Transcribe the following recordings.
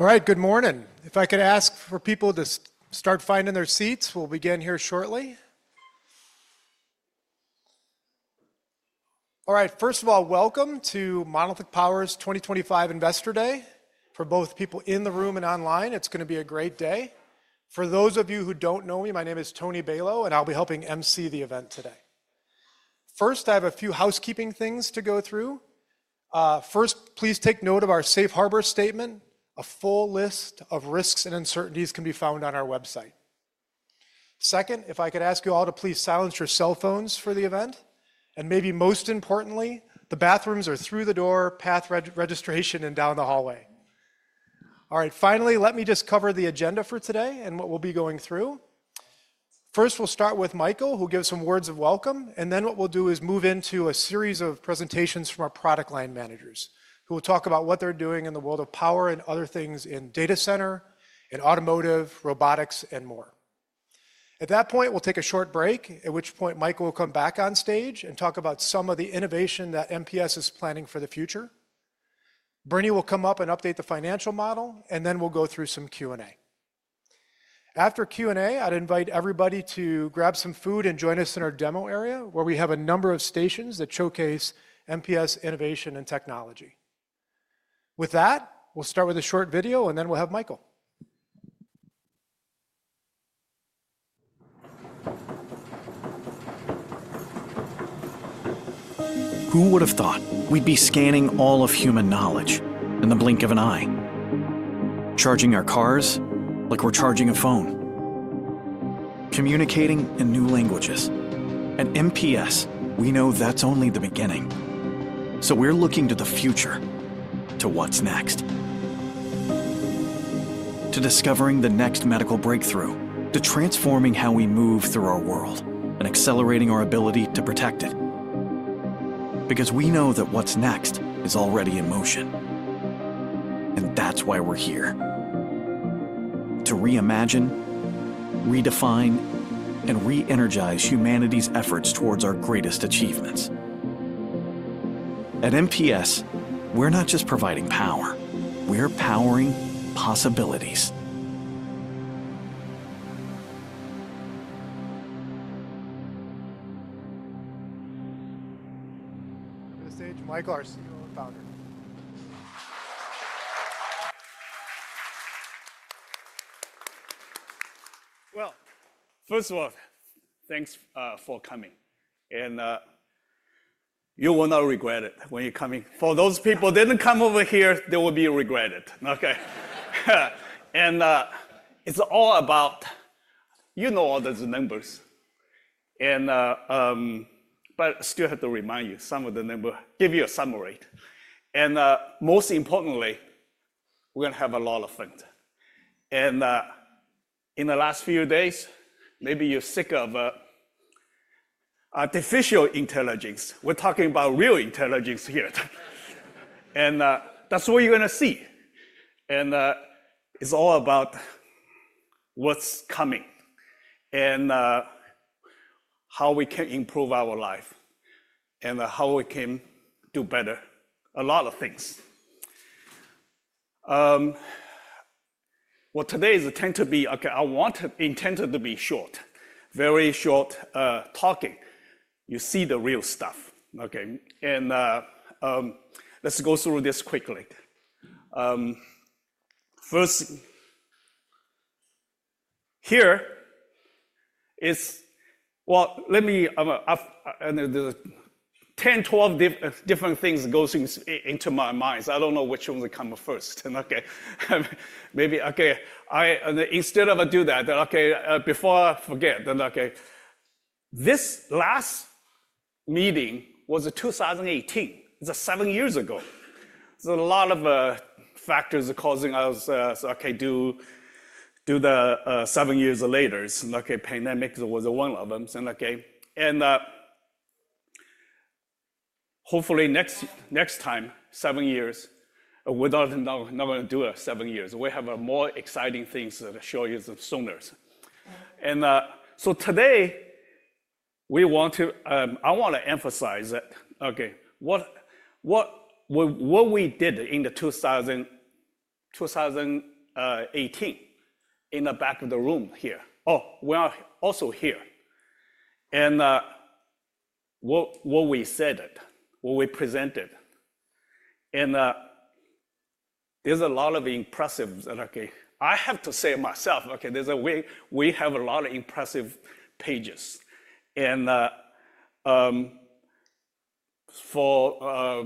All right, good morning. If I could ask for people to start finding their seats, we'll begin here shortly. All right, first of all, welcome to Monolithic Power's 2025 Investor Day. For both people in the room and online, it's going to be a great day. For those of you who don't know me, my name is Tony Balow, and I'll be helping emcee the event today. First, I have a few housekeeping things to go through. First, please take note of our Safe Harbor Statement. A full list of risks and uncertainties can be found on our website. Second, if I could ask you all to please silence your cell phones for the event. Maybe most importantly, the bathrooms are through the door, past registration, and down the hallway. All right, finally, let me just cover the agenda for today and what we'll be going through. First, we'll start with Michael, who will give some words of welcome. What we'll do is move into a series of presentations from our product line managers, who will talk about what they're doing in the world of power and other things in data center, in automotive, robotics, and more. At that point, we'll take a short break, at which point Michael will come back on stage and talk about some of the innovation that MPS is planning for the future. Bernie will come up and update the financial model, and then we'll go through some Q&A. After Q&A, I'd invite everybody to grab some food and join us in our demo area, where we have a number of stations that showcase MPS innovation and technology. With that, we'll start with a short video, and then we'll have Michael. Who would have thought we'd be scanning all of human knowledge in the blink of an eye, charging our cars like we're charging a phone, communicating in new languages? At MPS, we know that's only the beginning. We are looking to the future, to what's next, to discovering the next medical breakthrough, to transforming how we move through our world and accelerating our ability to protect it. We know that what's next is already in motion. That's why we're here, to reimagine, redefine, and reenergize humanity's efforts towards our greatest achievements. At MPS, we're not just providing power. We are powering possibilities. On the stage, Michael Hsing, the founder. First of all, thanks for coming. You will not regret it when you're coming. For those people who didn't come over here, they will be regretting it. It is all about, you know, all those numbers. I still have to remind you, some of the numbers give you a summary. Most importantly, we're going to have a lot of fun. In the last few days, maybe you're sick of artificial intelligence. We're talking about real intelligence here. That is what you're going to see. It is all about what's coming and how we can improve our life and how we can do better a lot of things. What today is intended to be, I want it intended to be short, very short talking. You see the real stuff. Let's go through this quickly. First, here is, let me, 10, 12 different things go into my mind. I don't know which one will come first. Maybe, okay, instead of I do that, before I forget, this last meeting was in 2018. It's seven years ago. There are a lot of factors causing us to do the seven years later. Pandemic was one of them. Hopefully next time, seven years, we're not going to do seven years. We have more exciting things to show you sooner. Today, we want to, I want to emphasize that what we did in 2018 in the back of the room here. Oh, we are also here. What we said, what we presented, and there's a lot of impressive, I have to say myself, we have a lot of impressive pages. For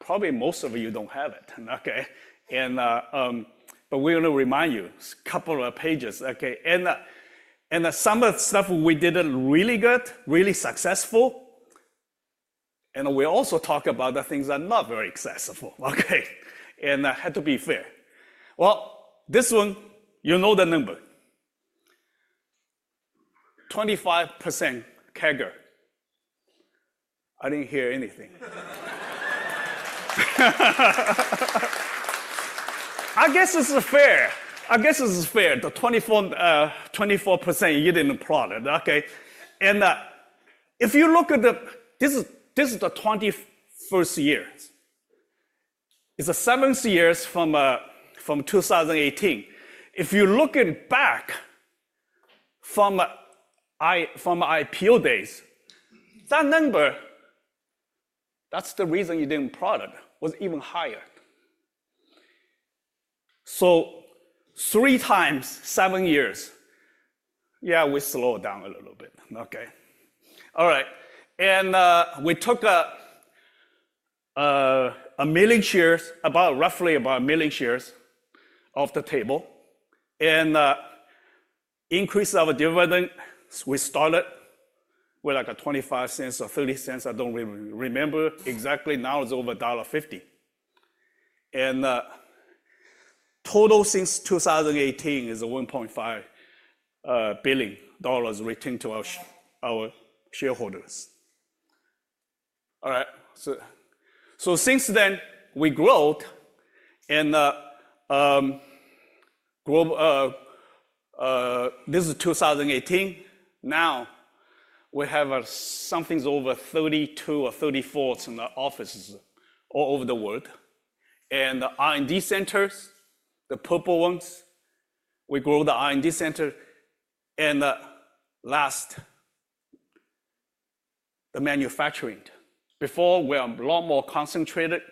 probably most of you, you don't have it. Okay. We want to remind you, a couple of pages. Okay. Some of the stuff we didn't really get, really successful. We also talk about the things that are not very accessible. Okay. I had to be fair. This one, you know the number, 25% Kaggle. I didn't hear anything. I guess this is fair. I guess this is fair. The 24% you didn't applaud it. Okay. If you look at the, this is the 21st year. It's the seventh year from 2018. If you look back from IPO days, that number, that's the reason you didn't applaud it, was even higher. Three times seven years, yeah, we slowed down a little bit. Okay. All right. We took a million shares, about roughly about a million shares off the table. Increase of dividends, we started with like $0.25 or $0.30. I do not remember exactly now. It is over $1.50. In total since 2018, it is $1.5 billion returned to our shareholders. All right. Since then, we growed. This is 2018. Now we have something over 32 or 34 in the offices all over the world. The R&D centers, the purple ones, we grow the R&D center. Last, the manufacturing. Before, we were a lot more concentrated.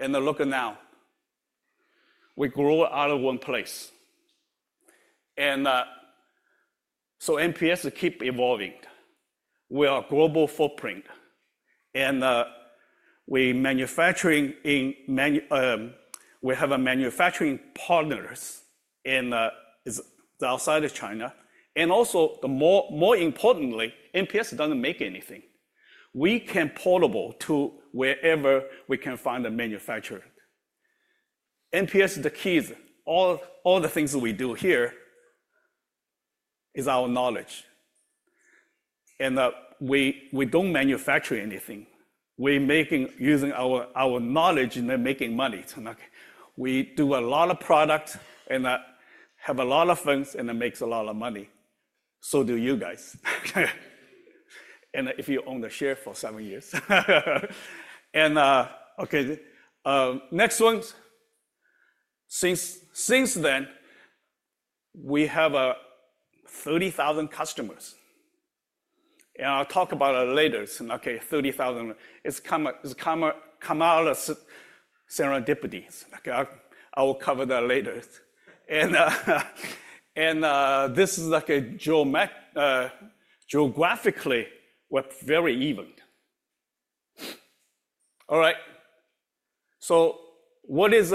Look at now, we grew out of one place. MPS keeps evolving. We are a global footprint. We have manufacturing partners outside of China. More importantly, MPS does not make anything. We can portable to wherever we can find a manufacturer. MPS, the keys, all the things we do here is our knowledge. We do not manufacture anything. We are making, using our knowledge and then making money. We do a lot of product and have a lot of funds and it makes a lot of money. You guys do too. If you own the share for seven years. Next one. Since then, we have 30,000 customers. I will talk about it later. Thirty thousand. It is Kamala's serendipity. I will cover that later. This is geographically very even. What is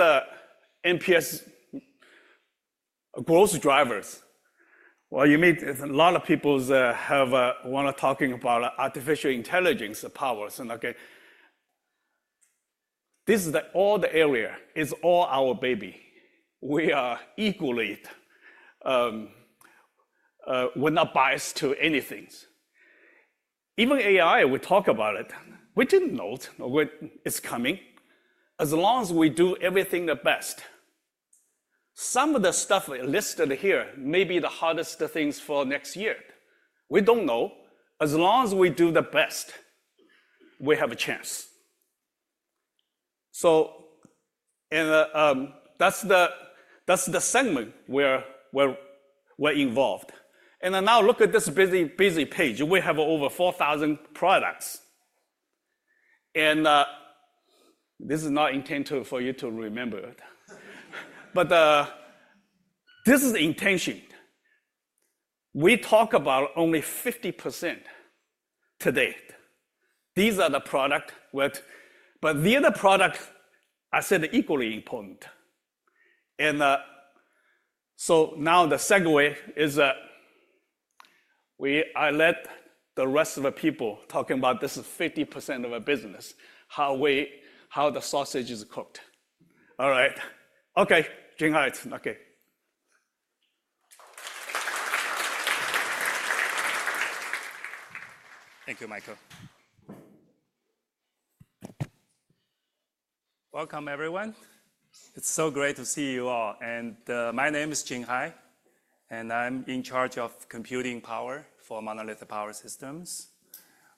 MPS' growth drivers? You meet a lot of people who want to talk about artificial intelligence powers. This is all the area. It is all our baby. We are equality. We are not biased to anything. Even AI, we talk about it. We did not know it is coming. As long as we do everything the best, some of the stuff listed here may be the hardest things for next year. We do not know. As long as we do the best, we have a chance. That is the segment where we are involved. Now look at this busy page. We have over 4,000 products. This is not intended for you to remember it. This is the intention. We talk about only 50% today. These are the products. The other products, I said equally important. Now the segue is I let the rest of the people talking about this is 50% of our business, how the sausage is cooked. All right. Okay. Jing Hai. Okay. Thank you, Michael. Welcome, everyone. It's so great to see you all. My name is Jing Hai. I'm in charge of computing power for Monolithic Power Systems.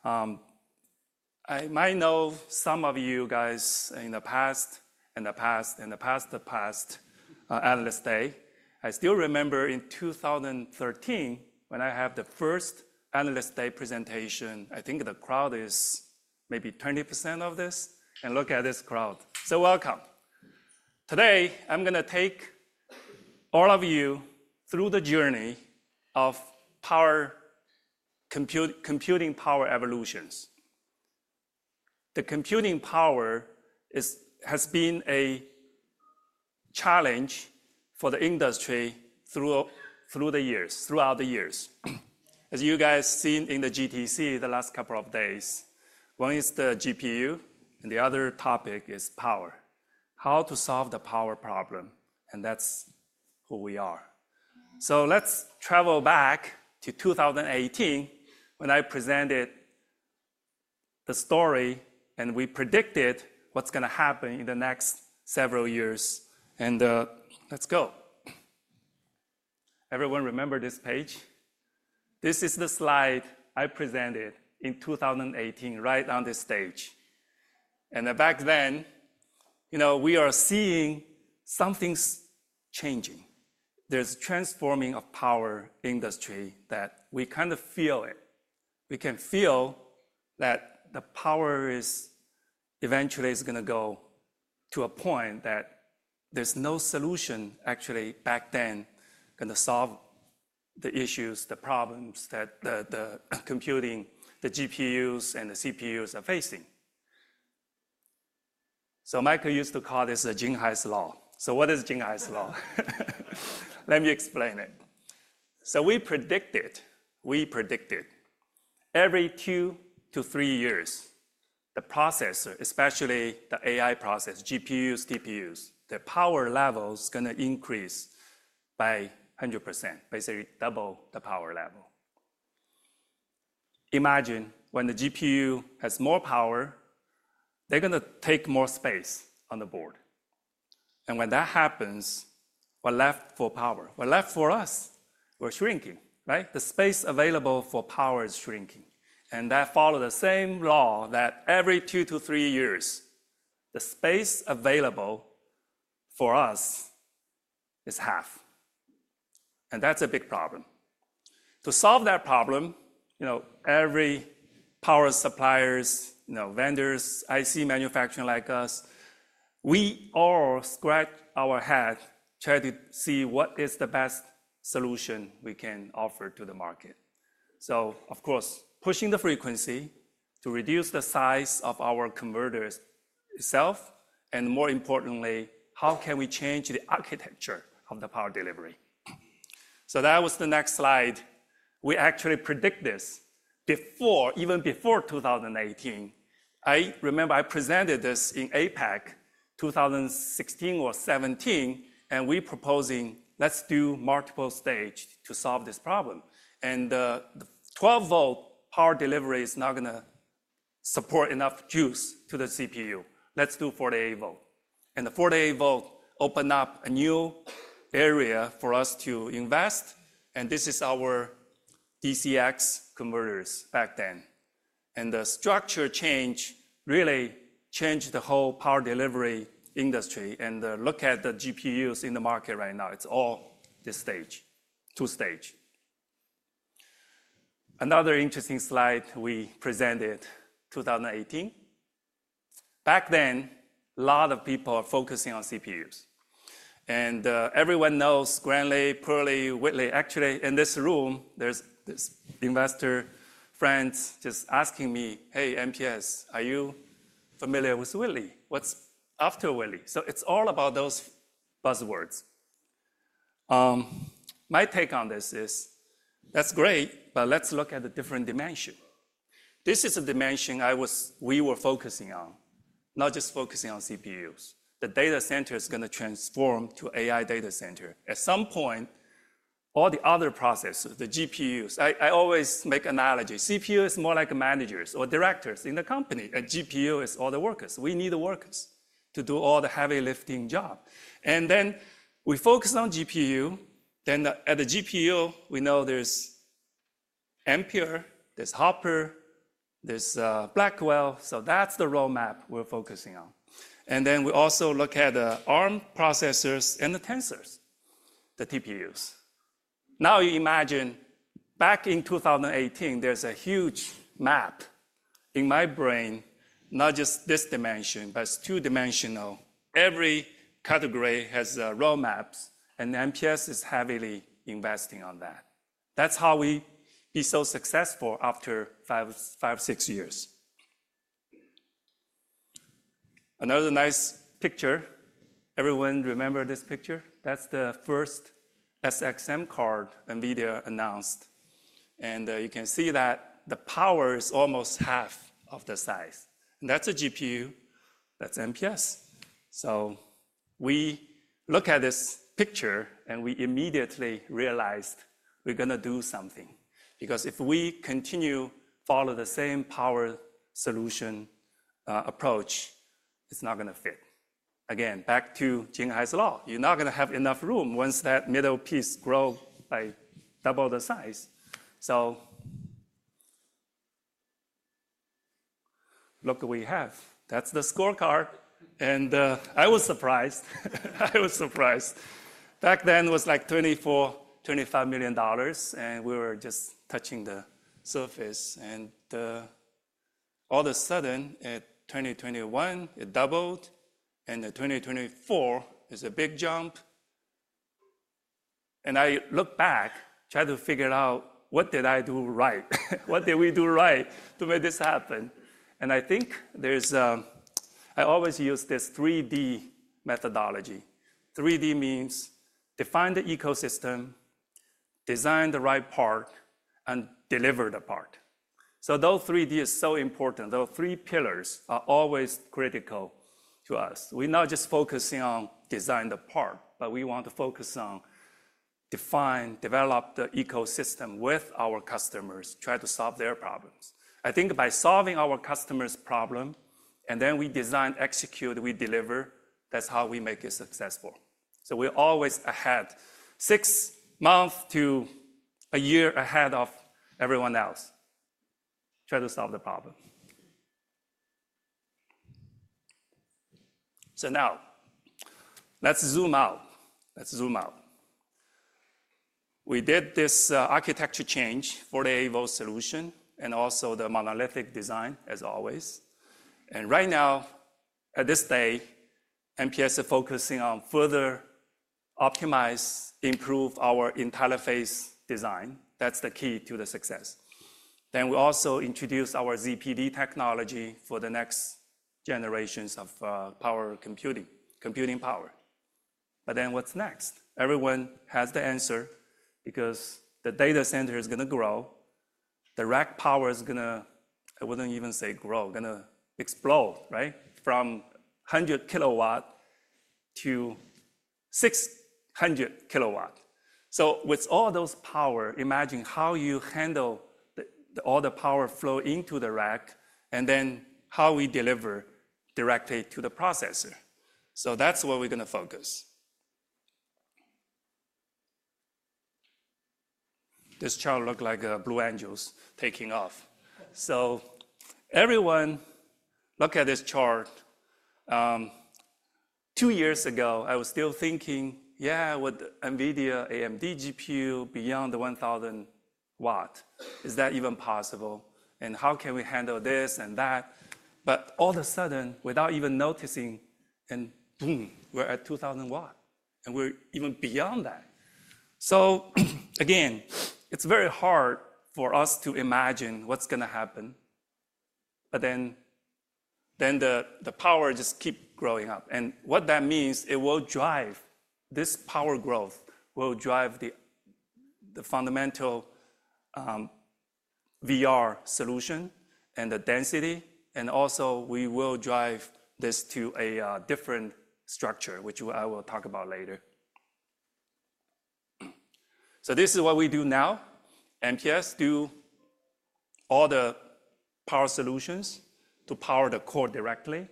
I might know some of you guys from the past Analyst Day. I still remember in 2013 when I had the first Analyst Day presentation. I think the crowd is maybe 20% of this. Look at this crowd. Welcome. Today, I'm going to take all of you through the journey of computing power evolutions. Computing power has been a challenge for the industry throughout the years. As you guys have seen in the GTC the last couple of days, one is the GPU and the other topic is power. How to solve the power problem. That's who we are. Let's travel back to 2018 when I presented the story and we predicted what's going to happen in the next several years. Everyone remember this page? This is the slide I presented in 2018 right on this stage. Back then, you know, we are seeing something's changing. There's a transforming of power industry that we kind of feel it. We can feel that the power is eventually going to go to a point that there's no solution actually back then going to solve the issues, the problems that the computing, the GPUs and the CPUs are facing. Michael used to call this the Jing Hai's Law. What is Jing Hai's Law? Let me explain it. We predicted, we predicted every two to three years, the processor, especially the AI process, GPUs, TPUs, the power level is going to increase by 100%, basically double the power level. Imagine when the GPU has more power, they're going to take more space on the board. When that happens, what left for power? What left for us? We're shrinking, right? The space available for power is shrinking. That follows the same law that every two to three years, the space available for us is half. That is a big problem. To solve that problem, you know, every power supplier, vendors, IC manufacturing like us, we all scratch our head, try to see what is the best solution we can offer to the market. Of course, pushing the frequency to reduce the size of our converters itself. More importantly, how can we change the architecture of the power delivery? That was the next slide. We actually predicted this before, even before 2018. I remember I presented this in APAC 2016 or 2017. We were proposing, let's do multiple stage to solve this problem. The 12-volt power delivery is not going to support enough juice to the CPU. Let's do 48-volt. The 48-volt opened up a new area for us to invest. This is our DCX converters back then. The structure change really changed the whole power delivery industry. Look at the GPUs in the market right now. It's all this stage, two stage. Another interesting slide we presented in 2018. Back then, a lot of people are focusing on CPUs. Everyone knows Granley, Perley, Whitley. Actually, in this room, there's this investor friend just asking me, "Hey, MPS, are you familiar with Whitley? What's after Whitley?" It is all about those buzzwords. My take on this is, that's great, but let's look at the different dimension. This is a dimension we were focusing on, not just focusing on CPUs. The data center is going to transform to AI data center. At some point, all the other processes, the GPUs, I always make analogy. CPU is more like managers or directors in the company. GPU is all the workers. We need the workers to do all the heavy lifting job. We focus on GPU. At the GPU, we know there's Ampere, there's Hopper, there's Blackwell. That is the roadmap we're focusing on. We also look at the ARM processors and the Tensors, the TPUs. Now you imagine back in 2018, there's a huge map in my brain, not just this dimension, but it's two-dimensional. Every category has roadmaps. And MPS is heavily investing on that. That's how we be so successful after five, six years. Another nice picture. Everyone remember this picture? That's the first SXM card NVIDIA announced. And you can see that the power is almost half of the size. And that's a GPU. That's MPS. So we look at this picture and we immediately realized we're going to do something. Because if we continue to follow the same power solution approach, it's not going to fit. Again, back to Jing Hai's Law. You're not going to have enough room once that middle piece grows by double the size. So look what we have. That's the scorecard. And I was surprised. I was surprised. Back then it was like $24 million, $25 million. We were just touching the surface. All of a sudden, in 2021, it doubled. In 2024, it's a big jump. I look back, try to figure out what did I do right? What did we do right to make this happen? I think there's a, I always use this 3D methodology. 3D means define the ecosystem, design the right part, and deliver the part. Those 3D is so important. Those three pillars are always critical to us. We're not just focusing on designing the part, but we want to focus on define, develop the ecosystem with our customers, try to solve their problems. I think by solving our customer's problem, and then we design, execute, we deliver, that's how we make it successful. We're always ahead, six months to a year ahead of everyone else, try to solve the problem. Now let's zoom out. Let's zoom out. We did this architecture change, 48-volt solution, and also the monolithic design as always. Right now, at this day, MPS is focusing on further optimize, improve our entire phase design. That's the key to the success. We also introduced our ZPD technology for the next generations of power computing, computing power. What's next? Everyone has the answer because the data center is going to grow. The rack power is going to, I wouldn't even say grow, going to explode, right? From 100 kW to 600 kW. With all those power, imagine how you handle all the power flow into the rack and then how we deliver directly to the processor. That's what we're going to focus. This chart looks like Blue Angels taking off. Everyone look at this chart. Two years ago, I was still thinking, yeah, with NVIDIA, AMD GPU, beyond the 1,000W. Is that even possible? How can we handle this and that? All of a sudden, without even noticing, boom, we're at 2,000W. We're even beyond that. It is very hard for us to imagine what's going to happen. The power just keeps growing up. What that means is it will drive this power growth, will drive the fundamental VR solution and the density. Also, we will drive this to a different structure, which I will talk about later. This is what we do now. MPS do all the power solutions to power the core directly.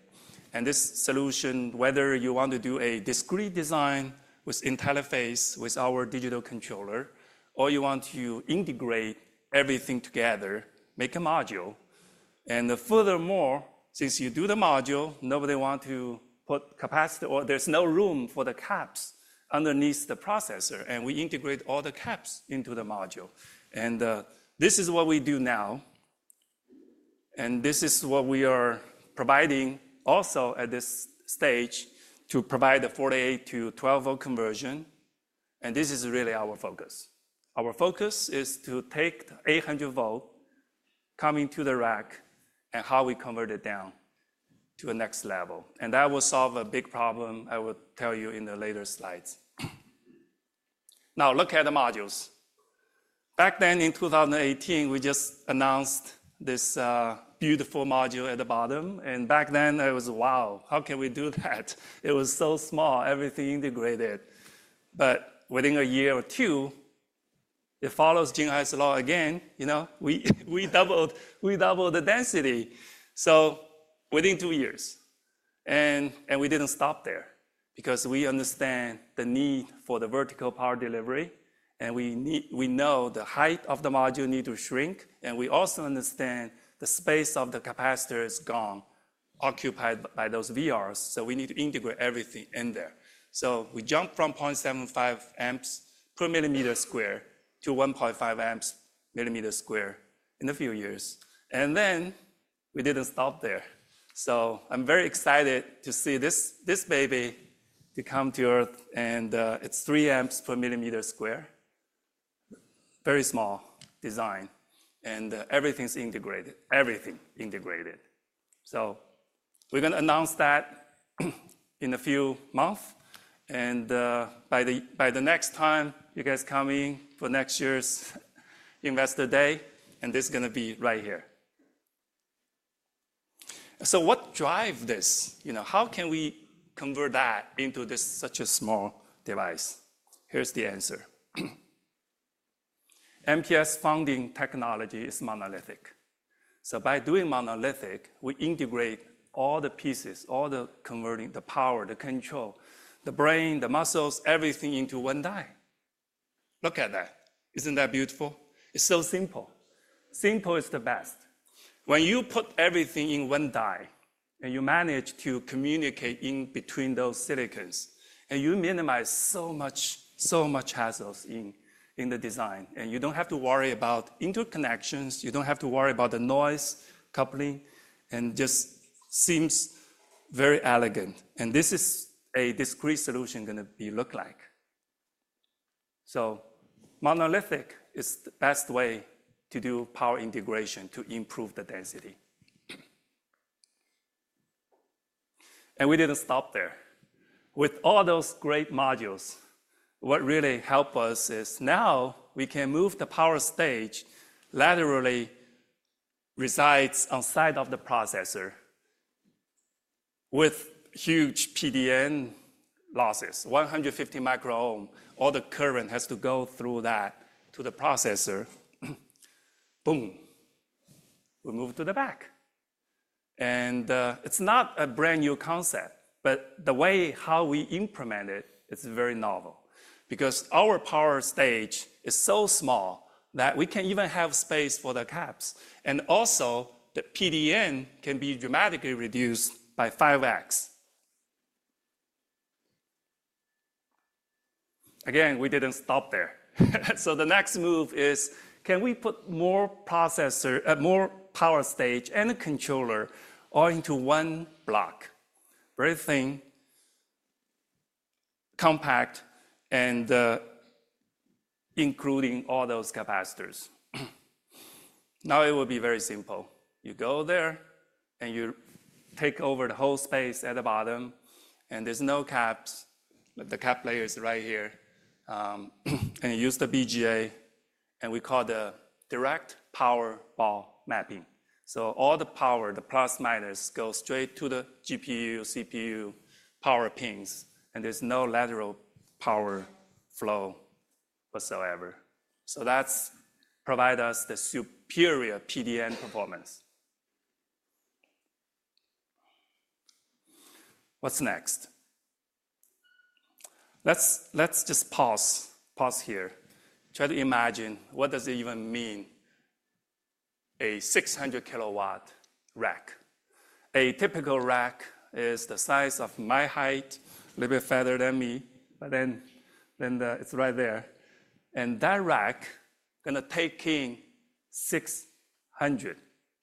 This solution, whether you want to do a discrete design with IntelliFace, with our digital controller, or you want to integrate everything together, make a module. Furthermore, since you do the module, nobody wants to put capacity, or there's no room for the caps underneath the processor. We integrate all the caps into the module. This is what we do now. This is what we are providing also at this stage to provide the 48 to 12-volt conversion. This is really our focus. Our focus is to take the 800 volt coming to the rack and how we convert it down to the next level. That will solve a big problem, I will tell you in the later slides. Now look at the modules. Back then in 2018, we just announced this beautiful module at the bottom. Back then I was, wow, how can we do that? It was so small, everything integrated. Within a year or two, it follows Jing Hai's Law again. You know, we doubled the density. So within two years. And we did not stop there because we understand the need for the vertical power delivery. And we know the height of the module needs to shrink. And we also understand the space of the capacitor is gone, occupied by those VRs. So we need to integrate everything in there. So we jumped from 0.75 amps per millimeter square to 1.5 amps per millimeter square in a few years. And then we did not stop there. So I am very excited to see this baby to come to earth. And it is three amps per millimeter square. Very small design. And everything is integrated, everything integrated. So we are going to announce that in a few months. And by the next time you guys come in for next year's Investor Day, and this is going to be right here. So what drives this? How can we convert that into such a small device? Here's the answer. MPS founding technology is monolithic. By doing monolithic, we integrate all the pieces, all the converting, the power, the control, the brain, the muscles, everything into one die. Look at that. Isn't that beautiful? It's so simple. Simple is the best. When you put everything in one die and you manage to communicate in between those silicons, you minimize so much, so much hassles in the design. You don't have to worry about interconnections. You don't have to worry about the noise coupling. It just seems very elegant. This is a discrete solution going to be look like. Monolithic is the best way to do power integration to improve the density. We didn't stop there. With all those great modules, what really helped us is now we can move the power stage laterally, resides on the side of the processor with huge PDN losses, 150 microohm. All the current has to go through that to the processor. Boom. We move to the back. It is not a brand new concept, but the way how we implement it is very novel. Because our power stage is so small that we can't even have space for the caps. Also, the PDN can be dramatically reduced by 5x. Again, we didn't stop there. The next move is, can we put more processor, more power stage and a controller all into one block? Very thin, compact, and including all those capacitors. Now it will be very simple. You go there and you take over the whole space at the bottom. There's no caps. The cap layer is right here. You use the BGA. We call the direct power ball mapping. All the power, the plus minus, goes straight to the GPU, CPU power pins. There is no lateral power flow whatsoever. That has provided us the superior PDN performance. What's next? Let's just pause here. Try to imagine what does it even mean, a 600 kW rack. A typical rack is the size of my height, a little bit fatter than me. It is right there. That rack is going to take in 600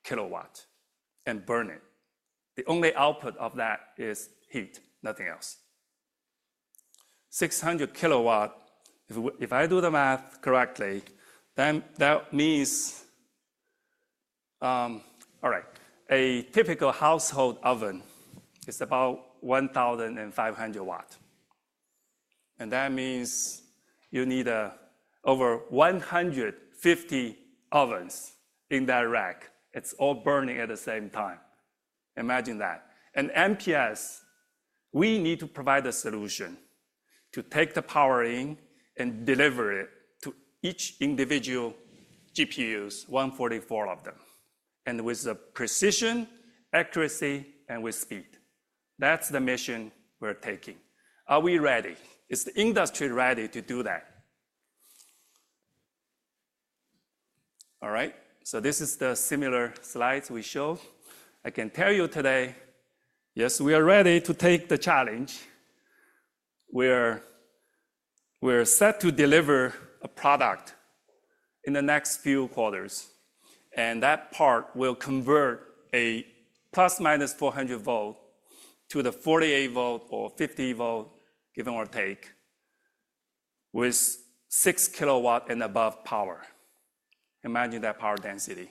kW and burn it. The only output of that is heat, nothing else. 600 kW, if I do the math correctly, then that means, all right, a typical household oven is about 1,500W. That means you need over 150 ovens in that rack. It is all burning at the same time. Imagine that. MPS, we need to provide a solution to take the power in and deliver it to each individual GPUs, 144 of them. With the precision, accuracy, and with speed. That's the mission we're taking. Are we ready? Is the industry ready to do that? All right. This is the similar slides we show. I can tell you today, yes, we are ready to take the challenge. We're set to deliver a product in the next few quarters. That part will convert a plus minus 400 volt to the 48 volt or 50 volt, give or take, with six kW and above power. Imagine that power density.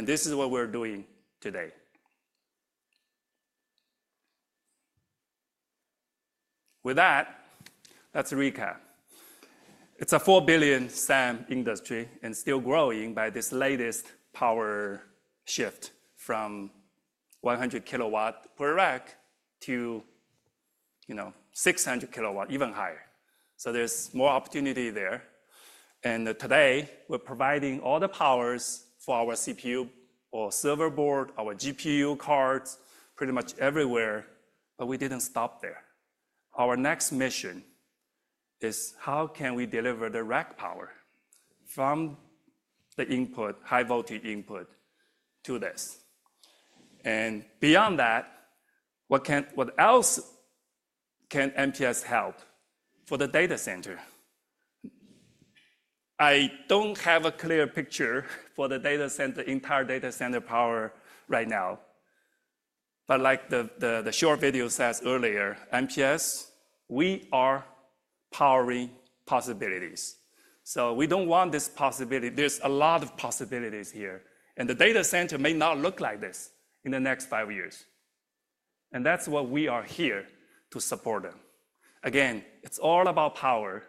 This is what we're doing today. With that, let's recap. It's a $4 billion SAM industry and still growing by this latest power shift from 100 kW per rack to 600 kW, even higher. There's more opportunity there. Today we're providing all the powers for our CPU or server board, our GPU cards, pretty much everywhere. We didn't stop there. Our next mission is how can we deliver the rack power from the input, high voltage input to this. Beyond that, what else can MPS help for the data center? I don't have a clear picture for the data center, entire data center power right now. Like the short video says earlier, MPS, we are powering possibilities. We don't want this possibility. There's a lot of possibilities here. The data center may not look like this in the next five years. That is why we are here to support them. Again, it's all about power,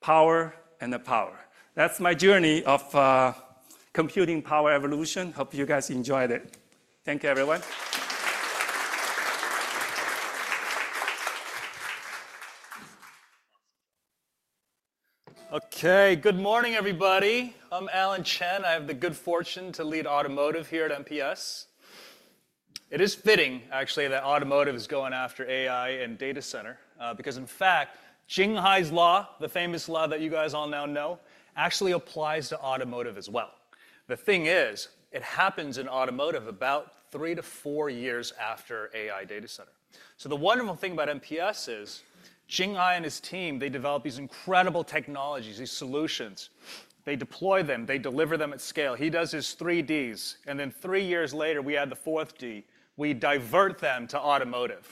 power and the power. That's my journey of computing power evolution. Hope you guys enjoyed it. Thank you, everyone. Good morning, everybody. I'm Alan Chen. I have the good fortune to lead automotive here at MPS. It is fitting, actually, that automotive is going after AI and data center. Because in fact, Jing Hai's Law, the famous law that you guys all now know, actually applies to automotive as well. The thing is, it happens in automotive about three to four years after AI data center. The wonderful thing about MPS is Jing Hai and his team, they develop these incredible technologies, these solutions. They deploy them, they deliver them at scale. He does his 3Ds. Then three years later, we add the 4th D. We divert them to automotive.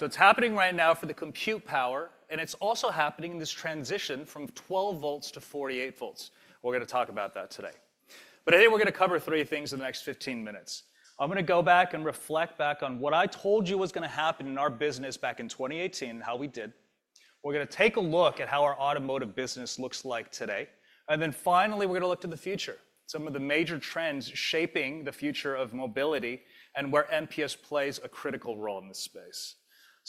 It is happening right now for the compute power. It is also happening in this transition from 12 volts to 48 volts. We are going to talk about that today. I think we are going to cover three things in the next 15 minutes. I'm going to go back and reflect back on what I told you was going to happen in our business back in 2018 and how we did. We're going to take a look at how our automotive business looks like today. Finally, we're going to look to the future, some of the major trends shaping the future of mobility and where MPS plays a critical role in this space.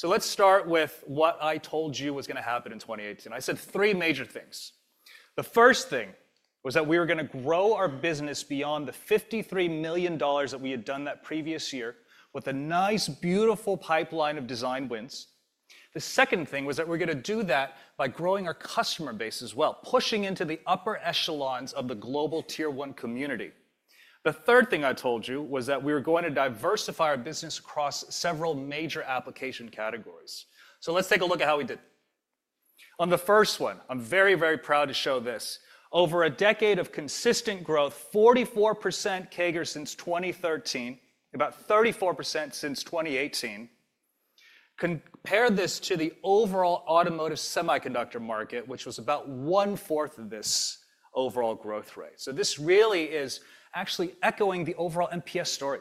Let's start with what I told you was going to happen in 2018. I said three major things. The first thing was that we were going to grow our business beyond the $53 million that we had done that previous year with a nice, beautiful pipeline of design wins. The second thing was that we're going to do that by growing our customer base as well, pushing into the upper echelons of the global tier one community. The third thing I told you was that we were going to diversify our business across several major application categories. Let's take a look at how we did. On the first one, I'm very, very proud to show this. Over a decade of consistent growth, 44% CAGR since 2013, about 34% since 2018. Compare this to the overall automotive semiconductor market, which was about one fourth of this overall growth rate. This really is actually echoing the overall MPS story.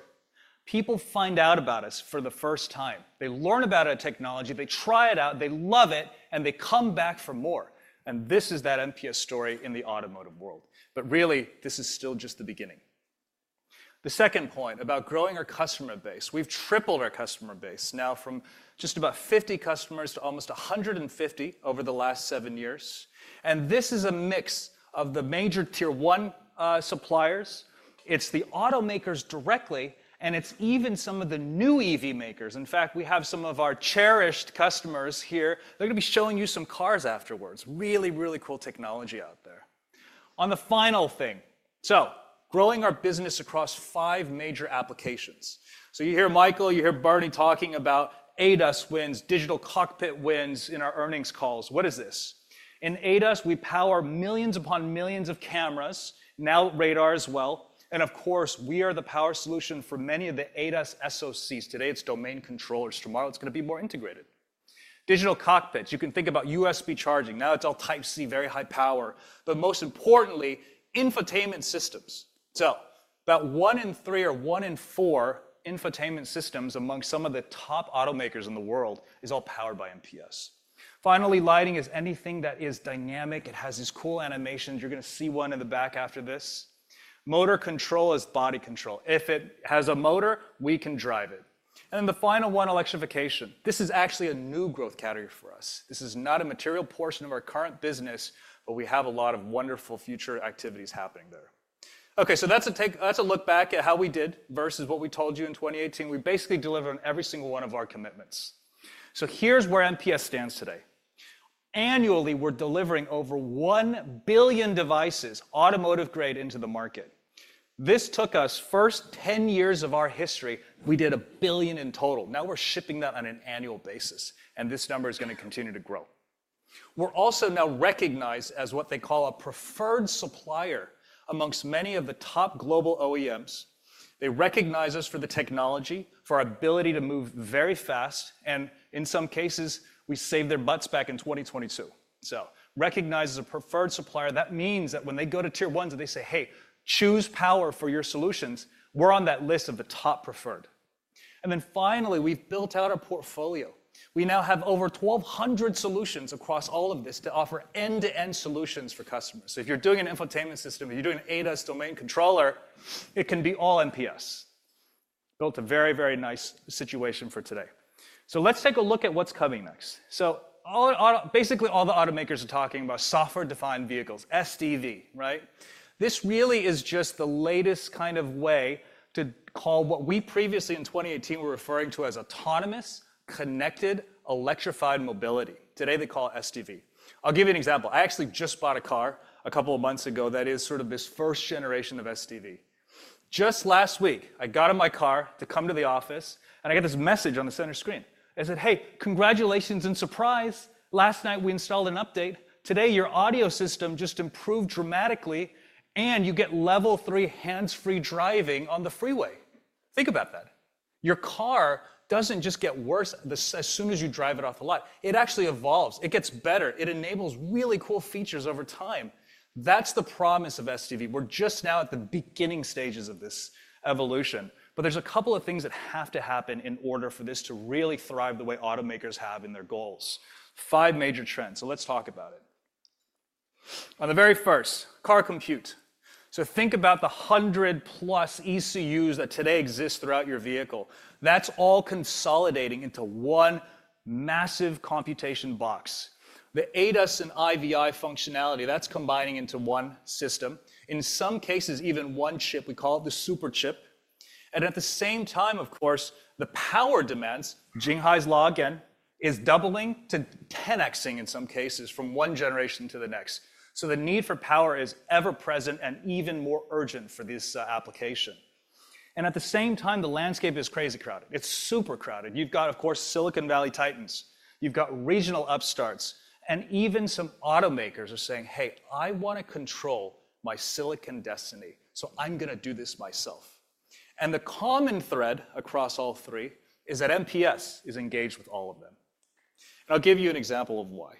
People find out about us for the first time. They learn about a technology, they try it out, they love it, and they come back for more. This is that MPS story in the automotive world. Really, this is still just the beginning. The second point about growing our customer base, we've tripled our customer base now from just about 50 customers to almost 150 over the last seven years. This is a mix of the major tier one suppliers. It is the automakers directly, and it is even some of the new EV makers. In fact, we have some of our cherished customers here. They're going to be showing you some cars afterwards. Really, really cool technology out there. On the final thing, growing our business across five major applications. You hear Michael, you hear Bernie talking about ADAS wins, digital cockpit wins in our earnings calls. What is this? In ADAS, we power millions upon millions of cameras, now radar as well. Of course, we are the power solution for many of the ADAS SOCs. Today it is domain controllers. Tomorrow it is going to be more integrated. Digital cockpits, you can think about USB charging. Now it's all Type C, very high power. Most importantly, infotainment systems. About one in three or one in four infotainment systems among some of the top automakers in the world is all powered by MPS. Finally, lighting is anything that is dynamic. It has these cool animations. You're going to see one in the back after this. Motor control is body control. If it has a motor, we can drive it. The final one, electrification. This is actually a new growth category for us. This is not a material portion of our current business, but we have a lot of wonderful future activities happening there. Okay, that's a look back at how we did versus what we told you in 2018. We basically delivered on every single one of our commitments. Here is where MPS stands today. Annually, we're delivering over 1 billion devices automotive grade into the market. This took us the first 10 years of our history. We did a billion in total. Now we're shipping that on an annual basis. This number is going to continue to grow. We're also now recognized as what they call a preferred supplier amongst many of the top global OEMs. They recognize us for the technology, for our ability to move very fast. In some cases, we saved their butts back in 2022. Recognized as a preferred supplier, that means that when they go to tier ones and they say, "Hey, choose power for your solutions," we're on that list of the top preferred. Finally, we've built out a portfolio. We now have over 1,200 solutions across all of this to offer end-to-end solutions for customers. If you're doing an infotainment system, if you're doing an ADAS domain controller, it can be all MPS. Built a very, very nice situation for today. Let's take a look at what's coming next. Basically, all the automakers are talking about software-defined vehicles, SDV, right? This really is just the latest kind of way to call what we previously in 2018 were referring to as autonomous connected electrified mobility. Today they call it SDV. I'll give you an example. I actually just bought a car a couple of months ago that is sort of this first generation of SDV. Just last week, I got in my car to come to the office, and I got this message on the center screen. It said, "Hey, congratulations and surprise. Last night we installed an update. Today your audio system just improved dramatically, and you get level three hands-free driving on the freeway. Think about that. Your car doesn't just get worse as soon as you drive it off the lot. It actually evolves. It gets better. It enables really cool features over time. That's the promise of SDV. We're just now at the beginning stages of this evolution. There are a couple of things that have to happen in order for this to really thrive the way automakers have in their goals. Five major trends. Let's talk about it. On the very first, car compute. Think about the hundred plus ECUs that today exist throughout your vehicle. That's all consolidating into one massive computation box. The ADAS and IVI functionality, that's combining into one system. In some cases, even one chip. We call it the super chip. At the same time, of course, the power demands, Jing Hai's Law again, is doubling to 10xing in some cases from one generation to the next. The need for power is ever present and even more urgent for this application. At the same time, the landscape is crazy crowded. It is super crowded. You have, of course, Silicon Valley titans. You have regional upstarts. Even some automakers are saying, "Hey, I want to control my Silicon destiny. I am going to do this myself." The common thread across all three is that MPS is engaged with all of them. I will give you an example of why.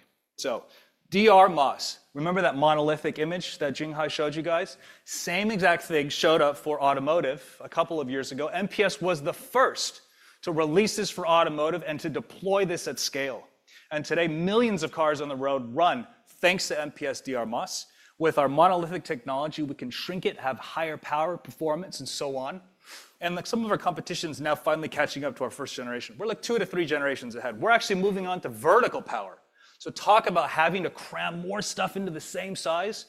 DRMOS, remember that monolithic image that Jing Hai showed you guys? The same exact thing showed up for automotive a couple of years ago. MPS was the first to release this for automotive and to deploy this at scale. Today, millions of cars on the road run thanks to MPS DRMOS. With our monolithic technology, we can shrink it, have higher power performance, and so on. Like some of our competition is now finally catching up to our first generation. We're like two to three generations ahead. We're actually moving on to vertical power. Talk about having to cram more stuff into the same size.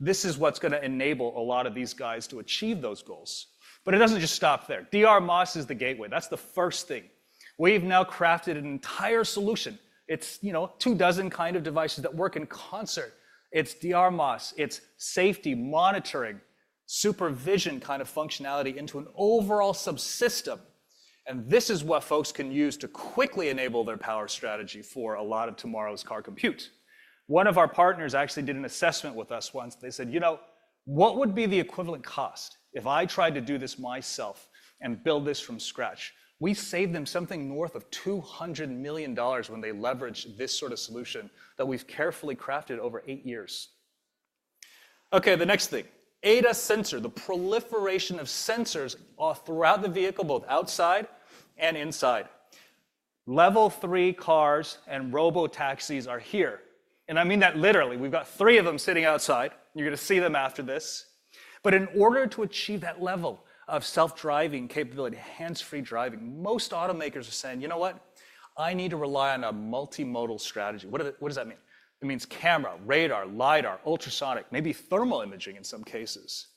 This is what's going to enable a lot of these guys to achieve those goals. It doesn't just stop there. DRMOS is the gateway. That's the first thing. We've now crafted an entire solution. It's two dozen kind of devices that work in concert. It's DRMOS. It's safety monitoring, supervision kind of functionality into an overall subsystem. This is what folks can use to quickly enable their power strategy for a lot of tomorrow's car compute. One of our partners actually did an assessment with us once. They said, "You know, what would be the equivalent cost if I tried to do this myself and build this from scratch?" We saved them something north of $200 million when they leveraged this sort of solution that we've carefully crafted over eight years. Okay, the next thing. ADAS sensor, the proliferation of sensors throughout the vehicle, both outside and inside. Level three cars and robo taxis are here. I mean that literally. We've got three of them sitting outside. You're going to see them after this. In order to achieve that level of self-driving capability, hands-free driving, most automakers are saying, "You know what? I need to rely on a multimodal strategy." What does that mean? It means camera, radar, lidar, ultrasonic, maybe thermal imaging in some cases.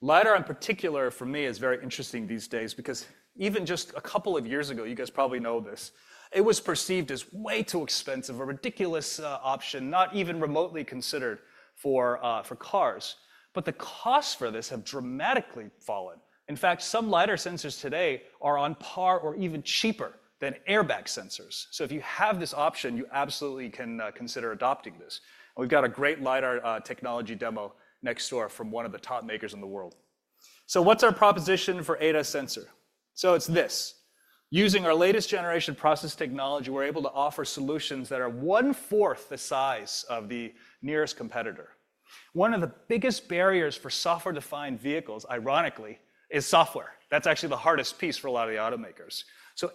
Lidar in particular for me is very interesting these days because even just a couple of years ago, you guys probably know this, it was perceived as way too expensive, a ridiculous option, not even remotely considered for cars. The costs for this have dramatically fallen. In fact, some lidar sensors today are on par or even cheaper than airbag sensors. If you have this option, you absolutely can consider adopting this. We've got a great lidar technology demo next door from one of the top makers in the world. What's our proposition for ADAS sensor? It's this. Using our latest generation process technology, we're able to offer solutions that are one fourth the size of the nearest competitor. One of the biggest barriers for software-defined vehicles, ironically, is software. That's actually the hardest piece for a lot of the automakers.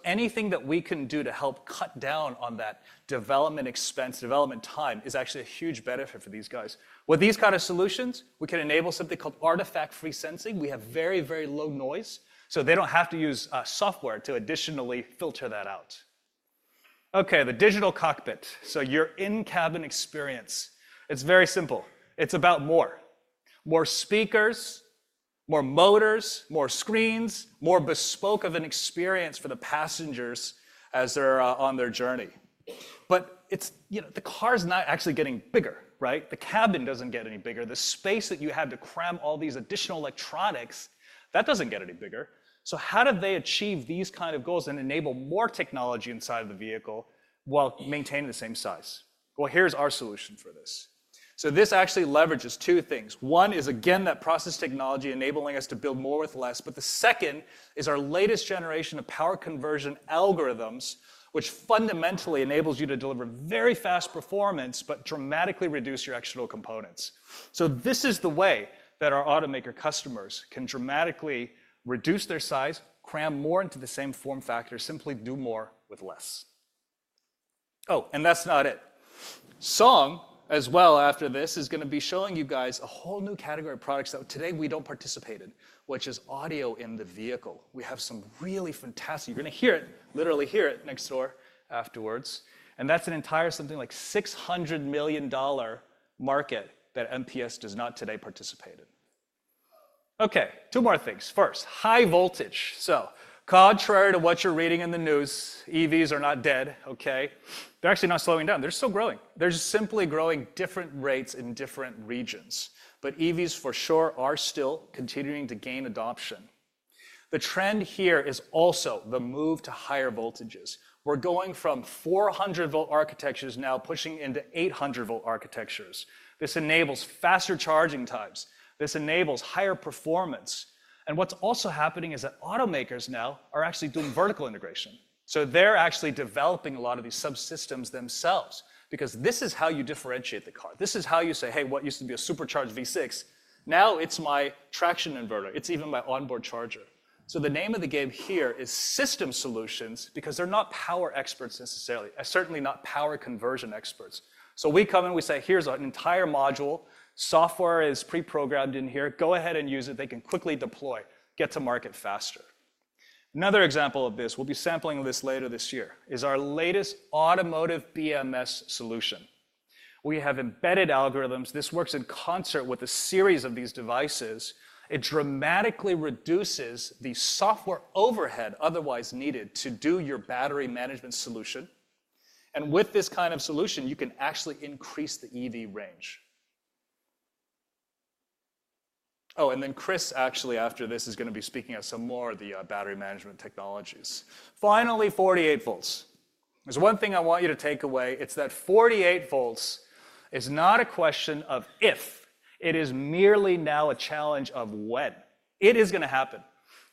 Anything that we can do to help cut down on that development expense, development time is actually a huge benefit for these guys. With these kind of solutions, we can enable something called artifact-free sensing. We have very, very low noise, so they do not have to use software to additionally filter that out. The digital cockpit. Your in-cabin experience. It is very simple. It is about more. More speakers, more motors, more screens, more bespoke of an experience for the passengers as they are on their journey. The car is not actually getting bigger, right? The cabin does not get any bigger. The space that you have to cram all these additional electronics, that does not get any bigger. How do they achieve these kind of goals and enable more technology inside of the vehicle while maintaining the same size? Here is our solution for this. This actually leverages two things. One is, again, that process technology enabling us to build more with less. The second is our latest generation of power conversion algorithms, which fundamentally enables you to deliver very fast performance but dramatically reduce your external components. This is the way that our automaker customers can dramatically reduce their size, cram more into the same form factor, simply do more with less. Oh, and that's not it. Song, as well after this, is going to be showing you guys a whole new category of products that today we don't participate in, which is audio in the vehicle. We have some really fantastic—you are going to hear it, literally hear it next door afterwards. That is an entire something like $600 million market that MPS does not today participate in. Okay, two more things. First, high voltage. Contrary to what you're reading in the news, EVs are not dead, okay? They're actually not slowing down. They're still growing. They're just simply growing at different rates in different regions. EVs for sure are still continuing to gain adoption. The trend here is also the move to higher voltages. We're going from 400 volt architectures now pushing into 800 volt architectures. This enables faster charging times. This enables higher performance. What's also happening is that automakers now are actually doing vertical integration. They're actually developing a lot of these subsystems themselves because this is how you differentiate the car. This is how you say, "Hey, what used to be a supercharged V6, now it's my traction inverter. It's even my onboard charger." The name of the game here is system solutions because they're not power experts necessarily. Certainly not power conversion experts. We come in, we say, "Here's an entire module. Software is pre-programmed in here. Go ahead and use it. They can quickly deploy, get to market faster." Another example of this, we'll be sampling this later this year, is our latest automotive BMS solution. We have embedded algorithms. This works in concert with a series of these devices. It dramatically reduces the software overhead otherwise needed to do your battery management solution. With this kind of solution, you can actually increase the EV range. Oh, and then Chris actually after this is going to be speaking on some more of the battery management technologies. Finally, 48 volts. There's one thing I want you to take away. It's that 48 volts is not a question of if. It is merely now a challenge of when. It is going to happen.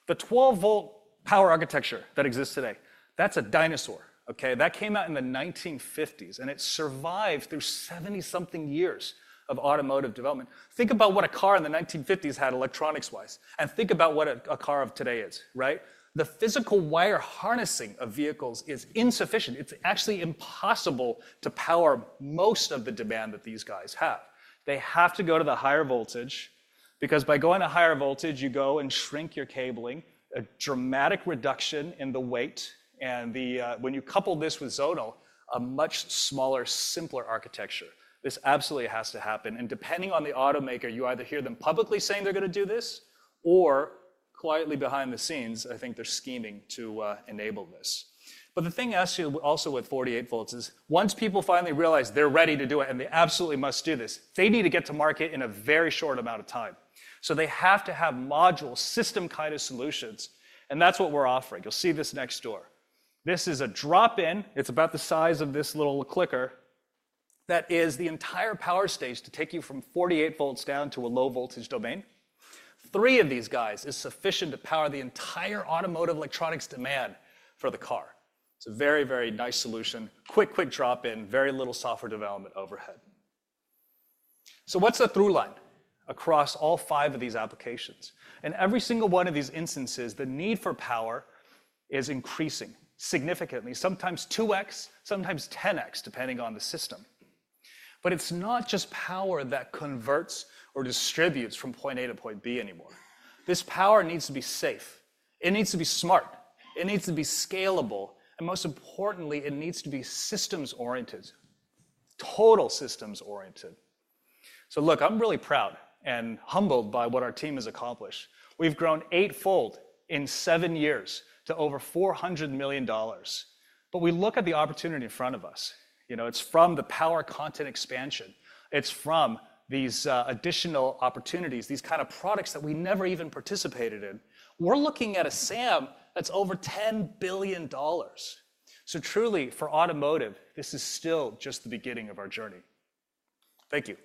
The 12 volt power architecture that exists today, that's a dinosaur, okay? That came out in the 1950s, and it survived through 70-something years of automotive development. Think about what a car in the 1950s had electronics-wise, and think about what a car of today is, right? The physical wire harnessing of vehicles is insufficient. It's actually impossible to power most of the demand that these guys have. They have to go to the higher voltage because by going to higher voltage, you go and shrink your cabling, a dramatic reduction in the weight. When you couple this with zonal, a much smaller, simpler architecture. This absolutely has to happen. Depending on the automaker, you either hear them publicly saying they're going to do this or quietly behind the scenes, I think they're scheming to enable this. The thing actually also with 48 volts is once people finally realize they're ready to do it and they absolutely must do this, they need to get to market in a very short amount of time. They have to have module system kind of solutions, and that's what we're offering. You'll see this next door. This is a drop-in. It's about the size of this little clicker that is the entire power stage to take you from 48 volts down to a low voltage domain. Three of these guys is sufficient to power the entire automotive electronics demand for the car. It's a very, very nice solution. Quick, quick drop-in, very little software development overhead. What's the through line across all five of these applications? In every single one of these instances, the need for power is increasing significantly, sometimes 2x, sometimes 10x depending on the system. It is not just power that converts or distributes from point A to point B anymore. This power needs to be safe. It needs to be smart. It needs to be scalable. Most importantly, it needs to be systems-oriented, total systems-oriented. Look, I am really proud and humbled by what our team has accomplished. We have grown eightfold in seven years to over $400 million. We look at the opportunity in front of us. It is from the power content expansion. It is from these additional opportunities, these kinds of products that we never even participated in. We are looking at a SAM that is over $10 billion. Truly, for automotive, this is still just the beginning of our journey. Thank you.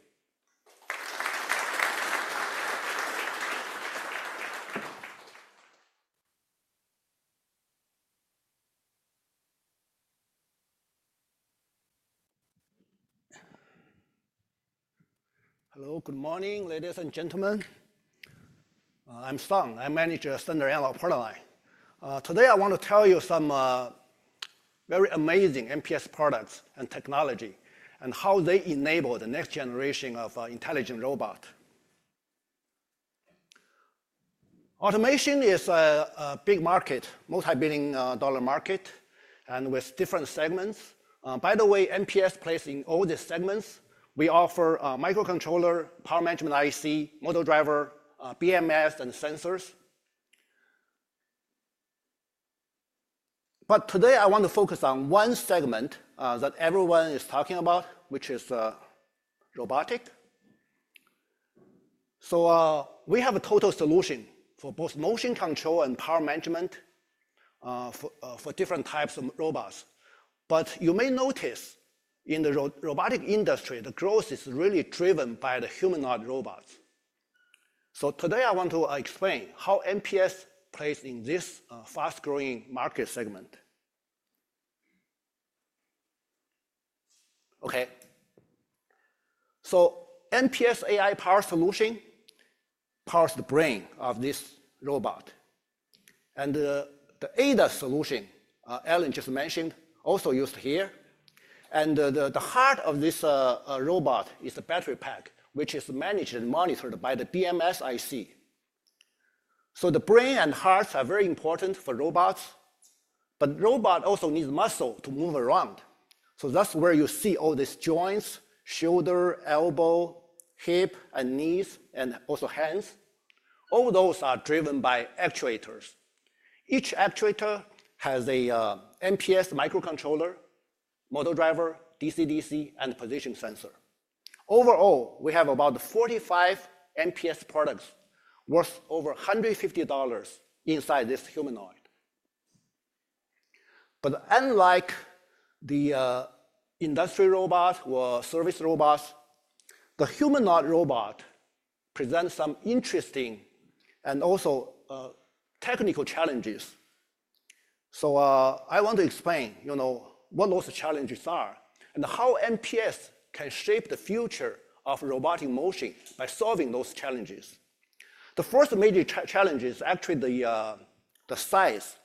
Hello, good morning, ladies and gentlemen. I am Song. I am manager of Thunder Alloy Portaline. Today, I want to tell you some very amazing MPS products and technology and how they enable the next generation of intelligent robot. Automation is a big market, multi-billion dollar market, and with different segments. By the way, MPS plays in all these segments. We offer microcontroller, power management IC, motor driver, BMS, and sensors. Today, I want to focus on one segment that everyone is talking about, which is robotic. We have a total solution for both motion control and power management for different types of robots. You may notice in the robotic industry, the growth is really driven by the humanoid robots. Today, I want to explain how MPS plays in this fast-growing market segment. MPS AI power solution powers the brain of this robot. The ADAS solution Ellen just mentioned also used here. The heart of this robot is a battery pack, which is managed and monitored by the BMS IC. The brain and hearts are very important for robots. The robot also needs muscle to move around. That is where you see all these joints: shoulder, elbow, hip, and knees, and also hands. All those are driven by actuators. Each actuator has an MPS microcontroller, motor driver, DCDC, and position sensor. Overall, we have about 45 MPS products worth over $150 inside this humanoid. Unlike the industrial robots or service robots, the humanoid robot presents some interesting and also technical challenges. I want to explain what those challenges are and how MPS can shape the future of robotic motion by solving those challenges. The first major challenge is actually the size.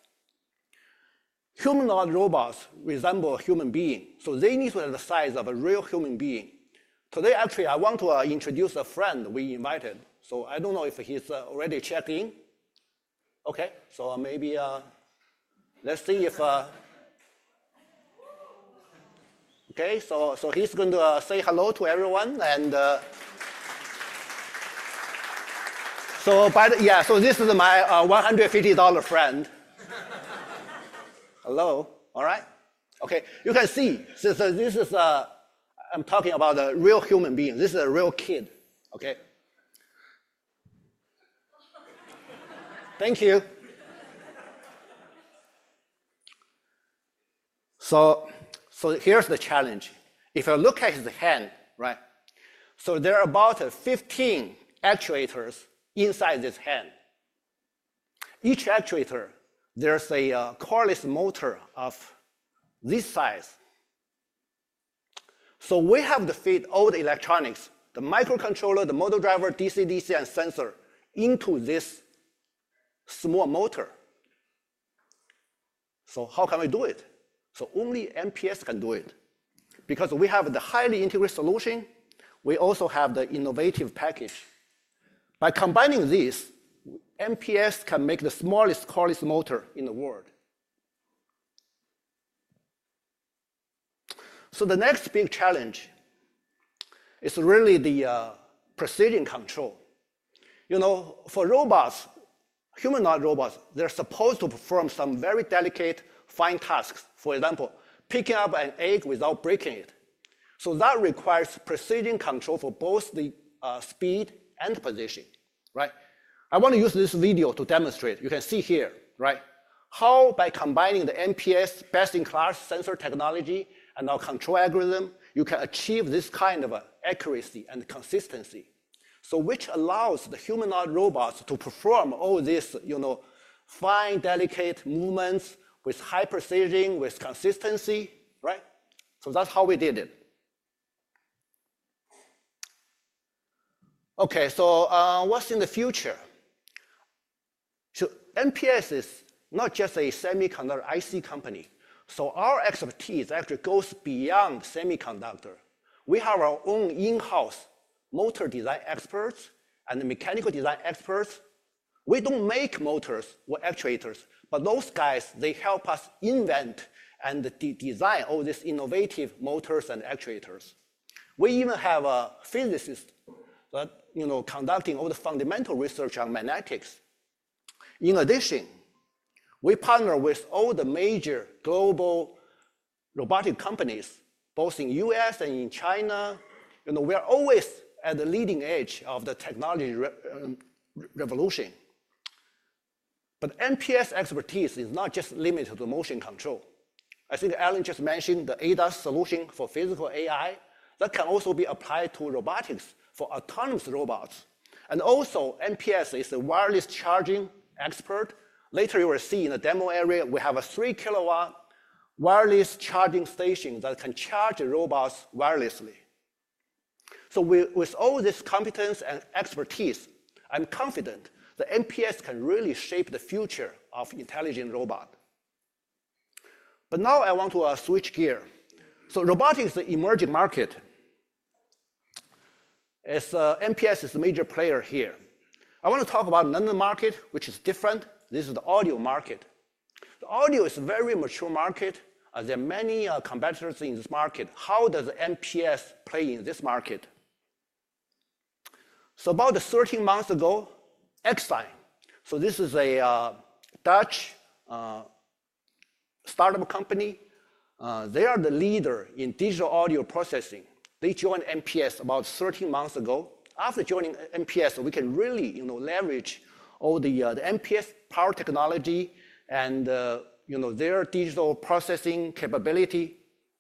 Humanoid robots resemble human beings, so they need to have the size of a real human being. Today, actually, I want to introduce a friend we invited. I don't know if he's already checked in. Okay, maybe let's see if—okay, he's going to say hello to everyone. Yeah, this is my $150 friend. Hello. All right. You can see this is—I'm talking about a real human being. This is a real kid. Okay. Thank you. Here's the challenge. If you look at his hand, right, there are about 15 actuators inside this hand. Each actuator, there's a coiled motor of this size. We have to feed all the electronics, the microcontroller, the motor driver, DCDC, and sensor into this small motor. How can we do it? Only MPS can do it because we have the highly integrated solution. We also have the innovative package. By combining this, MPS can make the smallest coiled motor in the world. The next big challenge is really the precision control. For robots, humanoid robots, they're supposed to perform some very delicate, fine tasks. For example, picking up an egg without breaking it. That requires precision control for both the speed and position, right? I want to use this video to demonstrate. You can see here, right, how by combining the MPS best-in-class sensor technology and our control algorithm, you can achieve this kind of accuracy and consistency, which allows the humanoid robots to perform all these fine, delicate movements with high precision, with consistency, right? That's how we did it. Okay, what's in the future? MPS is not just a semiconductor IC company. Our expertise actually goes beyond semiconductor. We have our own in-house motor design experts and mechanical design experts. We do not make motors or actuators, but those guys, they help us invent and design all these innovative motors and actuators. We even have a physicist conducting all the fundamental research on magnetics. In addition, we partner with all the major global robotic companies, both in the U.S. and in China. We are always at the leading edge of the technology revolution. MPS expertise is not just limited to motion control. I think Alan just mentioned the ADAS solution for physical AI. That can also be applied to robotics for autonomous robots. Also, MPS is a wireless charging expert. Later, you will see in the demo area, we have a three kW wireless charging station that can charge robots wirelessly. With all this competence and expertise, I'm confident that MPS can really shape the future of intelligent robots. Now I want to switch gears. Robotics is an emerging market. MPS is a major player here. I want to talk about another market, which is different. This is the audio market. The audio is a very mature market. There are many competitors in this market. How does MPS play in this market? About 13 months ago, XINE, a Dutch startup company, they are the leader in digital audio processing. They joined MPS about 13 months ago. After joining MPS, we can really leverage all the MPS power technology and their digital processing capability.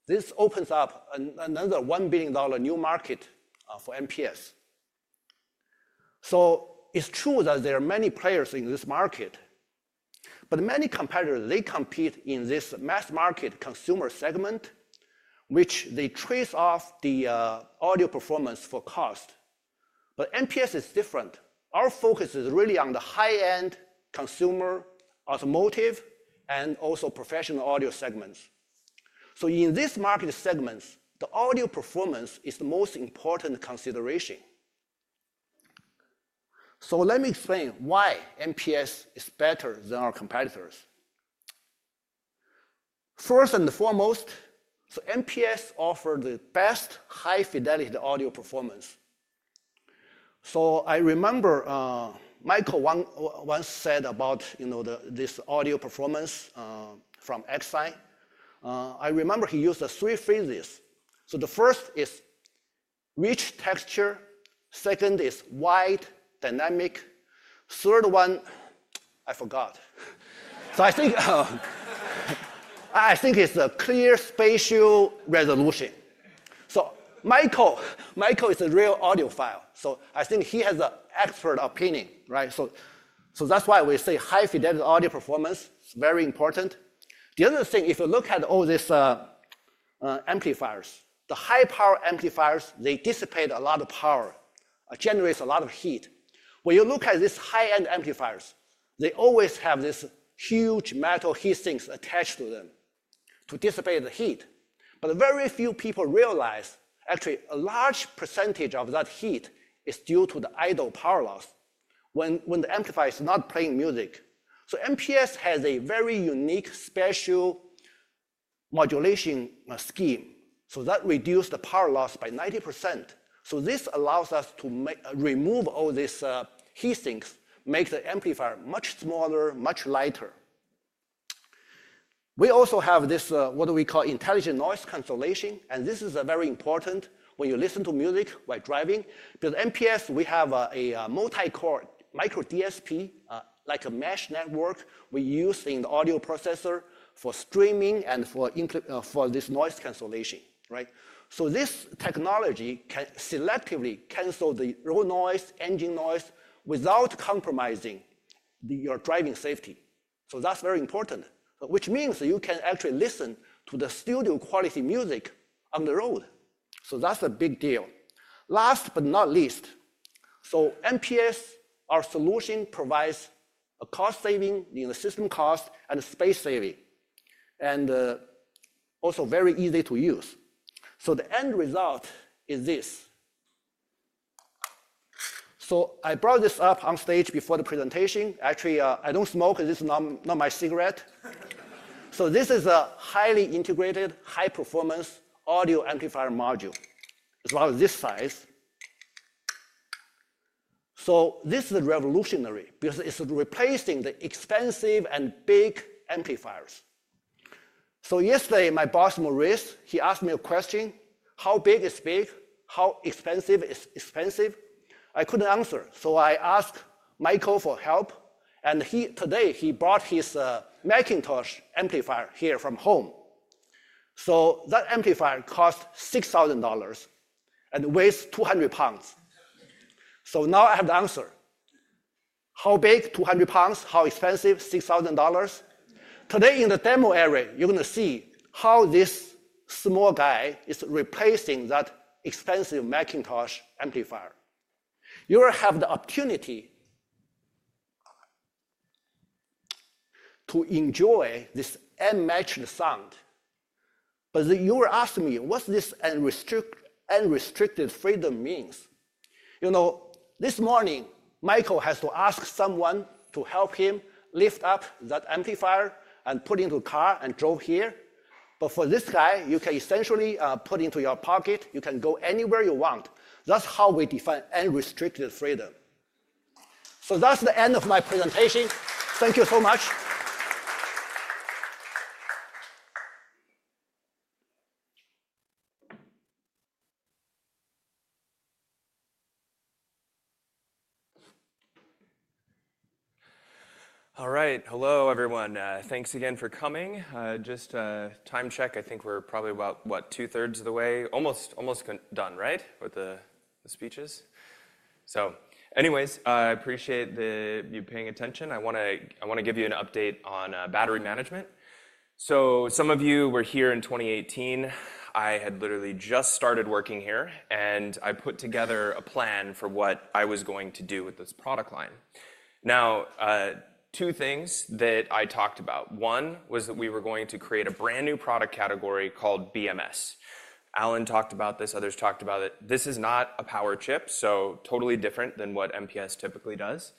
This opens up another $1 billion new market for MPS. It is true that there are many players in this market. Many competitors compete in this mass market consumer segment, which they trade off the audio performance for cost. MPS is different. Our focus is really on the high-end consumer automotive and also professional audio segments. In this market segment, the audio performance is the most important consideration. Let me explain why MPS is better than our competitors. First and foremost, MPS offers the best high-fidelity audio performance. I remember Michael once said about this audio performance from XINE. I remember he used three phases. The first is rich texture. Second is wide, dynamic. Third one, I forgot. I think it is a clear spatial resolution. Michael is a real audiophile. I think he has an expert opinion, right? That is why we say high-fidelity audio performance is very important. The other thing, if you look at all these amplifiers, the high-power amplifiers, they dissipate a lot of power, generate a lot of heat. When you look at these high-end amplifiers, they always have these huge metal heat sinks attached to them to dissipate the heat. Very few people realize, actually, a large percentage of that heat is due to the idle power loss when the amplifier is not playing music. MPS has a very unique spatial modulation scheme. That reduces the power loss by 90%. This allows us to remove all these heat sinks, make the amplifier much smaller, much lighter. We also have this, what we call intelligent noise cancellation. This is very important when you listen to music while driving. With MPS, we have a multi-core micro DSP, like a mesh network we use in the audio processor for streaming and for this noise cancellation, right? This technology can selectively cancel the road noise, engine noise, without compromising your driving safety. That is very important, which means you can actually listen to the studio quality music on the road. That is a big deal. Last but not least, MPS, our solution provides a cost saving in the system cost and space saving, and also very easy to use. The end result is this. I brought this up on stage before the presentation. Actually, I do not smoke. This is not my cigarette. This is a highly integrated, high-performance audio amplifier module as well as this size. This is revolutionary because it is replacing the expensive and big amplifiers. Yesterday, my boss, Maurice, he asked me a question, how big is big, how expensive is expensive? I couldn't answer. I asked Michael for help. Today, he brought his Macintosh amplifier here from home. That amplifier costs $6,000 and weighs 200 lbs. Now I have the answer. How big, 200 lbs, how expensive, $6,000. Today, in the demo area, you're going to see how this small guy is replacing that expensive Macintosh amplifier. You will have the opportunity to enjoy this unmatched sound. You will ask me, what does this unrestricted freedom mean? This morning, Michael has to ask someone to help him lift up that amplifier and put it into a car and drove here. For this guy, you can essentially put it into your pocket. You can go anywhere you want. That's how we define unrestricted freedom. That's the end of my presentation. Thank you so much. All right. Hello, everyone. Thanks again for coming. Just a time check. I think we're probably about, what, two-thirds of the way, almost done, right, with the speeches? Anyways, I appreciate you paying attention. I want to give you an update on battery management. Some of you were here in 2018. I had literally just started working here. I put together a plan for what I was going to do with this product line. Now, two things that I talked about. One was that we were going to create a brand new product category called BMS. Ellen talked about this. Others talked about it. This is not a power chip, so totally different than what MPS typically does.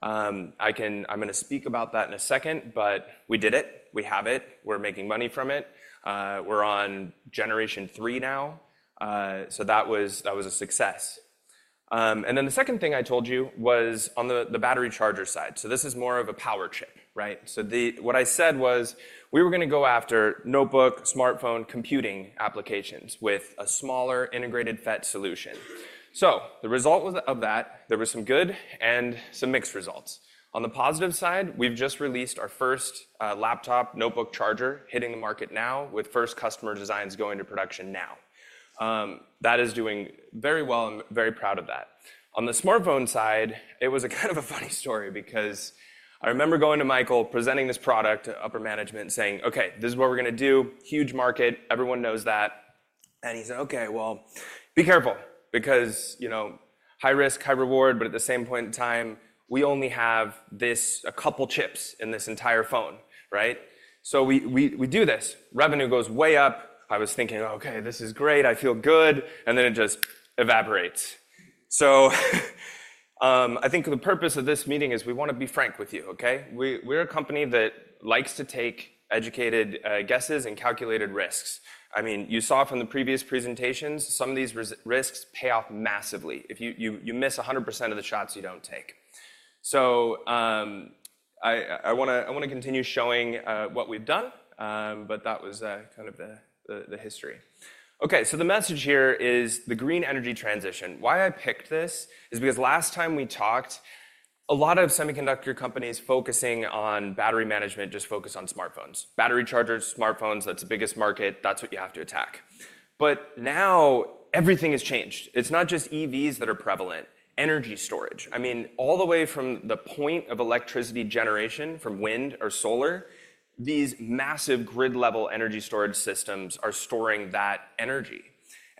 I'm going to speak about that in a second, but we did it. We have it. We're making money from it. We're on generation three now. That was a success. The second thing I told you was on the battery charger side. This is more of a power chip, right? What I said was we were going to go after notebook, smartphone, computing applications with a smaller integrated FET solution. The result of that, there were some good and some mixed results. On the positive side, we've just released our first laptop notebook charger, hitting the market now with first customer designs going to production now. That is doing very well. I'm very proud of that. On the smartphone side, it was a kind of a funny story because I remember going to Michael, presenting this product to upper management, saying, "Okay, this is what we're going to do. Huge market. Everyone knows that." He said, "Okay, be careful because high risk, high reward, but at the same point in time, we only have a couple of chips in this entire phone, right? We do this. Revenue goes way up." I was thinking, "Okay, this is great. I feel good." It just evaporates. I think the purpose of this meeting is we want to be frank with you, okay? We're a company that likes to take educated guesses and calculated risks. I mean, you saw from the previous presentations, some of these risks pay off massively. If you miss 100% of the shots, you don't take. I want to continue showing what we've done, but that was kind of the history. The message here is the green energy transition. Why I picked this is because last time we talked, a lot of semiconductor companies focusing on battery management just focused on smartphones, battery chargers, smartphones. That's the biggest market. That's what you have to attack. Now everything has changed. It's not just EVs that are prevalent. Energy storage. I mean, all the way from the point of electricity generation from wind or solar, these massive grid-level energy storage systems are storing that energy.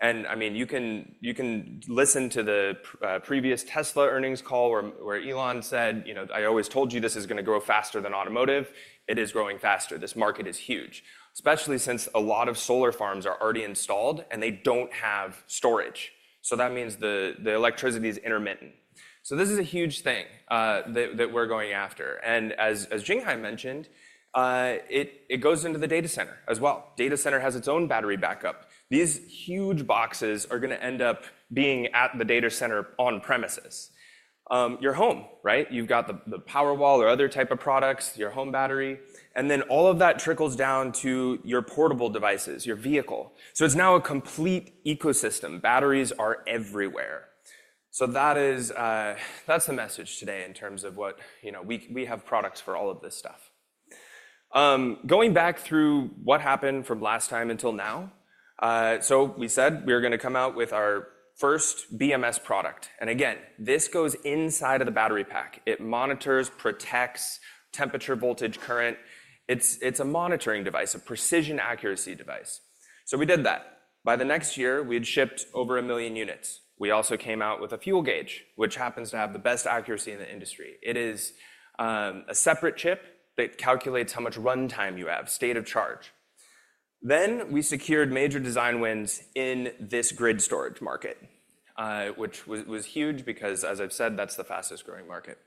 I mean, you can listen to the previous Tesla earnings call where Elon said, "I always told you this is going to grow faster than automotive." It is growing faster. This market is huge, especially since a lot of solar farms are already installed and they do not have storage. That means the electricity is intermittent. This is a huge thing that we're going after. As Jing Hai mentioned, it goes into the data center as well. Data center has its own battery backup. These huge boxes are going to end up being at the data center on premises. Your home, right? You've got the Powerwall or other type of products, your home battery. All of that trickles down to your portable devices, your vehicle. It's now a complete ecosystem. Batteries are everywhere. That's the message today in terms of what we have products for all of this stuff. Going back through what happened from last time until now, we said we were going to come out with our first BMS product. Again, this goes inside of the battery pack. It monitors, protects temperature, voltage, current. It's a monitoring device, a precision accuracy device. We did that. By the next year, we had shipped over 1 million units. We also came out with a fuel gauge, which happens to have the best accuracy in the industry. It is a separate chip that calculates how much runtime you have, state of charge. We secured major design wins in this grid storage market, which was huge because, as I've said, that's the fastest growing market.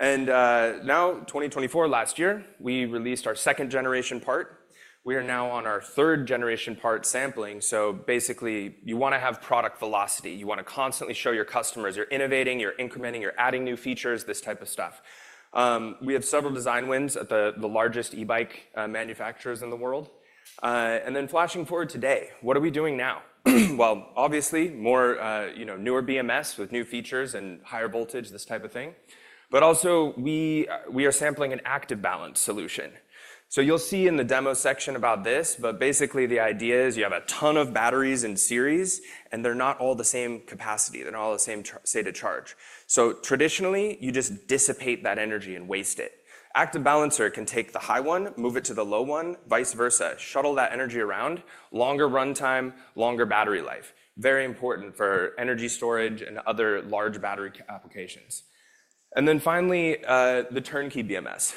In 2024, last year, we released our second-generation part. We are now on our third-generation part sampling. Basically, you want to have product velocity. You want to constantly show your customers you're innovating, you're incrementing, you're adding new features, this type of stuff. We have several design wins at the largest e-bike manufacturers in the world. Flashing forward today, what are we doing now? Obviously, newer BMS with new features and higher voltage, this type of thing. We are also sampling an active balance solution. You will see in the demo section about this, but basically, the idea is you have a ton of batteries in series, and they are not all the same capacity. They are not all the same state of charge. Traditionally, you just dissipate that energy and waste it. Active balancer can take the high one, move it to the low one, vice versa, shuttle that energy around, longer runtime, longer battery life. Very important for energy storage and other large battery applications. Finally, the turnkey BMS.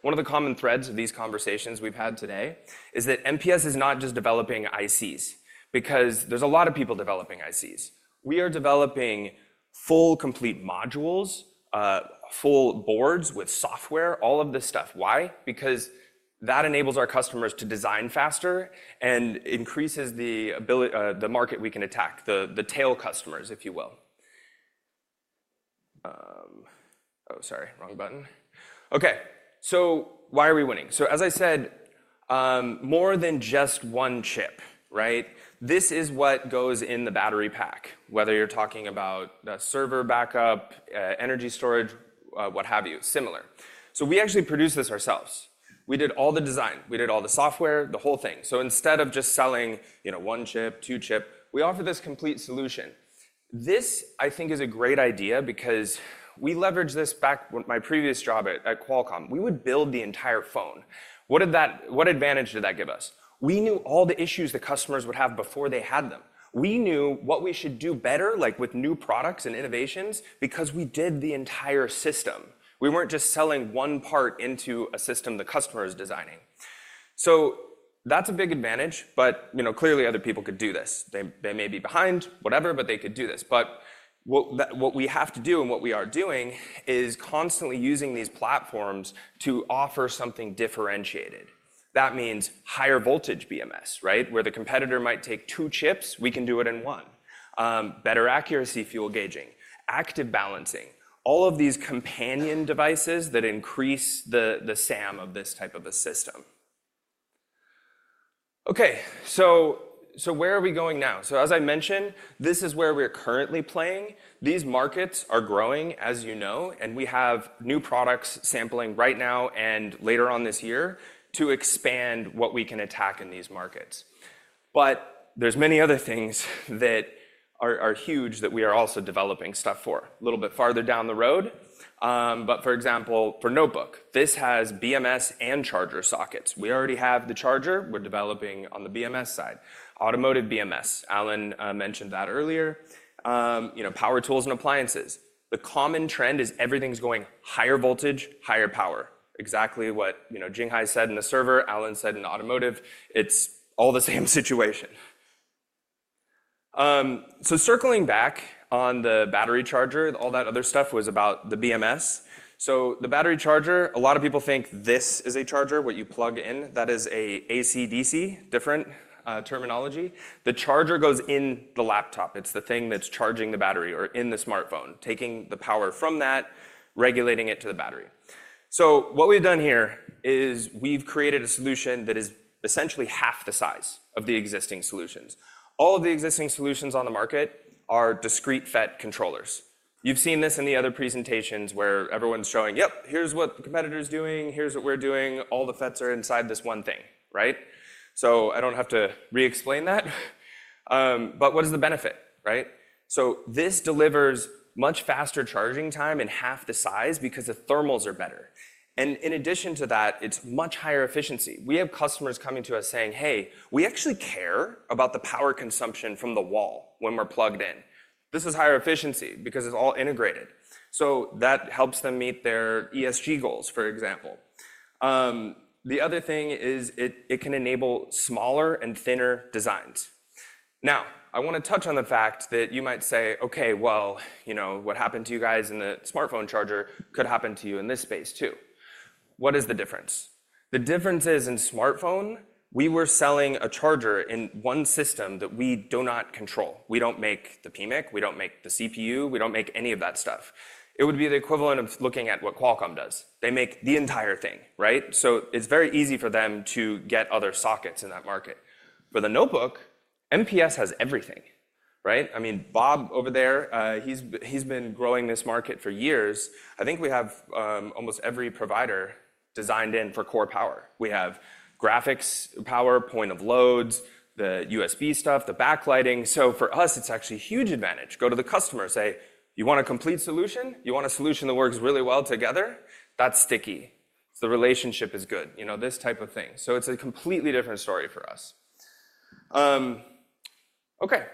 One of the common threads of these conversations we have had today is that MPS is not just developing ICs because there are a lot of people developing ICs. We are developing full, complete modules, full boards with software, all of this stuff. Why? Because that enables our customers to design faster and increases the market we can attack, the tail customers, if you will. Oh, sorry, wrong button. Okay, why are we winning? As I said, more than just one chip, right? This is what goes in the battery pack, whether you're talking about a server backup, energy storage, what have you, similar. We actually produce this ourselves. We did all the design. We did all the software, the whole thing. Instead of just selling one chip, two chip, we offer this complete solution. This, I think, is a great idea because we leveraged this back when my previous job at Qualcomm, we would build the entire phone. What advantage did that give us? We knew all the issues that customers would have before they had them. We knew what we should do better, like with new products and innovations, because we did the entire system. We were not just selling one part into a system the customer is designing. That is a big advantage, but clearly, other people could do this. They may be behind, whatever, but they could do this. What we have to do and what we are doing is constantly using these platforms to offer something differentiated. That means higher voltage BMS, right? Where the competitor might take two chips, we can do it in one. Better accuracy fuel gauging, active balancing, all of these companion devices that increase the SAM of this type of a system. Okay, where are we going now? As I mentioned, this is where we are currently playing. These markets are growing, as you know, and we have new products sampling right now and later on this year to expand what we can attack in these markets. There are many other things that are huge that we are also developing stuff for a little bit farther down the road. For example, for notebook, this has BMS and charger sockets. We already have the charger. We're developing on the BMS side. Automotive BMS, Alan mentioned that earlier. Power tools and appliances. The common trend is everything's going higher voltage, higher power. Exactly what Jing Hai said in the server, Alan said in automotive, it's all the same situation. Circling back on the battery charger, all that other stuff was about the BMS. The battery charger, a lot of people think this is a charger, what you plug in. That is an ACDC, different terminology. The charger goes in the laptop. It's the thing that's charging the battery or in the smartphone, taking the power from that, regulating it to the battery. What we've done here is we've created a solution that is essentially half the size of the existing solutions. All of the existing solutions on the market are discrete FET controllers. You've seen this in the other presentations where everyone's showing, "Yep, here's what the competitor's doing. Here's what we're doing. All the FETs are inside this one thing," right? I don't have to re-explain that. What is the benefit, right? This delivers much faster charging time and half the size because the thermals are better. In addition to that, it's much higher efficiency. We have customers coming to us saying, "Hey, we actually care about the power consumption from the wall when we're plugged in." This is higher efficiency because it's all integrated. That helps them meet their ESG goals, for example. The other thing is it can enable smaller and thinner designs. Now, I want to touch on the fact that you might say, "Okay, what happened to you guys in the smartphone charger could happen to you in this space too." What is the difference? The difference is in smartphone, we were selling a charger in one system that we do not control. We do not make the PMIC. We do not make the CPU. We do not make any of that stuff. It would be the equivalent of looking at what Qualcomm does. They make the entire thing, right? It's very easy for them to get other sockets in that market. For the notebook, MPS has everything, right? I mean, Bob over there, he's been growing this market for years. I think we have almost every provider designed in for core power. We have graphics power, point of loads, the USB stuff, the backlighting. For us, it's actually a huge advantage. Go to the customer, say, "You want a complete solution? You want a solution that works really well together? That's sticky." The relationship is good, this type of thing. It's a completely different story for us. Okay,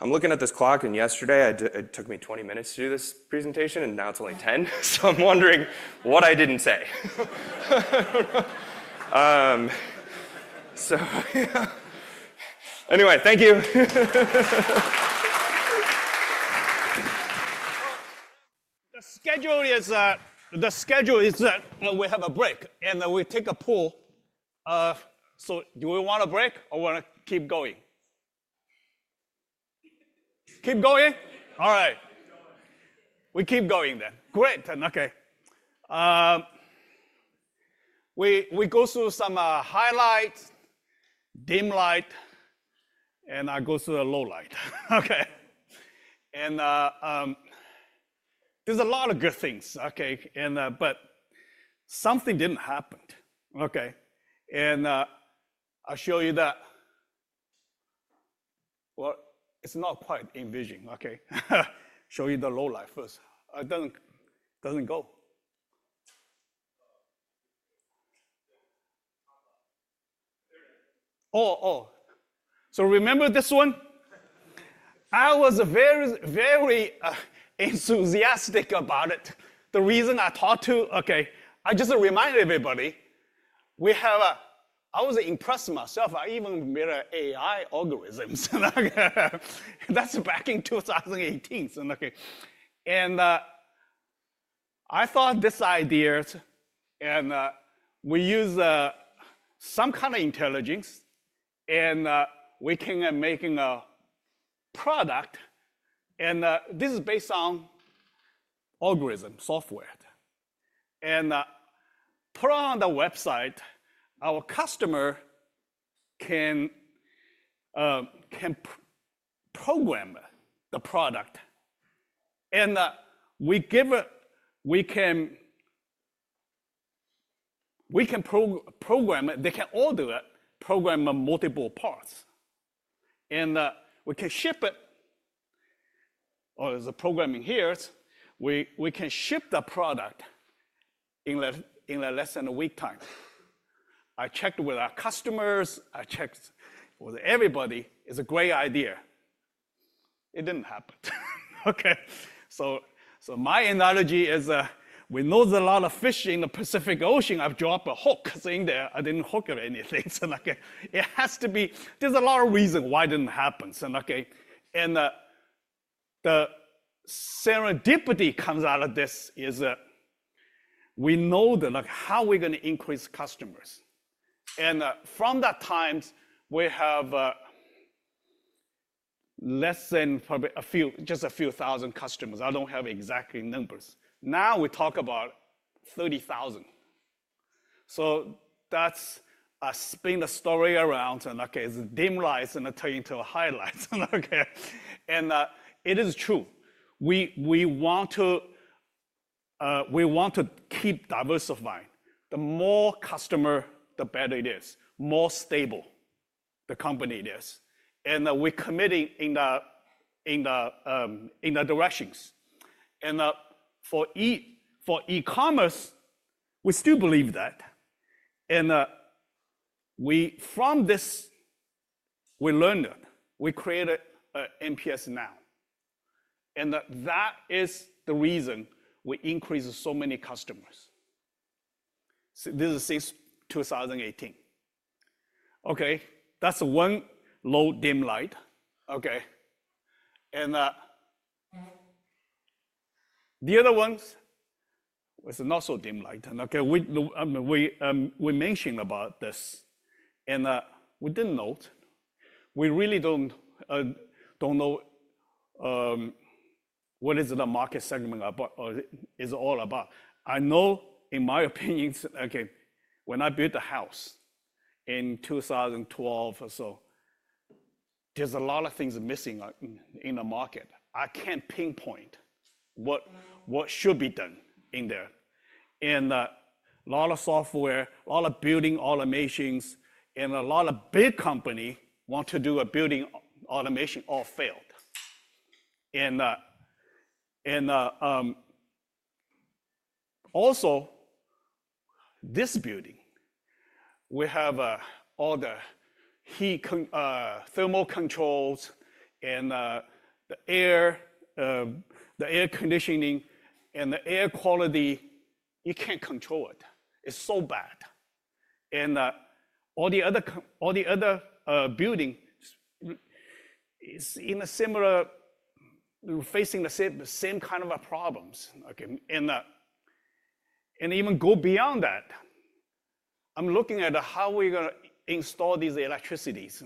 I'm looking at this clock, and yesterday, it took me 20 minutes to do this presentation, and now it's only 10. I'm wondering what I didn't say. Anyway, thank you. The schedule is that we have a break and then we take a pool. Do we want a break or want to keep going? Keep going? All right. We keep going then. Great. Okay. We go through some highlight, dim light, and I go through a low light. Okay. There are a lot of good things, okay? Something did not happen, okay? I will show you that. It is not quite in vision, okay? I will show you the low light first. It does not go. Oh, oh, remember this one? I was very, very enthusiastic about it. The reason I talked to, okay, I just reminded everybody. I was impressed myself. I even made an AI algorithm. That is back in 2018. I thought this idea, and we use some kind of intelligence, and we can make a product. This is based on algorithm software. Put on the website, our customer can program the product. We can program it. They can all do it, program multiple parts. And we can ship it. Oh, there's a programming here. We can ship the product in less than a week time. I checked with our customers. I checked with everybody. It's a great idea. It didn't happen. Okay. My analogy is we know there's a lot of fish in the Pacific Ocean. I've dropped a hook in there. I didn't hook it or anything. It has to be there's a lot of reason why it didn't happen. The serendipity comes out of this is we know how we're going to increase customers. From that time, we have less than probably just a few thousand customers. I don't have exactly numbers. Now we talk about 30,000. I spin the story around. It's dim lights and I turn into a highlight. It is true. We want to keep diversifying. The more customer, the better it is, more stable the company it is. We're committing in the directions. For e-commerce, we still believe that. From this, we learned it. We created MPS now. That is the reason we increased so many customers. This is since 2018. Okay, that's one low dim light. The other ones was not so dim light. We mentioned about this. We didn't know. We really don't know what is the market segment is all about. I know, in my opinion, when I built a house in 2012 or so, there's a lot of things missing in the market. I can't pinpoint what should be done in there. A lot of software, a lot of building automations, and a lot of big companies want to do a building automation all failed. Also, this building, we have all the thermal controls and the air conditioning and the air quality. You can't control it. It's so bad. All the other building is facing the same kind of problems. Even go beyond that, I'm looking at how we're going to install these electricities.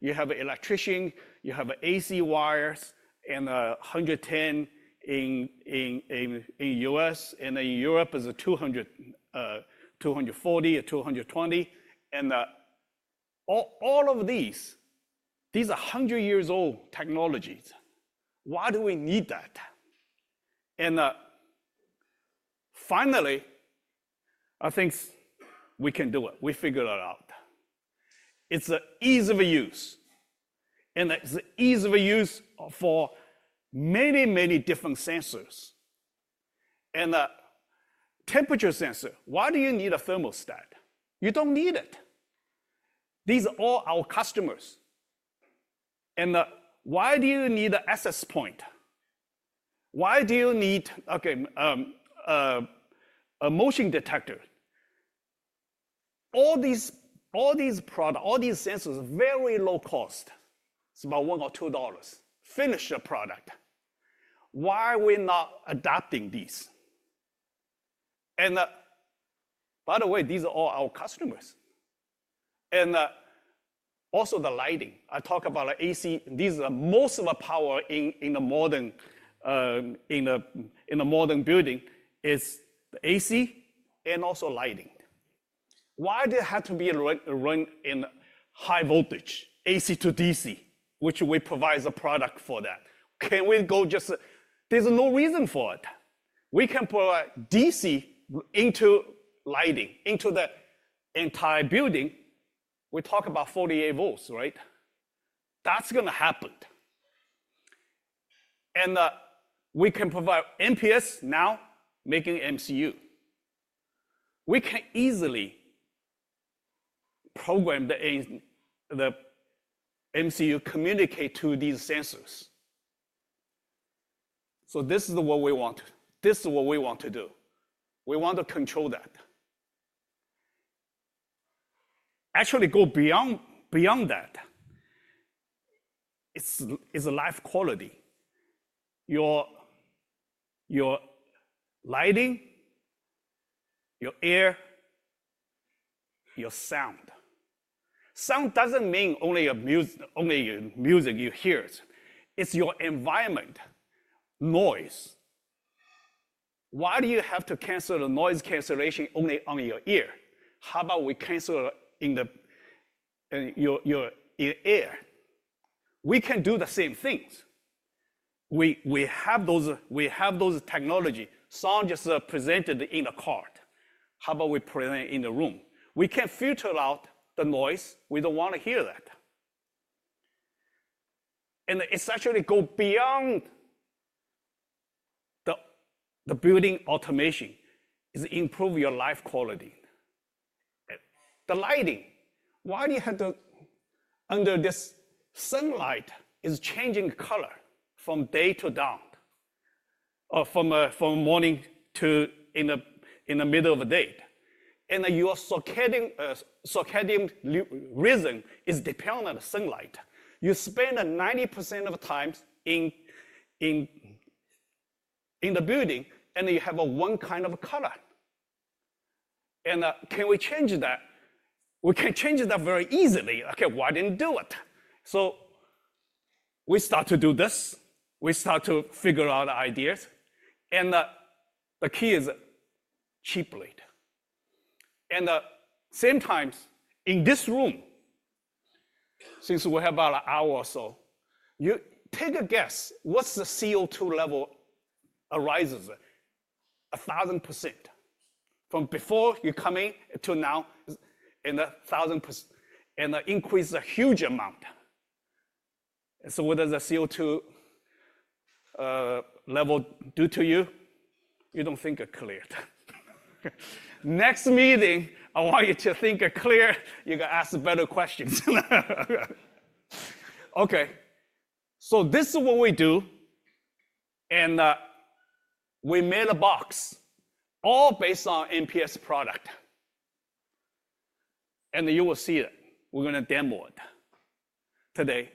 You have electrician, you have AC wires, and 110 in the U.S., and in Europe, it's 240 or 220. All of these, these are 100 years old technologies. Why do we need that? Finally, I think we can do it. We figured it out. It's ease of use. It's ease of use for many, many different sensors. Temperature sensor, why do you need a thermostat? You don't need it. These are all our customers. Why do you need an access point? Why do you need a motion detector? All these products, all these sensors are very low cost. It's about one or two dollars. Finish your product. Why are we not adopting these? By the way, these are all our customers. Also the lighting. I talk about AC. These are most of the power in the modern building. It's the AC and also lighting. Why does it have to be run in high voltage, AC to DC, which we provide a product for that? Can we go just there's no reason for it. We can provide DC into lighting, into the entire building. We talk about 48 volts, right? That's going to happen. We can provide MPS now making MCU. We can easily program the MCU, communicate to these sensors. This is what we want. This is what we want to do. We want to control that. Actually, go beyond that. It's life quality. Your lighting, your air, your sound. Sound does not mean only your music you hear. It is your environment, noise. Why do you have to cancel the noise cancellation only on your ear? How about we cancel it in the air. We can do the same things. We have those technologies. Sound just presented in a cart. How about we present it in the room? We can filter out the noise. We do not want to hear that. Essentially, go beyond the building automation is to improve your life quality. The lighting, why do you have to under this sunlight is changing color from day to dawn or from morning to in the middle of the day? Your circadian rhythm is dependent on the sunlight. You spend 90% of time in the building, and you have one kind of color. Can we change that? We can change that very easily. Okay, why didn't do it? We start to do this. We start to figure out ideas. The key is cheaply. Sometimes in this room, since we have about an hour or so, you take a guess, what's the CO2 level? It rises 1,000% from before you come in to now, 1,000% and increases a huge amount. What does the CO2 level do to you? You don't think it clear. Next meeting, I want you to think clear. You can ask better questions. This is what we do. We made a box all based on MPS product. You will see it. We're going to demo it today.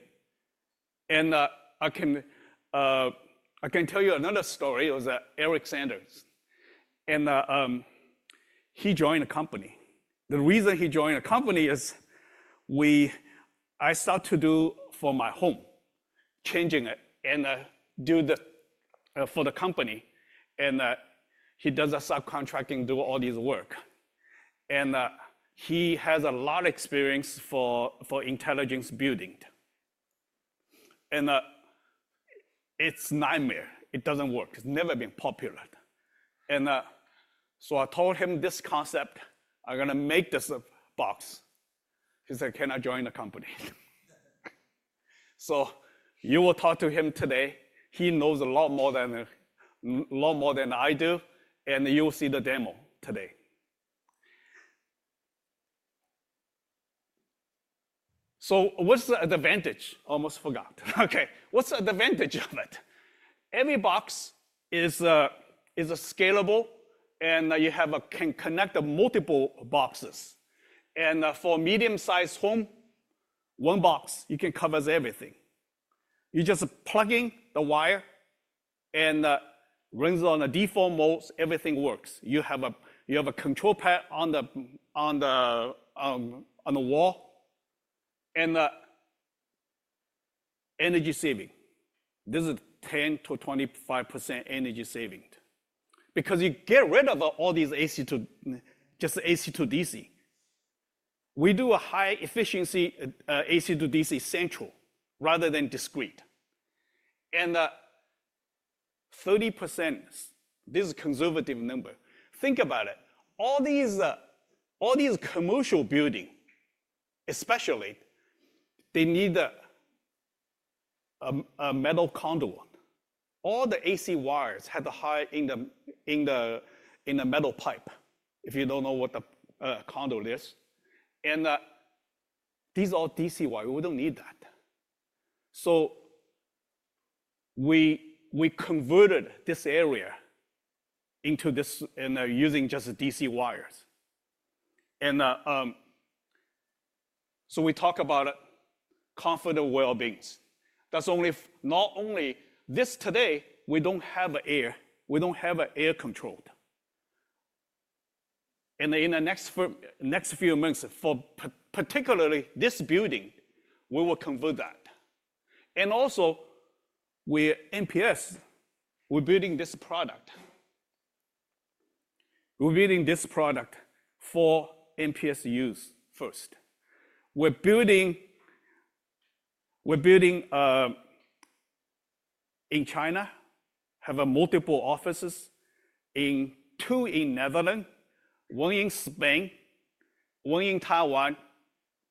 I can tell you another story. It was Eric Sanders. He joined a company. The reason he joined a company is I start to do for my home, changing it and do for the company. He does a subcontracting, do all this work. He has a lot of experience for intelligence building. It's a nightmare. It doesn't work. It's never been popular. I told him this concept, I'm going to make this box. He said, can I join the company? You will talk to him today. He knows a lot more than I do. You will see the demo today. What's the advantage? Almost forgot. What's the advantage of it? Every box is scalable, and you can connect multiple boxes. For a medium-sized home, one box, you can cover everything. You just plug in the wire and runs on the default modes. Everything works. You have a control pad on the wall. Energy saving. This is 10%-25% energy saving because you get rid of all these AC to just AC to DC. We do a high efficiency AC to DC central rather than discrete. And 30%, this is a conservative number. Think about it. All these commercial buildings, especially, they need a metal conduit. All the AC wires have a high in the metal pipe. If you do not know what the conduit is, and these are all DC wires. We do not need that. We converted this area into this and using just DC wires. We talk about confident well-beings. Not only this today, we do not have air. We do not have air controlled. In the next few months, particularly this building, we will convert that. Also, we are MPS. We are building this product. We are building this product for MPS use first. We're building in China, have multiple offices, two in Netherlands, one in Spain, one in Taiwan,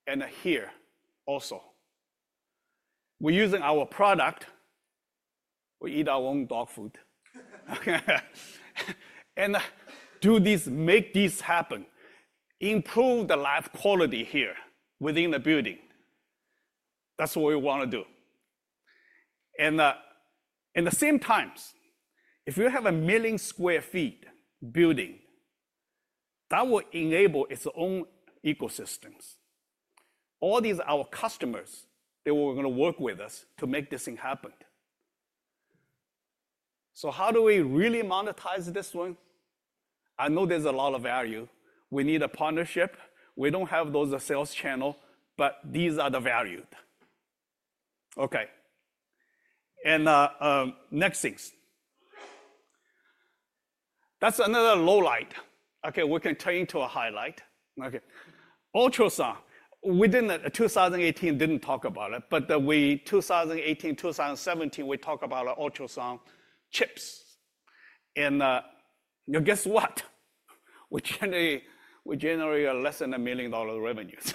and here also. We're using our product. We eat our own dog food. Do this, make this happen, improve the life quality here within the building. That's what we want to do. At the same time, if you have a million sq ft building, that will enable its own ecosystems. All these are our customers that we're going to work with us to make this thing happen. How do we really monetize this one? I know there's a lot of value. We need a partnership. We don't have those sales channels, but these are the value. Okay. Next things. That's another low light. We can turn into a highlight. Ultrasound. We didn't 2018 didn't talk about it, but 2018, 2017, we talked about ultrasound chips. Guess what? We generate less than $1 million revenues.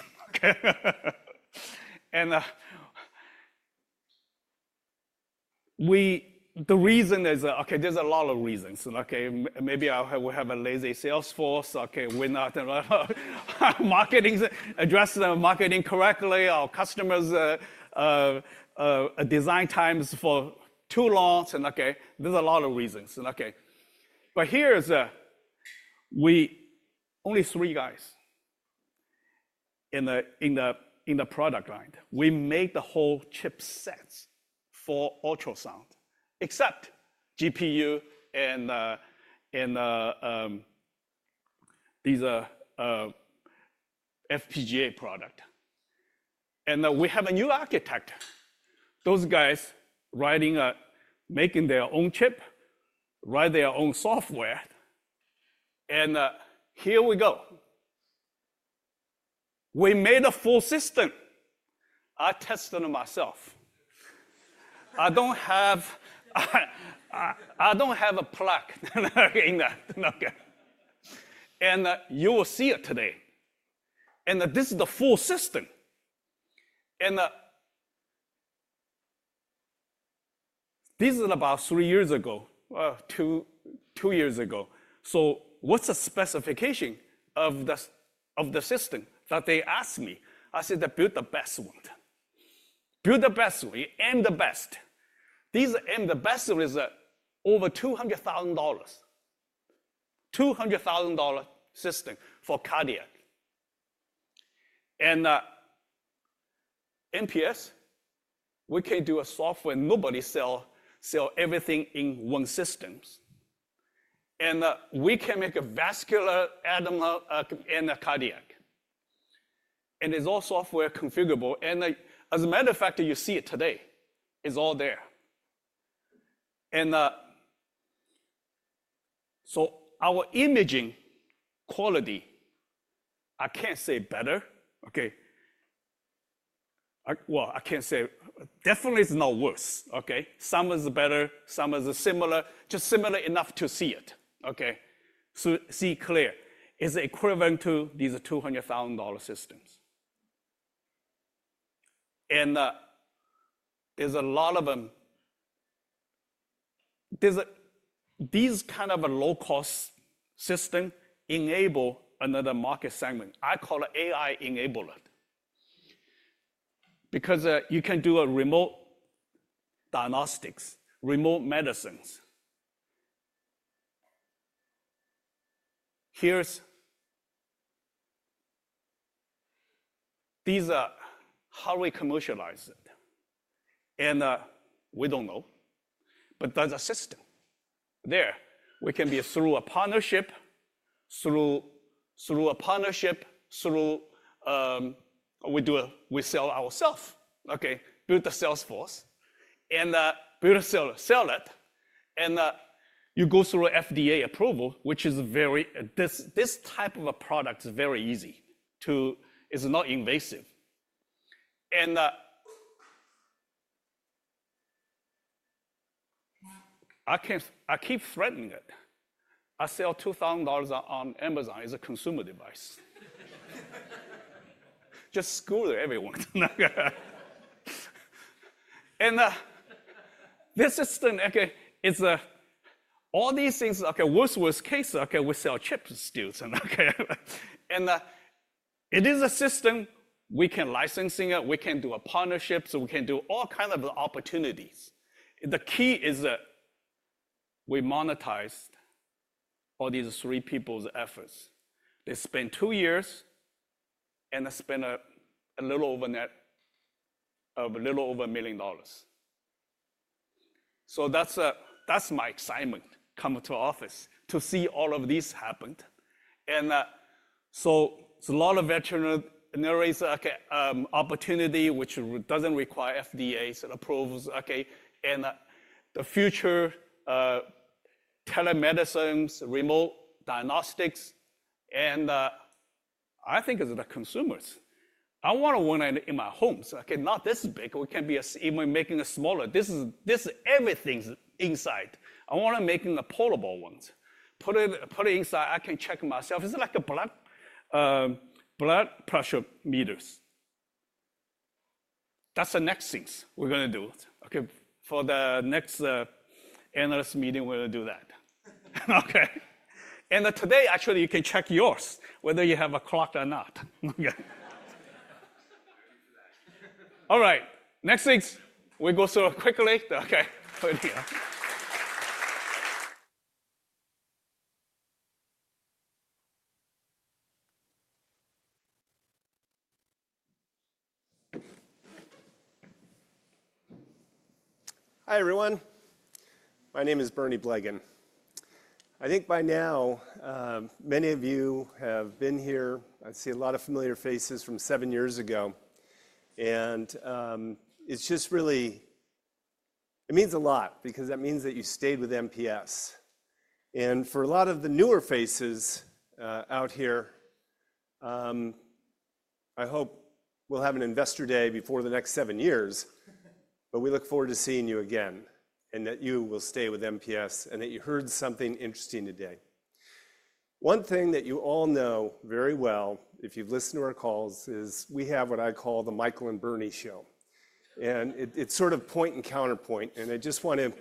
The reason is, okay, there's a lot of reasons. Maybe we have a lazy sales force. We're not marketing, address the marketing correctly. Our customers' design times are too long. There's a lot of reasons. Here's we only three guys in the product line. We make the whole chip sets for ultrasound, except GPU and these FPGA product. We have a new architect. Those guys writing, making their own chip, write their own software. Here we go. We made a full system. I tested it myself. I don't have a plug in that. You will see it today. This is the full system. This is about three years ago, two years ago. What's the specification of the system that they asked me? I said to build the best one. Build the best one and the best. These and the best one is over $200,000, $200,000 system for cardiac. At MPS, we can do a software. Nobody sells everything in one system. We can make a vascular, abdominal, and cardiac. It is all software configurable. As a matter of fact, you see it today. It is all there. Our imaging quality, I cannot say better. Okay, I cannot say definitely it is not worse. Some is better, some is similar, just similar enough to see it. See clear. It is equivalent to these $200,000 systems. There are a lot of them. These kind of low-cost systems enable another market segment. I call it AI enablement because you can do remote diagnostics, remote medicines. These are how we commercialize it. We do not know, but there is a system there. We can be through a partnership, through a partnership, through we sell ourself. Okay, build the sales force and build, sell it. You go through FDA approval, which is very this type of a product is very easy to, it's not invasive. I keep threatening it. I sell $2,000 on Amazon. It's a consumer device. Just screw everyone. This system, it's all these things. Worst case we sell chips still. It is a system. We can license it. We can do a partnership. We can do all kinds of opportunities. The key is we monetized all these three people's efforts. They spent two years and they spent a little over $1 million. That's my excitement coming to the office to see all of this happened. It's a lot of veterinary opportunity, which doesn't require FDA's approvals. Okay, and the future telemedicines, remote diagnostics, and I think it's the consumers. I want to want it in my homes. Okay, not this big. We can be even making a smaller. This is everything's inside. I want to make a portable one. Put it inside. I can check myself. It's like a blood pressure meters. That's the next things we're going to do. Okay, for the next analyst meeting, we'll do that. Okay, and today actually you can check yours whether you have a clock or not. All right, next things. We go so quickly. Okay. Hi everyone. My name is Bernie Blegen. I think by now many of you have been here. I see a lot of familiar faces from seven years ago. And it's just really it means a lot because that means that you stayed with MPS. For a lot of the newer faces out here, I hope we'll have an investor day before the next seven years. We look forward to seeing you again and that you will stay with MPS and that you heard something interesting today. One thing that you all know very well if you've listened to our calls is we have what I call the Michael and Bernie show. It's sort of point and counterpoint. I just want to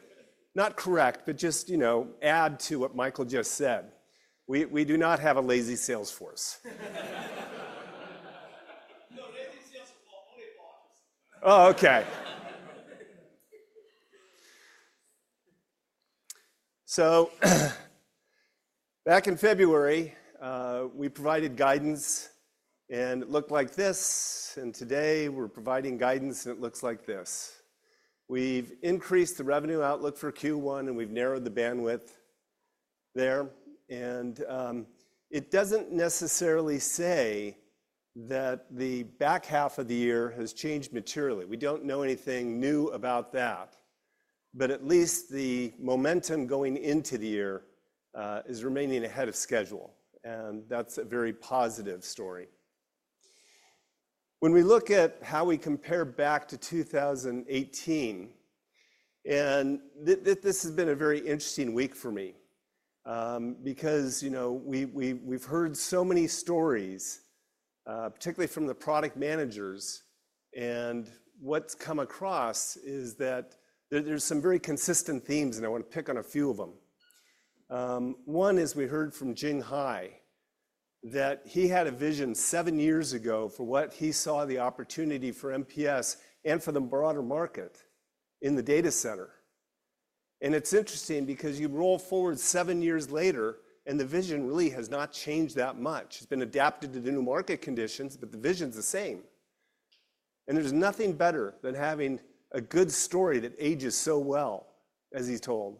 not correct, but just add to what Michael just said. We do not have a lazy sales force. Okay. Back in February, we provided guidance and it looked like this. Today we're providing guidance and it looks like this. We've increased the revenue outlook for Q1 and we've narrowed the bandwidth there. It does not necessarily say that the back half of the year has changed materially. We do not know anything new about that, but at least the momentum going into the year is remaining ahead of schedule. That is a very positive story. When we look at how we compare back to 2018, this has been a very interesting week for me because we have heard so many stories, particularly from the product managers. What has come across is that there are some very consistent themes, and I want to pick on a few of them. One is we heard from Jing Hai that he had a vision seven years ago for what he saw as the opportunity for MPS and for the broader market in the data center. It is interesting because you roll forward seven years later and the vision really has not changed that much. It's been adapted to the new market conditions, but the vision's the same. There's nothing better than having a good story that ages so well, as he's told.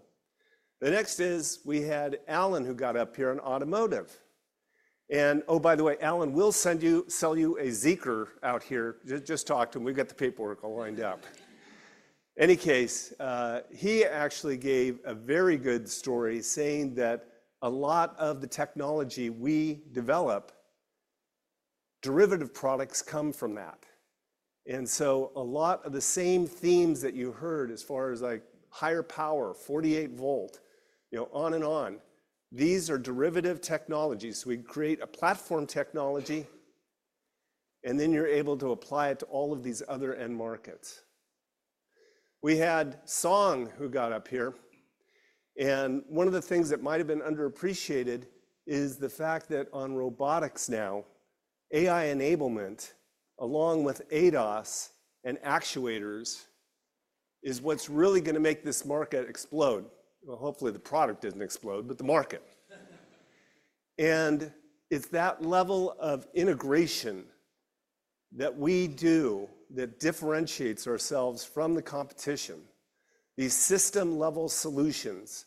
The next is we had Alan who got up here in automotive. Oh, by the way, Alan will sell you a Zeekr out here. Just talk to him. We've got the paperwork all lined up. In any case, he actually gave a very good story saying that a lot of the technology we develop, derivative products come from that. A lot of the same themes that you heard as far as like higher power, 48 volt, on and on, these are derivative technologies. We create a platform technology and then you're able to apply it to all of these other end markets. We had Song who got up here. One of the things that might have been underappreciated is the fact that on robotics now, AI enablement along with ADAS and actuators is what's really going to make this market explode. Hopefully the product doesn't explode, but the market. It is that level of integration that we do that differentiates ourselves from the competition, these system-level solutions.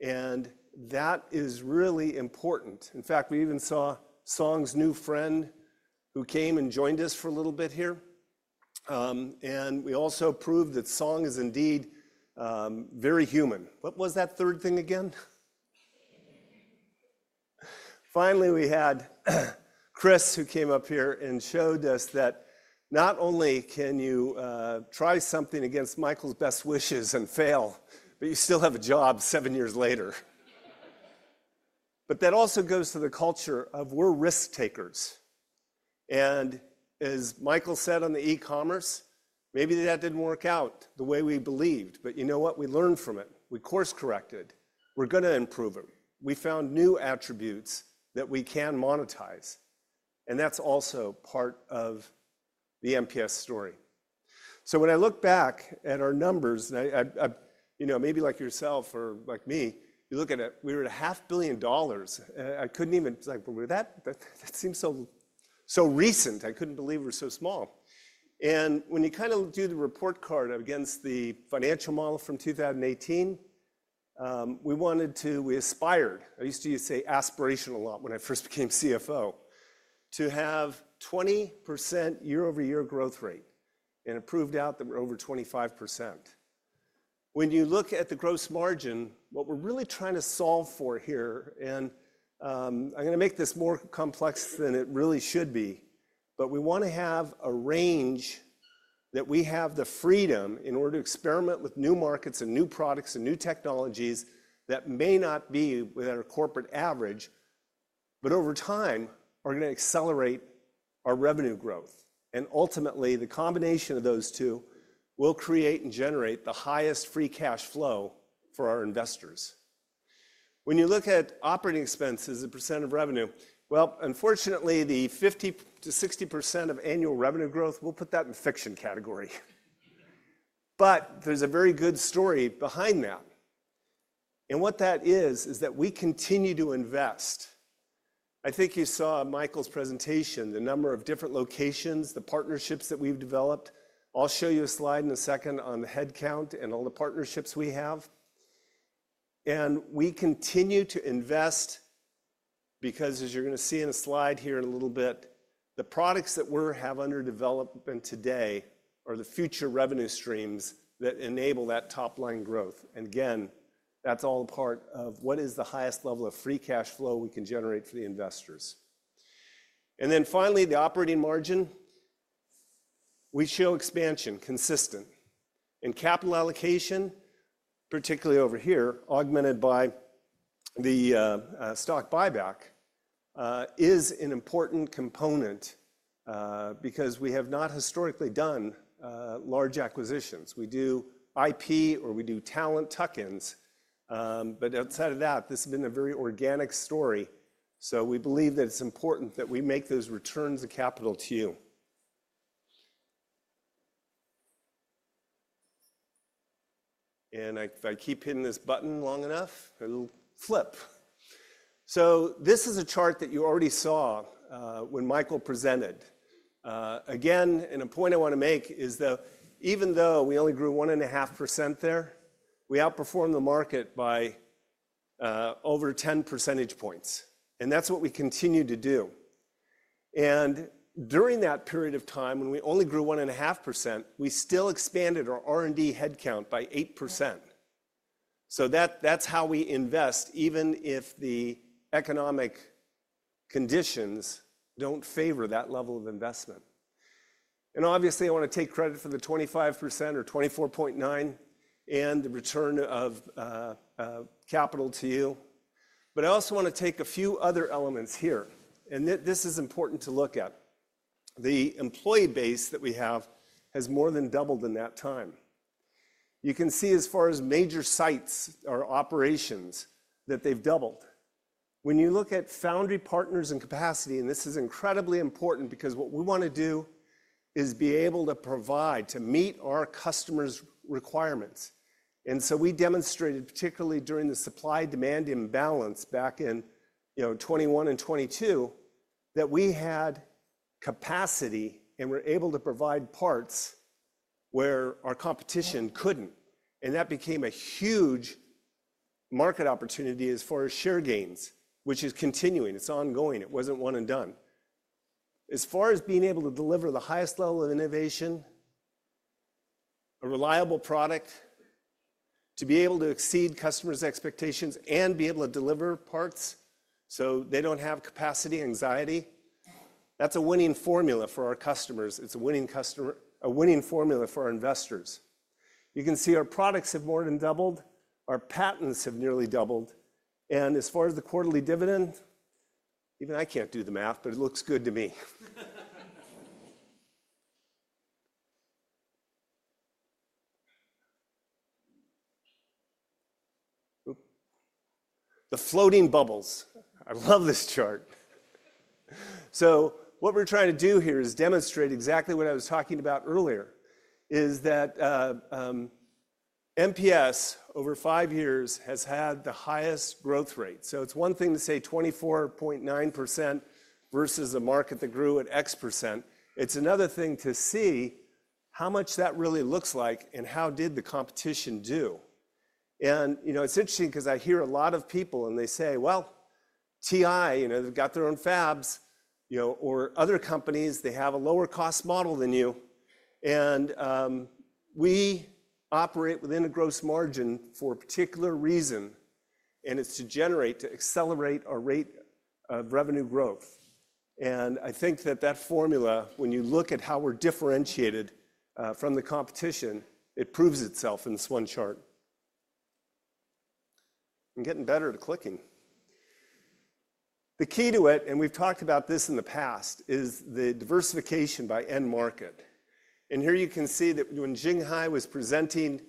That is really important. In fact, we even saw Song's new friend who came and joined us for a little bit here. We also proved that Song is indeed very human. What was that third thing again? Finally, we had Chris who came up here and showed us that not only can you try something against Michael's best wishes and fail, but you still have a job seven years later. That also goes to the culture of we're risk takers. As Michael said on the e-commerce, maybe that did not work out the way we believed. You know what? We learned from it. We course corrected. We are going to improve it. We found new attributes that we can monetize. That is also part of the MPS story. When I look back at our numbers, maybe like yourself or like me, you look at it, we were at $500,000. I could not even, like, that seems so recent. I could not believe we were so small. When you kind of do the report card against the financial model from 2018, we wanted to, we aspired, I used to say aspiration a lot when I first became CFO, to have 20% year-over-year growth rate and it proved out that we are over 25%. When you look at the gross margin, what we're really trying to solve for here, and I'm going to make this more complex than it really should be, but we want to have a range that we have the freedom in order to experiment with new markets and new products and new technologies that may not be with our corporate average, but over time are going to accelerate our revenue growth. Ultimately, the combination of those two will create and generate the highest free cash flow for our investors. When you look at operating expenses, the percent of revenue, unfortunately, the 50-60% of annual revenue growth, we'll put that in the fiction category. There is a very good story behind that. What that is, is that we continue to invest. I think you saw Michael's presentation, the number of different locations, the partnerships that we've developed. I'll show you a slide in a second on the headcount and all the partnerships we have. We continue to invest because, as you're going to see in a slide here in a little bit, the products that we have under development today are the future revenue streams that enable that top-line growth. That is all a part of what is the highest level of free cash flow we can generate for the investors. Finally, the operating margin, we show expansion consistent. Capital allocation, particularly over here, augmented by the stock buyback, is an important component because we have not historically done large acquisitions. We do IP or we do talent tuck-ins. Outside of that, this has been a very organic story. We believe that it's important that we make those returns of capital to you. If I keep hitting this button long enough, it'll flip. This is a chart that you already saw when Michael presented. Again, a point I want to make is that even though we only grew 1.5% there, we outperformed the market by over 10 percentage points. That's what we continue to do. During that period of time when we only grew 1.5%, we still expanded our R&D headcount by 8%. That's how we invest, even if the economic conditions don't favor that level of investment. Obviously, I want to take credit for the 25% or 24.9% and the return of capital to you. I also want to take a few other elements here. This is important to look at. The employee base that we have has more than doubled in that time. You can see as far as major sites or operations that they have doubled. When you look at foundry partners and capacity, this is incredibly important because what we want to do is be able to provide to meet our customers' requirements. We demonstrated, particularly during the supply-demand imbalance back in 2021 and 2022, that we had capacity and were able to provide parts where our competition could not. That became a huge market opportunity as far as share gains, which is continuing. It is ongoing. It was not one and done. As far as being able to deliver the highest level of innovation, a reliable product, to be able to exceed customers' expectations and be able to deliver parts so they do not have capacity anxiety, that is a winning formula for our customers. It is a winning formula for our investors. You can see our products have more than doubled. Our patents have nearly doubled. As far as the quarterly dividend, even I cannot do the math, but it looks good to me. The floating bubbles. I love this chart. What we are trying to do here is demonstrate exactly what I was talking about earlier, that MPS over five years has had the highest growth rate. It is one thing to say 24.9% versus a market that grew at X percent. It is another thing to see how much that really looks like and how did the competition do. It's interesting because I hear a lot of people and they say, well, TI, they've got their own fabs or other companies, they have a lower-cost model than you. We operate within a gross margin for a particular reason. It's to generate to accelerate our rate of revenue growth. I think that that formula, when you look at how we're differentiated from the competition, it proves itself in this one chart. I'm getting better at clicking. The key to it, and we've talked about this in the past, is the diversification by end market. Here you can see that when Jing Hai was presenting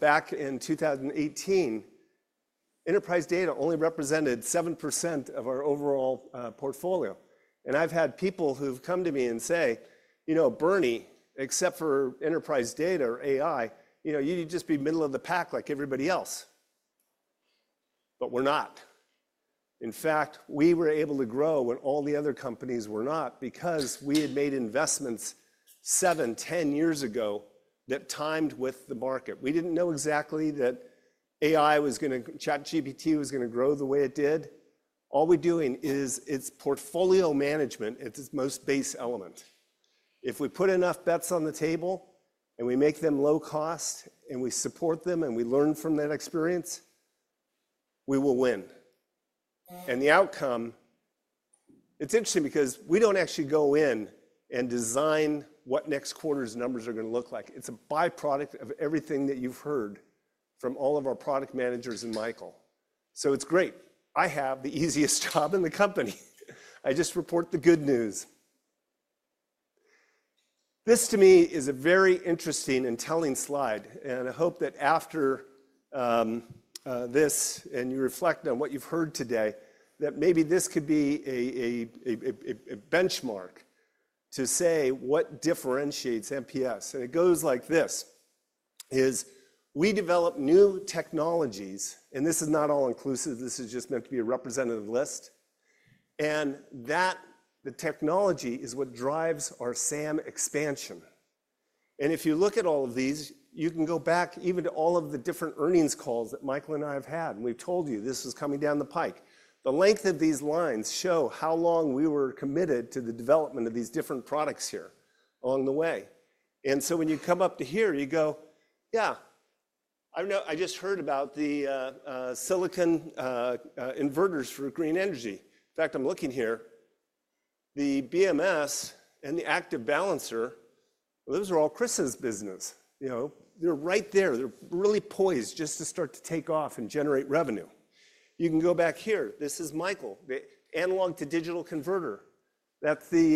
back in 2018, enterprise data only represented 7% of our overall portfolio. I've had people who've come to me and say, you know, Bernie, except for enterprise data or AI, you need to just be middle of the pack like everybody else. We are not. In fact, we were able to grow when all the other companies were not because we had made investments seven, 10 years ago that timed with the market. We did not know exactly that AI was going to, ChatGPT was going to grow the way it did. All we are doing is, it is portfolio management, it is its most base element. If we put enough bets on the table and we make them low cost and we support them and we learn from that experience, we will win. The outcome, it is interesting because we do not actually go in and design what next quarter's numbers are going to look like. It's a byproduct of everything that you've heard from all of our product managers and Michael. It's great. I have the easiest job in the company. I just report the good news. This to me is a very interesting and telling slide. I hope that after this and you reflect on what you've heard today, that maybe this could be a benchmark to say what differentiates MPS. It goes like this, we develop new technologies, and this is not all inclusive. This is just meant to be a representative list. The technology is what drives our SAM expansion. If you look at all of these, you can go back even to all of the different earnings calls that Michael and I have had. We've told you this was coming down the pike. The length of these lines show how long we were committed to the development of these different products here along the way. When you come up to here, you go, yeah, I just heard about the silicon inverters for green energy. In fact, I'm looking here, the BMS and the Active Balancer, those are all Chris's business. They're right there. They're really poised just to start to take off and generate revenue. You can go back here. This is Michael, the analog to digital converter. We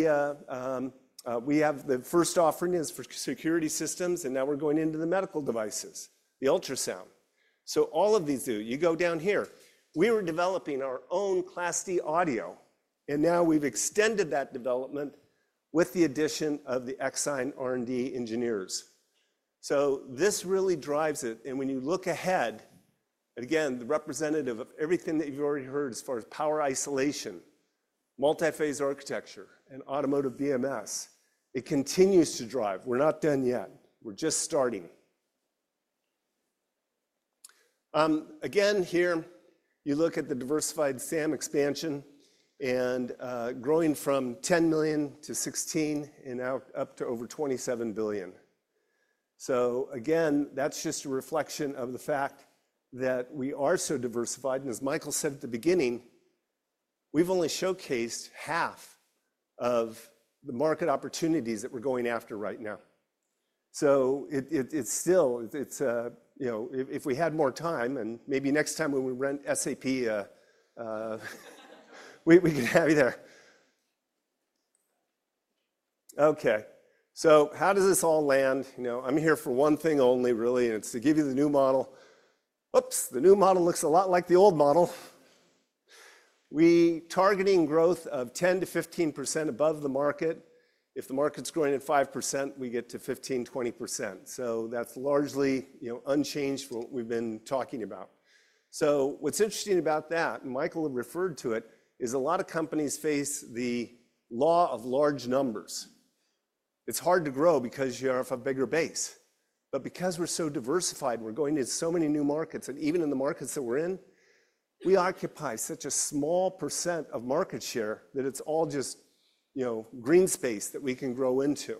have the first offering is for security systems, and now we're going into the medical devices, the ultrasound. All of these do. You go down here. We were developing our own Class D Audio, and now we've extended that development with the addition of the XINE R&D engineers. This really drives it. When you look ahead, again, the representative of everything that you've already heard as far as power isolation, multi-phase architecture, and automotive BMS, it continues to drive. We're not done yet. We're just starting. Here you look at the diversified SAM expansion and growing from $10 million to $16 million and now up to over $27 billion. That's just a reflection of the fact that we are so diversified. As Michael said at the beginning, we've only showcased half of the market opportunities that we're going after right now. If we had more time and maybe next time when we rent SAP, we can have you there. Okay. How does this all land? I'm here for one thing only, really. It's to give you the new model. Oops, the new model looks a lot like the old model. We're targeting growth of 10%-15% above the market. If the market's growing at 5%, we get to 15%-20%. That's largely unchanged from what we've been talking about. What's interesting about that, and Michael referred to it, is a lot of companies face the law of large numbers. It's hard to grow because you have a bigger base. Because we're so diversified, we're going into so many new markets. Even in the markets that we're in, we occupy such a small percent of market share that it's all just green space that we can grow into.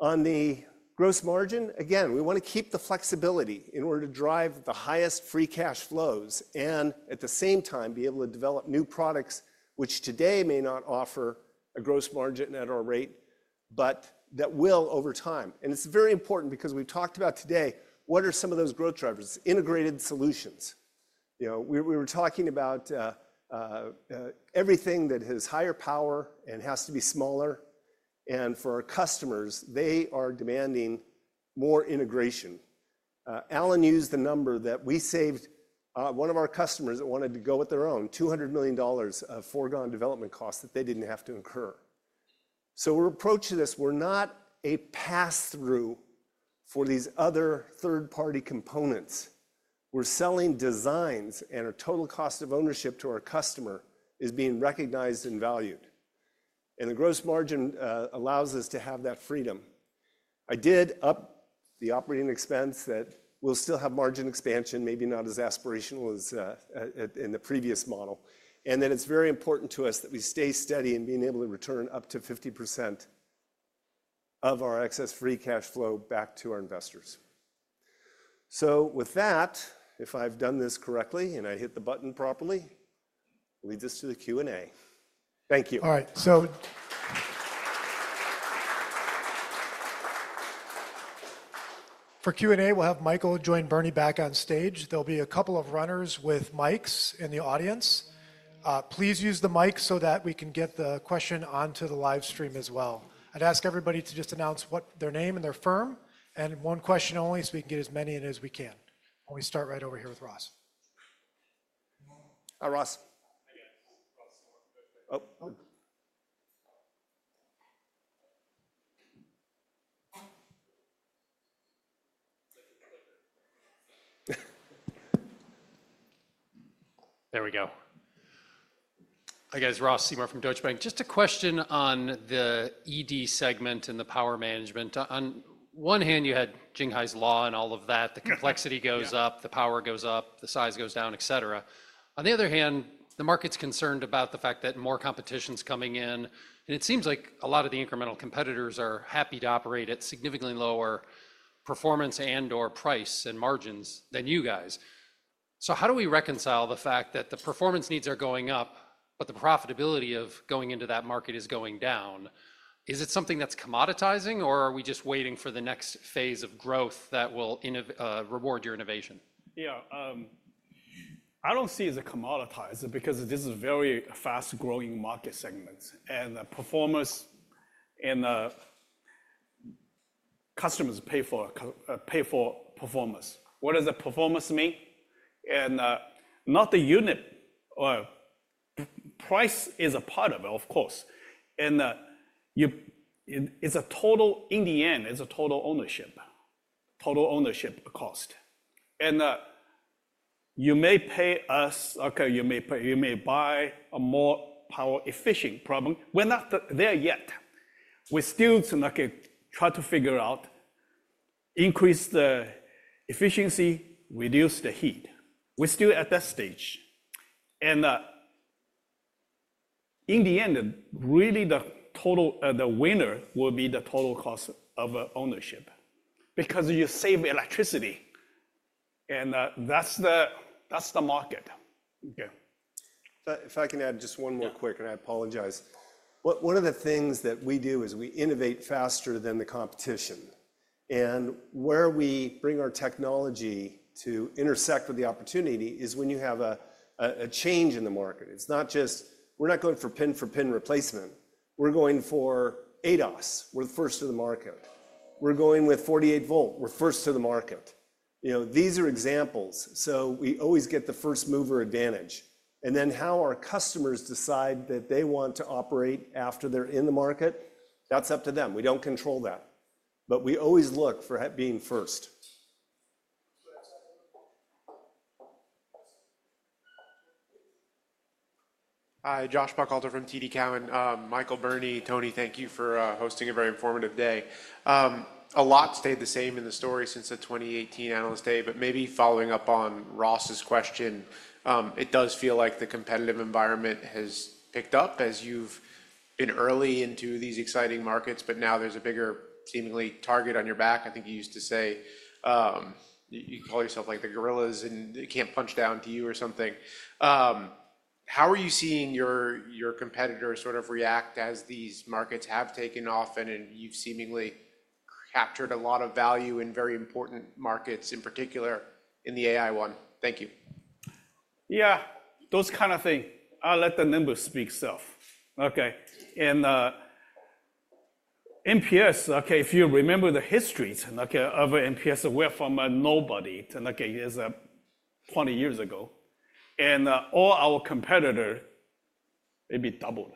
On the gross margin, again, we want to keep the flexibility in order to drive the highest free cash flows and at the same time be able to develop new products, which today may not offer a gross margin at our rate, but that will over time. It is very important because we have talked about today, what are some of those growth drivers? Integrated solutions. We were talking about everything that has higher power and has to be smaller. For our customers, they are demanding more integration. Alan used the number that we saved one of our customers that wanted to go with their own, $200 million of foregone development costs that they did not have to incur. We are approaching this. We are not a pass-through for these other third-party components. We are selling designs, and our total cost of ownership to our customer is being recognized and valued. The gross margin allows us to have that freedom. I did up the operating expense that we will still have margin expansion, maybe not as aspirational as in the previous model. It is very important to us that we stay steady in being able to return up to 50% of our excess free cash flow back to our investors. With that, if I have done this correctly and I hit the button properly, we just do the Q&A. Thank you. All right. For Q&A, we will have Michael join Bernie back on stage. There will be a couple of runners with mics in the audience. Please use the mic so that we can get the question onto the live stream as well. I would ask everybody to just announce their name and their firm. One question only so we can get as many in as we can. We start right over here with Ross. Hi, Ross. There we go. Hi guys, Ross Seymore from Deutsche Bank. Just a question on the ED segment and the power management. On one hand, you had Jing Hai's law and all of that. The complexity goes up, the power goes up, the size goes down, etc. On the other hand, the market's concerned about the fact that more competition's coming in. It seems like a lot of the incremental competitors are happy to operate at significantly lower performance and/or price and margins than you guys. How do we reconcile the fact that the performance needs are going up, but the profitability of going into that market is going down? Is it something that's commoditizing, or are we just waiting for the next phase of growth that will reward your innovation? Yeah. I don't see it as a commoditizer because this is a very fast-growing market segment. The performance and the customers pay for performance. What does the performance mean? Not the unit or price is a part of it, of course. It is a total in the end, it is a total ownership, total ownership cost. You may pay us, okay, you may buy a more power-efficient problem. We are not there yet. We are still trying to figure out, increase the efficiency, reduce the heat. We are still at that stage. In the end, really the winner will be the total cost of ownership because you save electricity. That is the market. Okay. If I can add just one more quick, and I apologize. One of the things that we do is we innovate faster than the competition. Where we bring our technology to intersect with the opportunity is when you have a change in the market. It is not just we are not going for pin-for-pin replacement. We are going for ADAS. We are the first to the market. We're going with 48 volt. We're first to the market. These are examples. We always get the first-mover advantage. How our customers decide that they want to operate after they're in the market, that's up to them. We don't control that. We always look for being first. Hi, Josh Buchalter from TD Cowen. Michael, Bernie, Tony, thank you for hosting a very informative day. A lot stayed the same in the story since the 2018 analyst day, but maybe following up on Ross's question, it does feel like the competitive environment has picked up as you've been early into these exciting markets, but now there's a bigger seemingly target on your back. I think you used to say you call yourself like the gorillas and they can't punch down to you or something. How are you seeing your competitors sort of react as these markets have taken off and you've seemingly captured a lot of value in very important markets, in particular in the AI one? Thank you. Yeah, those kind of things. I'll let the numbers speak self. Okay. And MPS, okay, if you remember the histories of MPS, we're from a nobody 20 years ago. All our competitors maybe doubled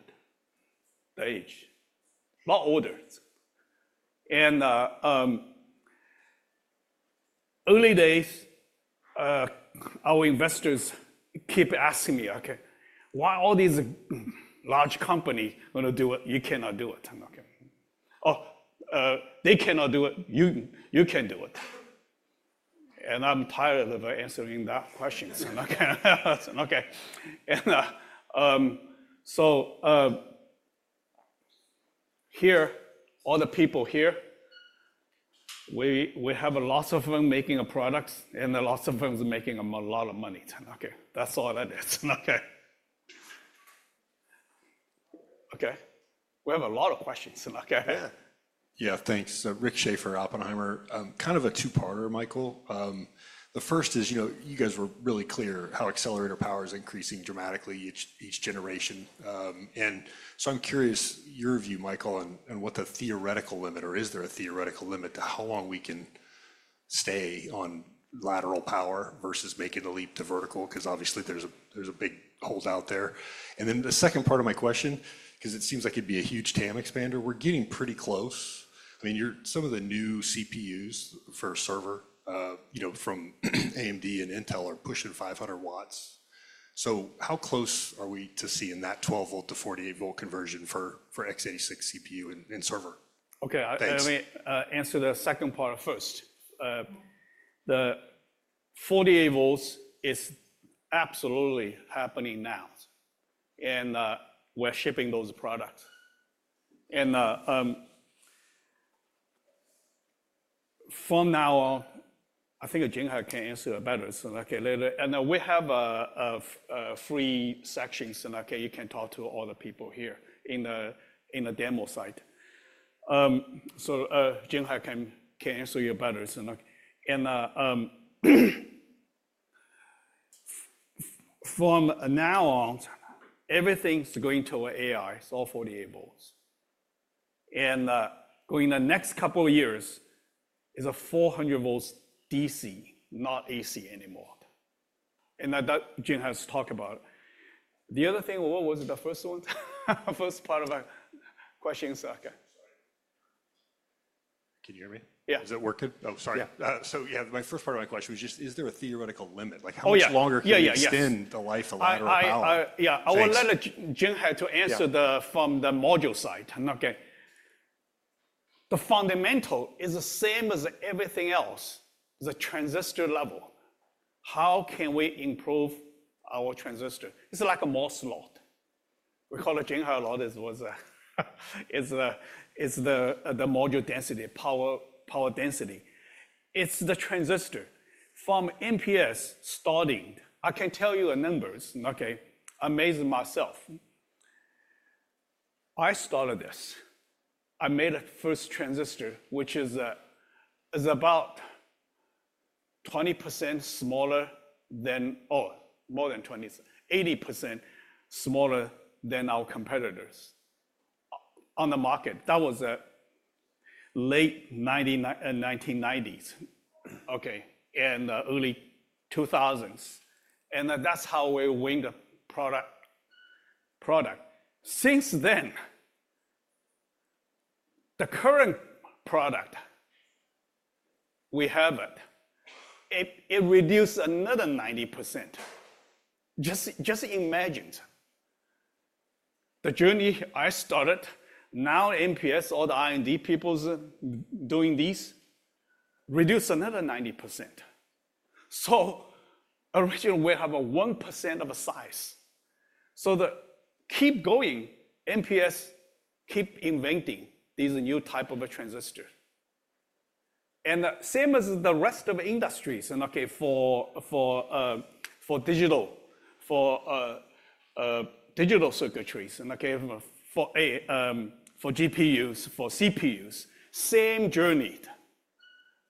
the age, a lot older. Early days, our investors keep asking me, okay, why are all these large companies going to do it? You cannot do it. Oh, they cannot do it. You can do it. I'm tired of answering that question. Okay. Here, all the people here, we have lots of them making products and lots of them making a lot of money. That's all that is. Okay. Okay. We have a lot of questions. Okay. Yeah. Yeah, thanks. Rick Schafer, Oppenheimer. Kind of a two-parter, Michael. The first is you guys were really clear how accelerator power is increasing dramatically each generation. And so I'm curious your view, Michael, and what the theoretical limit or is there a theoretical limit to how long we can stay on lateral power versus making the leap to vertical because obviously there's a big holdout there. And then the second part of my question, because it seems like it'd be a huge TAM expander, we're getting pretty close. I mean, some of the new CPUs for server from AMD and Intel are pushing 500W. So how close are we to seeing that 12 volt to 48 volt conversion for x86 CPU and server? Okay. Let me answer the second part first. The 48 volts is absolutely happening now. We're shipping those products. From now, I think Jing Hai can answer better. We have a free section so you can talk to all the people here in the demo site. Jing Hai can answer you better. From now on, everything's going to AI, it's all 48 volts. Going the next couple of years is a 400 volts DC, not AC anymore. That Jing Hai has talked about. The other thing, what was the first one? First part of my question is okay. Can you hear me? Yeah. Is it working? Oh, sorry. My first part of my question was just, is there a theoretical limit? Like how much longer can you extend the life of lateral power? I will let Jing Hai answer from the module side. The fundamental is the same as everything else, the transistor level. How can we improve our transistor? It's like a MOS slot. We call it Jing Hai a lot. It's the module density, power density. It's the transistor. From MPS starting, I can tell you numbers, amazing myself. I started this. I made a first transistor, which is about 20% smaller than or more than 20%, 80% smaller than our competitors on the market. That was late 1990s, okay, and early 2000s. That's how we win the product. Since then, the current product we have it, it reduced another 90%. Just imagine the journey I started. Now MPS, all the IND people doing this, reduced another 90%. Originally we have a 1% of a size. Keep going, MPS keep inventing these new types of transistors. Same as the rest of industries for digital, for digital circuitries, for GPUs, for CPUs, same journey.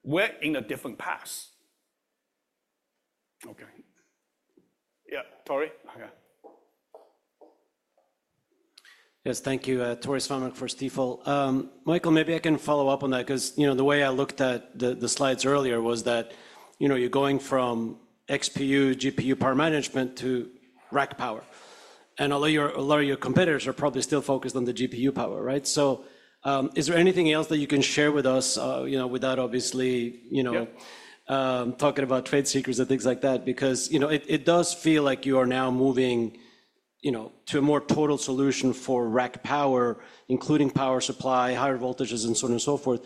We're in a different path. Okay. Yeah, sorry. Yes, thank you, Torres Farming, for his detail. Michael, maybe I can follow up on that because the way I looked at the slides earlier was that you are going from XPU, GPU power management to rack power. A lot of your competitors are probably still focused on the GPU power, right? Is there anything else that you can share with us without obviously talking about trade secrets and things like that? It does feel like you are now moving to a more total solution for rack power, including power supply, higher voltages, and so on and so forth.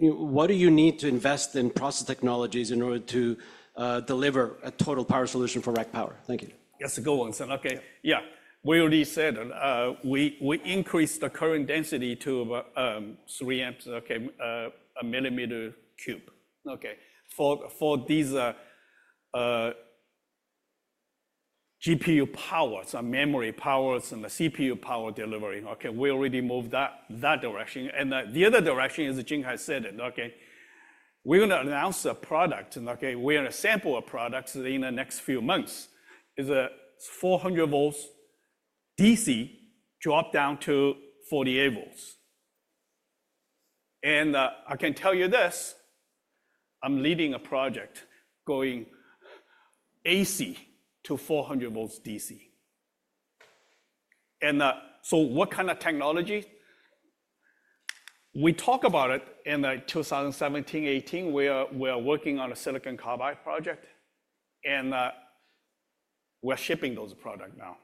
What do you need to invest in process technologies in order to deliver a total power solution for rack power? Thank you. That is a good one. Okay. Yeah. We already said we increased the current density to three amps, okay, a millimeter cube. Okay. For these GPU powers and memory powers and the CPU power delivery, we already moved that direction. The other direction is Jing Hai said it. We're going to announce a product. We're going to sample a product in the next few months. It's 400 volts DC dropped down to 48 volts. I can tell you this, I'm leading a project going AC to 400 volts DC. What kind of technology? We talked about it in 2017, 2018. We are working on a silicon carbide project. We're shipping those products now.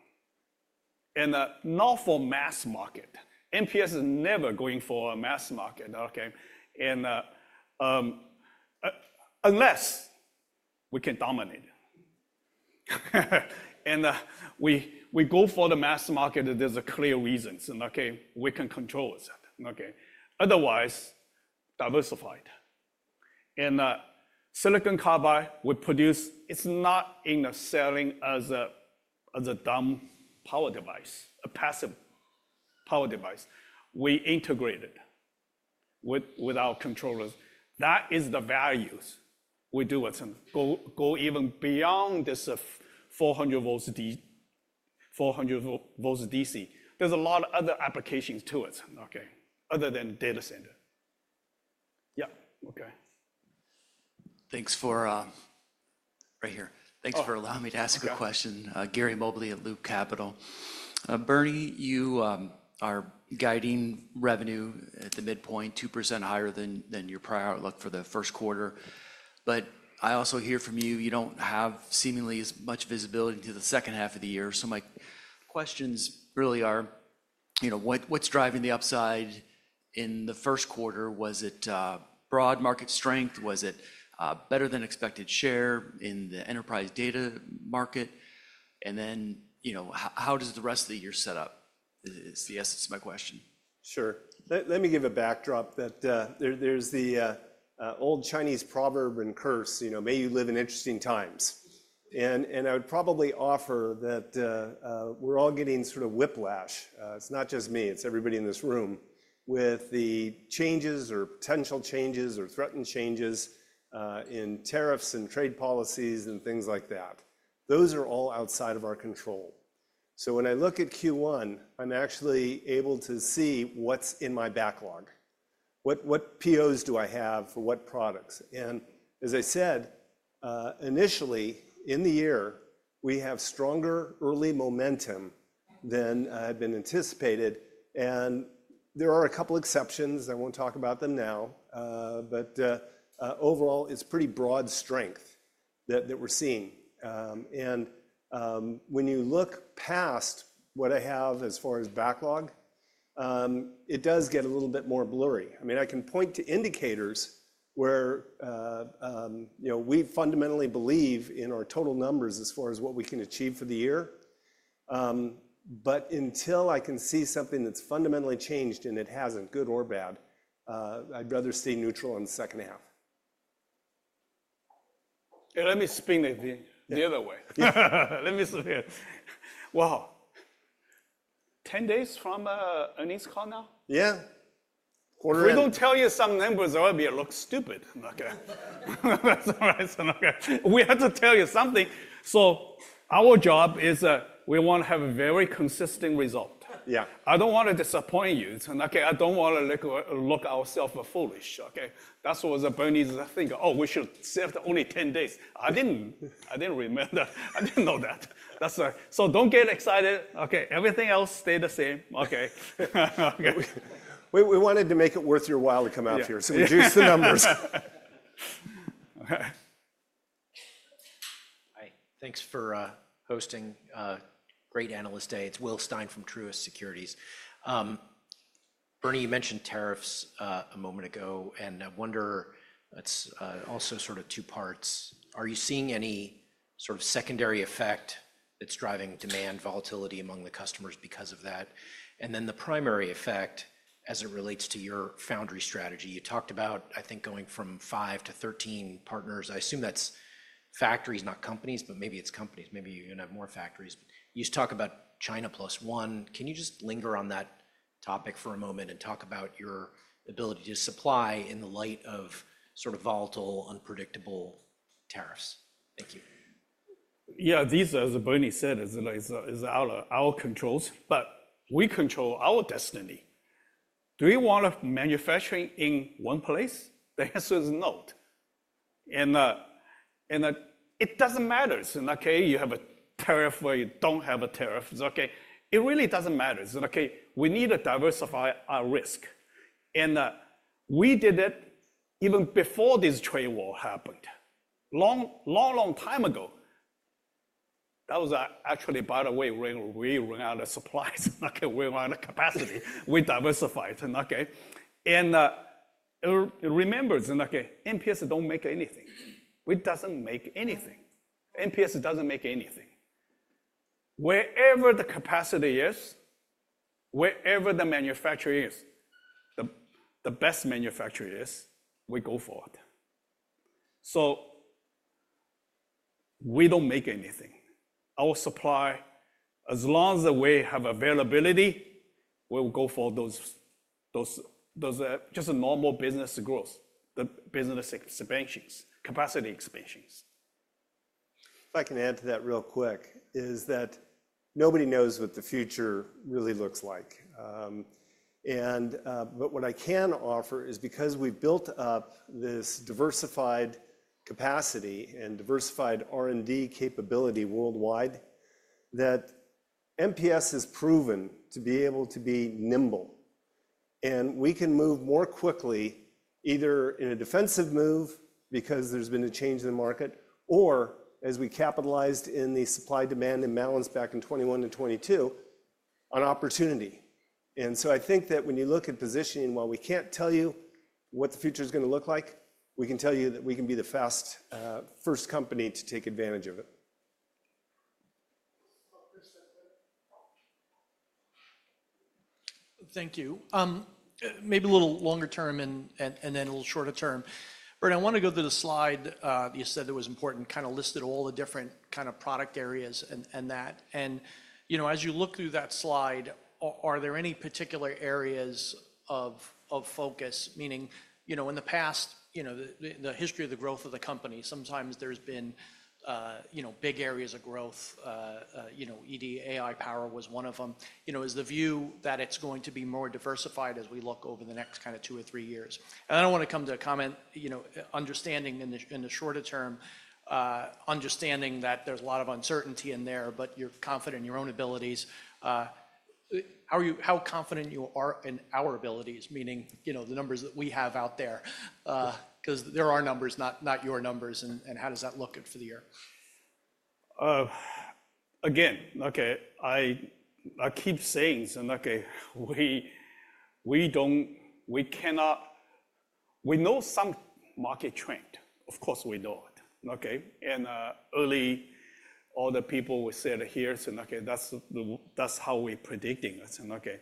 Not for mass market. MPS is never going for a mass market. Okay. Unless we can dominate. We go for the mass market, there's a clear reason. Okay. We can control it. Okay. Otherwise, diversified. Silicon carbide we produce, it's not in the selling as a dumb power device, a passive power device. We integrate it with our controllers. That is the value. We do it and go even beyond this 400 volts DC. There are a lot of other applications to it, okay, other than data center. Yeah. Okay. Thanks for right here. Thanks for allowing me to ask a question. Gary Mobley at Loop Capital. Bernie, you are guiding revenue at the midpoint, 2% higher than your prior outlook for the first quarter. I also hear from you, you do not have seemingly as much visibility into the second half of the year. My questions really are, what's driving the upside in the first quarter? Was it broad market strength? Was it better than expected share in the enterprise data market? How does the rest of the year set up? Is the essence of my question. Sure. Let me give a backdrop that there's the old Chinese proverb and curse, may you live in interesting times. I would probably offer that we're all getting sort of whiplash. It's not just me, it's everybody in this room with the changes or potential changes or threatened changes in tariffs and trade policies and things like that. Those are all outside of our control. When I look at Q1, I'm actually able to see what's in my backlog. What POs do I have for what products? As I said, initially in the year, we have stronger early momentum than had been anticipated. There are a couple of exceptions. I won't talk about them now. Overall, it's pretty broad strength that we're seeing. When you look past what I have as far as backlog, it does get a little bit more blurry. I mean, I can point to indicators where we fundamentally believe in our total numbers as far as what we can achieve for the year. But until I can see something that's fundamentally changed and it hasn't, good or bad, I'd rather stay neutral in the second half. Let me spin it the other way. Let me see here. Wow. Ten days from earnings call now? Yeah. Quarterly. We don't tell you some numbers already, it looks stupid. That's all right. We have to tell you something. Our job is we want to have a very consistent result. Yeah. I don't want to disappoint you. I don't want to look ourselves foolish. Okay. That's what Bernie's thinking. Oh, we should save only ten days. I didn't remember. I didn't know that. Don't get excited. Everything else stays the same. We wanted to make it worth your while to come out here. Reduce the numbers. Hi. Thanks for hosting. Great Analyst Day. It's Will Stein from Truist Securities. Bernie, you mentioned tariffs a moment ago, and I wonder, it's also sort of two parts. Are you seeing any sort of secondary effect that's driving demand volatility among the customers because of that? The primary effect as it relates to your foundry strategy. You talked about, I think, going from five to 13 partners. I assume that's factories, not companies, but maybe it's companies. Maybe you're going to have more factories. You talk about China plus one. Can you just linger on that topic for a moment and talk about your ability to supply in the light of sort of volatile, unpredictable tariffs? Thank you. Yeah, these as Bernie said is our controls, but we control our destiny. Do you want to manufacture in one place? The answer is no. It doesn't matter. You have a tariff or you don't have a tariff. It really doesn't matter. We need to diversify our risk. We did it even before this trade war happened. Long, long, long time ago. That was actually, by the way, we ran out of supplies. We ran out of capacity. We diversified. Remember, MPS don't make anything. It doesn't make anything. MPS doesn't make anything. Wherever the capacity is, wherever the manufacturer is, the best manufacturer is, we go for it. We don't make anything. Our supply, as long as we have availability, we'll go for those just normal business growth, the business expansions, capacity expansions. If I can add to that real quick, nobody knows what the future really looks like. What I can offer is because we've built up this diversified capacity and diversified R&D capability worldwide, MPS has proven to be able to be nimble. We can move more quickly, either in a defensive move because there's been a change in the market, or as we capitalized in the supply-demand imbalance back in 2021 and 2022 on opportunity. I think that when you look at positioning, while we can't tell you what the future is going to look like, we can tell you that we can be the first company to take advantage of it. Thank you. Maybe a little longer term and then a little shorter term. Bernie, I want to go to the slide you said that was important, kind of listed all the different kind of product areas and that. As you look through that slide, are there any particular areas of focus? Meaning in the past, the history of the growth of the company, sometimes there's been big areas of growth. ED, AI, power was one of them. Is the view that it's going to be more diversified as we look over the next kind of two or three years? I do not want to come to a comment, understanding in the shorter term, understanding that there's a lot of uncertainty in there, but you're confident in your own abilities. How confident you are in our abilities, meaning the numbers that we have out there? Because there are numbers, not your numbers. How does that look for the year? Again, I keep saying, okay, we cannot, we know some market trend. Of course, we know it. Okay. Early, all the people we said here, that's how we're predicting it.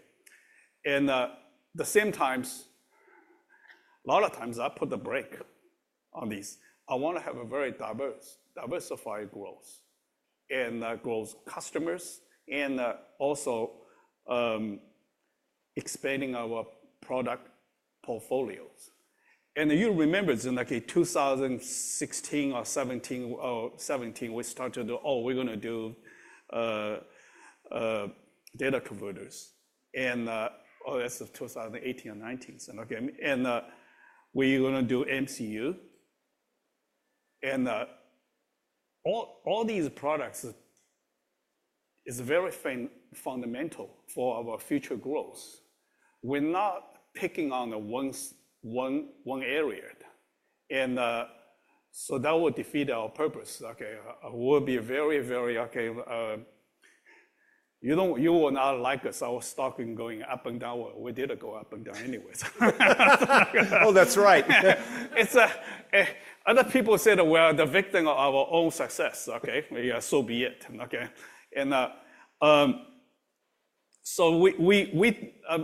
At the same time, a lot of times I put the brake on these. I want to have a very diversified growth and growth customers and also expanding our product portfolios. You remember in 2016 or 2017, we started to do, oh, we're going to do data converters. That is 2018 or 2019. We're going to do MCU. All these products are very fundamental for our future growth. We're not picking on one area. That will defeat our purpose. We will be very, very, okay, you will not like us. Our stock is going up and down. We did not go up and down anyways. Oh, that is right. Other people said, well, the victim of our own success. Okay. So be it. Okay.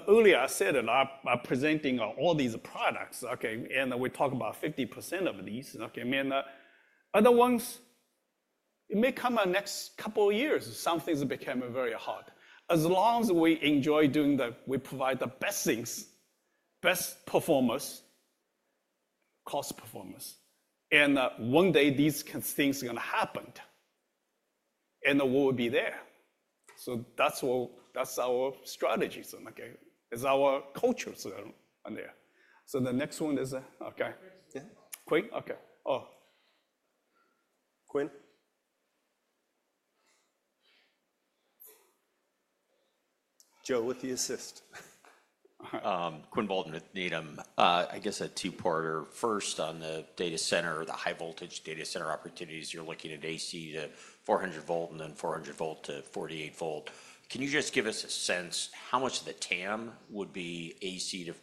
Earlier I said it, I am presenting all these products. Okay. We talk about 50% of these. Okay. Other ones, it may come in the next couple of years. Some things became very hot. As long as we enjoy doing the we provide the best things, best performance, cost performance. One day these things are going to happen. We will be there. That is our strategy. It is our culture on there. The next one is okay. Quinn? Okay. Oh. Quinn? Joe, what do you assist? Quinn Bolton with NATO. I guess a two-parter. First, on the data center, the high-voltage data center opportunities, you are looking at AC to 400 volt and then 400 volt to 48 volt. Can you just give us a sense how much of the TAM would be AC to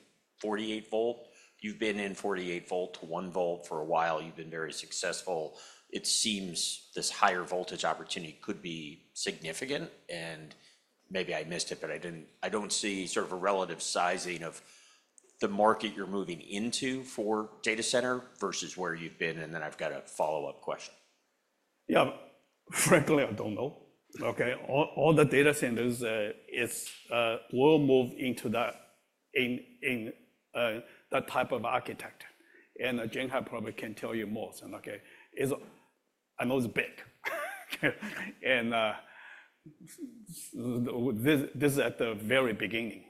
48 volt? You've been in 48 volt to 1 volt for a while. You've been very successful. It seems this higher voltage opportunity could be significant. Maybe I missed it, but I don't see sort of a relative sizing of the market you're moving into for data center versus where you've been. I've got a follow-up question. Yeah. Frankly, I don't know. All the data centers will move into that type of architecture. Jen probably can tell you more. I know it's big. This is at the very beginning.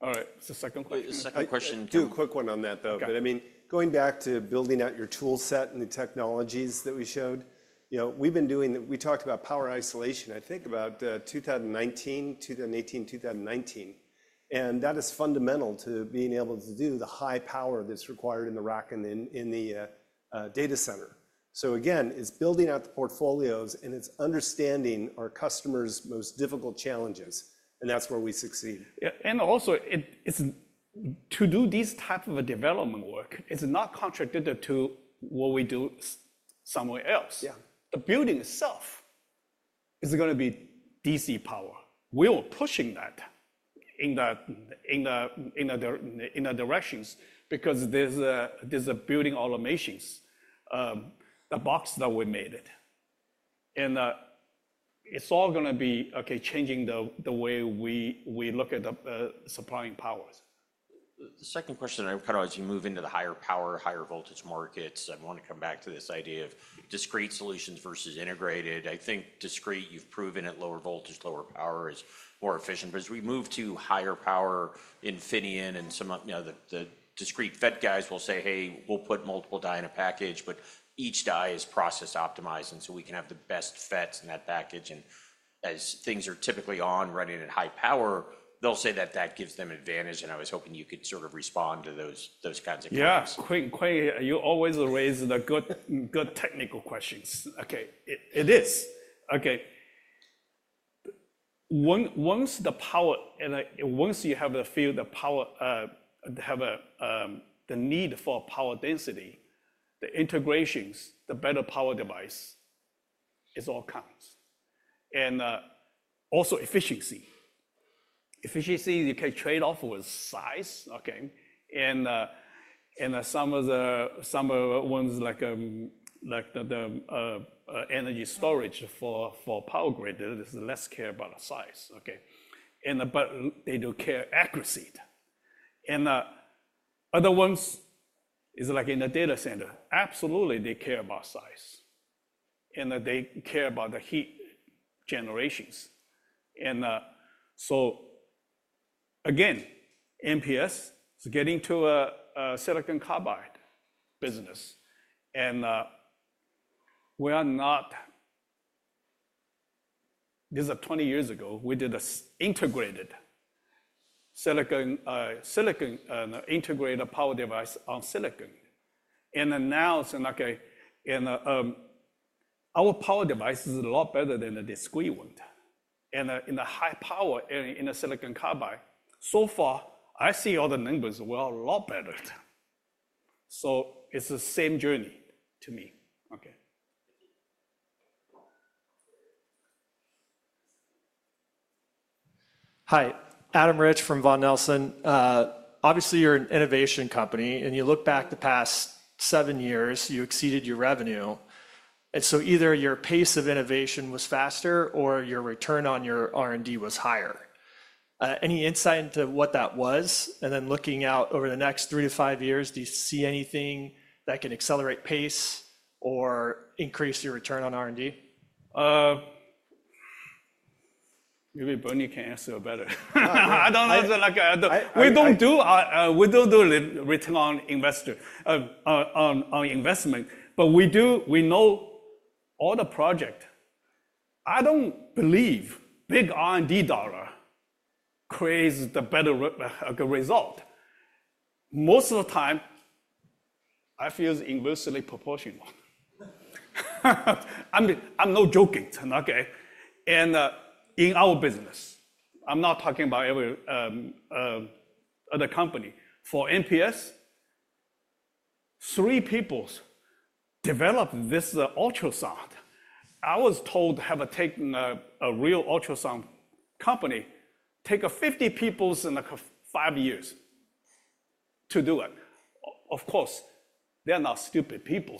All right. It's the second question. Second question too. Do a quick one on that though. I mean, going back to building out your toolset and the technologies that we showed, we've been doing, we talked about power isolation. I think about 2018, 2019. That is fundamental to being able to do the high power that's required in the rack and in the data center. Again, it's building out the portfolios and it's understanding our customers' most difficult challenges. That's where we succeed. Yeah. Also, to do this type of development work, it's not contracted to what we do somewhere else. Yeah. The building itself is going to be DC power. We were pushing that in the directions because there's a building automations, the box that we made it. It's all going to be changing the way we look at supplying powers. The second question, I'm kind of as you move into the higher power, higher voltage markets, I want to come back to this idea of discrete solutions versus integrated. I think discrete, you've proven at lower voltage, lower power is more efficient. As we move to higher power, Infineon and some of the discrete FET guys will say, hey, we'll put multiple die in a package, but each die is process optimizing so we can have the best FETs in that package. As things are typically on running at high power, they'll say that that gives them advantage. I was hoping you could sort of respond to those kinds of questions. Yeah. Quinn, you always raise the good technical questions. Okay. It is. Okay. Once you have the feel the power, have the need for power density, the integrations, the better power device, it all counts. Also efficiency. Efficiency, you can trade off with size. Okay. Some of the ones like the energy storage for power grid, there's less care about size. Okay. They do care accuracy. Other ones is like in the data center. Absolutely, they care about size. They care about the heat generations. Again, MPS is getting to a silicon carbide business. We are not, this is 20 years ago, we did an integrated silicon power device on silicon. Now it's okay. Our power device is a lot better than the discrete one. In the high power in the silicon carbide, so far, I see all the numbers were a lot better. It's the same journey to me. Okay. Hi. Adam Rich from Vaughan Nelson. Obviously, you're an innovation company. You look back the past seven years, you exceeded your revenue. Either your pace of innovation was faster or your return on your R&D was higher. Any insight into what that was? Looking out over the next three to five years, do you see anything that can accelerate pace or increase your return on R&D? Maybe Bernie can answer better. I don't know. We don't do return on investment. We know all the projects. I don't believe big R&D dollar creates the better result. Most of the time, I feel it's inversely proportional. I'm not joking. In our business, I'm not talking about every other company. For MPS, three people developed this ultrasound. I was told to have a real ultrasound company take 50 people in five years to do it. Of course, they're not stupid people.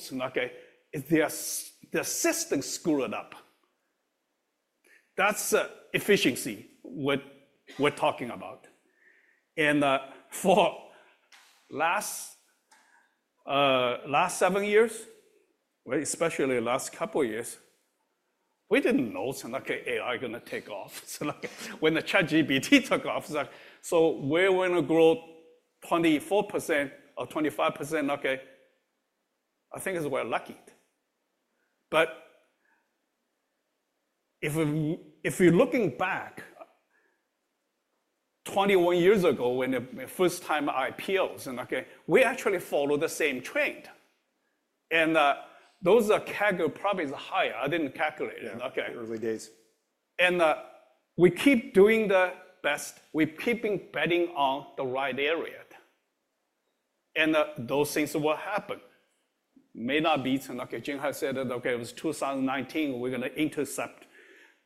The system screwed up. That's efficiency we're talking about. For the last seven years, especially the last couple of years, we didn't know AI was going to take off. When the ChatGPT took off, we're going to grow 24% or 25%. Okay. I think we're lucky. If you're looking back 21 years ago when the first time IPOs, we actually followed the same trend. Those are probably higher. I didn't calculate it. Early days. We keep doing the best. We keep embedding on the right area. Those things will happen. May not be Jen said it was 2019, we're going to intercept.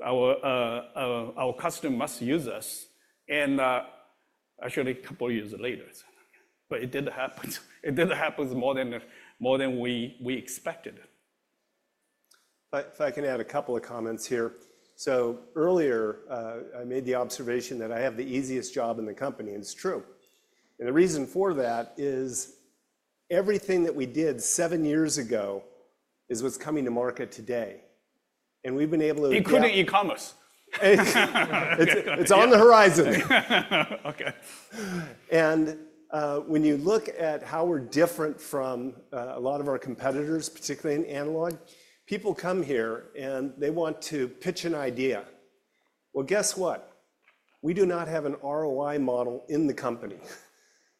Our customer must use us. Actually, a couple of years later. It didn't happen. It didn't happen more than we expected. If I can add a couple of comments here. Earlier, I made the observation that I have the easiest job in the company. It is true. The reason for that is everything that we did seven years ago is what is coming to market today. We have been able to, including e-commerce. It is on the horizon. Okay. When you look at how we are different from a lot of our competitors, particularly in analog, people come here and they want to pitch an idea. Guess what? We do not have an ROI model in the company.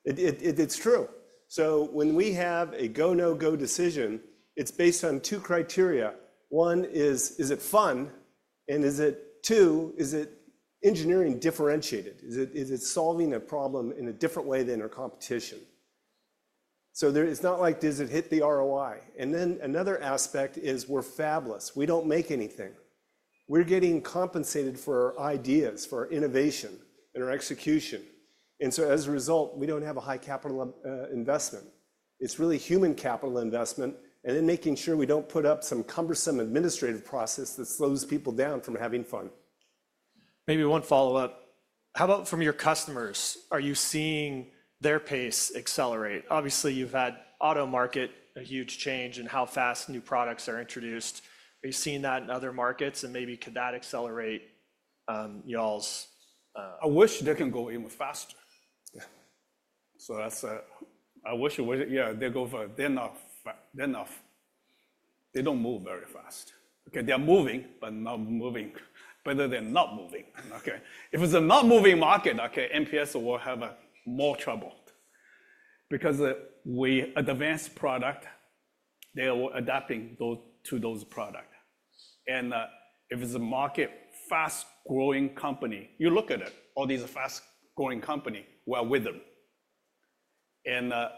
It is true. When we have a go-no-go decision, it is based on two criteria. One is, is it fun? Two, is it engineering differentiated? Is it solving a problem in a different way than our competition? It is not like, does it hit the ROI? Another aspect is we are fabless. We do not make anything. We are getting compensated for our ideas, for our innovation and our execution. As a result, we do not have a high capital investment. It is really human capital investment. Then making sure we do not put up some cumbersome administrative process that slows people down from having fun. Maybe one follow-up. How about from your customers? Are you seeing their pace accelerate? Obviously, you have had auto market, a huge change in how fast new products are introduced. Are you seeing that in other markets? And maybe could that accelerate y'all's? I wish they can go even faster. Yeah. I wish, yeah, they go for, they are not fast. They do not move very fast. Okay. They are moving, but not moving. Better than not moving. Okay. If it is a not moving market, okay, MPS will have more trouble. Because we advance product, they are adapting to those products. If it's a market fast-growing company, you look at it, all these fast-growing companies, we're with them.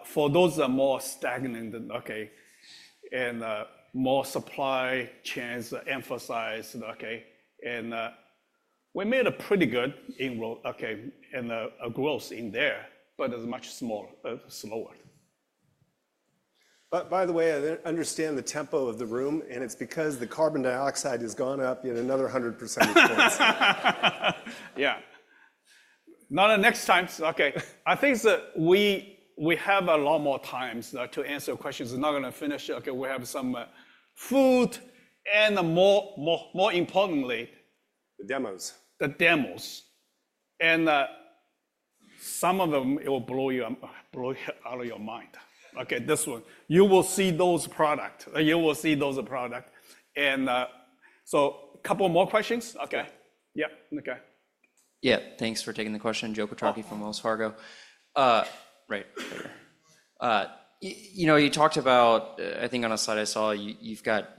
For those that are more stagnant, okay, and more supply chains emphasized, okay, we made a pretty good inroad, okay, and a growth in there, but it's much smaller. By the way, I understand the tempo of the room. It's because the carbon dioxide has gone up another 100% points. Yeah. Not next time. Okay. I think we have a lot more time to answer questions. I'm not going to finish. Okay. We have some food and more importantly, the demos. The demos. Some of them, it will blow you out of your mind. Okay. This one. You will see those products. You will see those products. A couple more questions? Okay. Yeah. Okay. Yeah. Thanks for taking the question. Joe Petrarca from Wells Fargo. Right. You talked about, I think on a slide I saw, you've got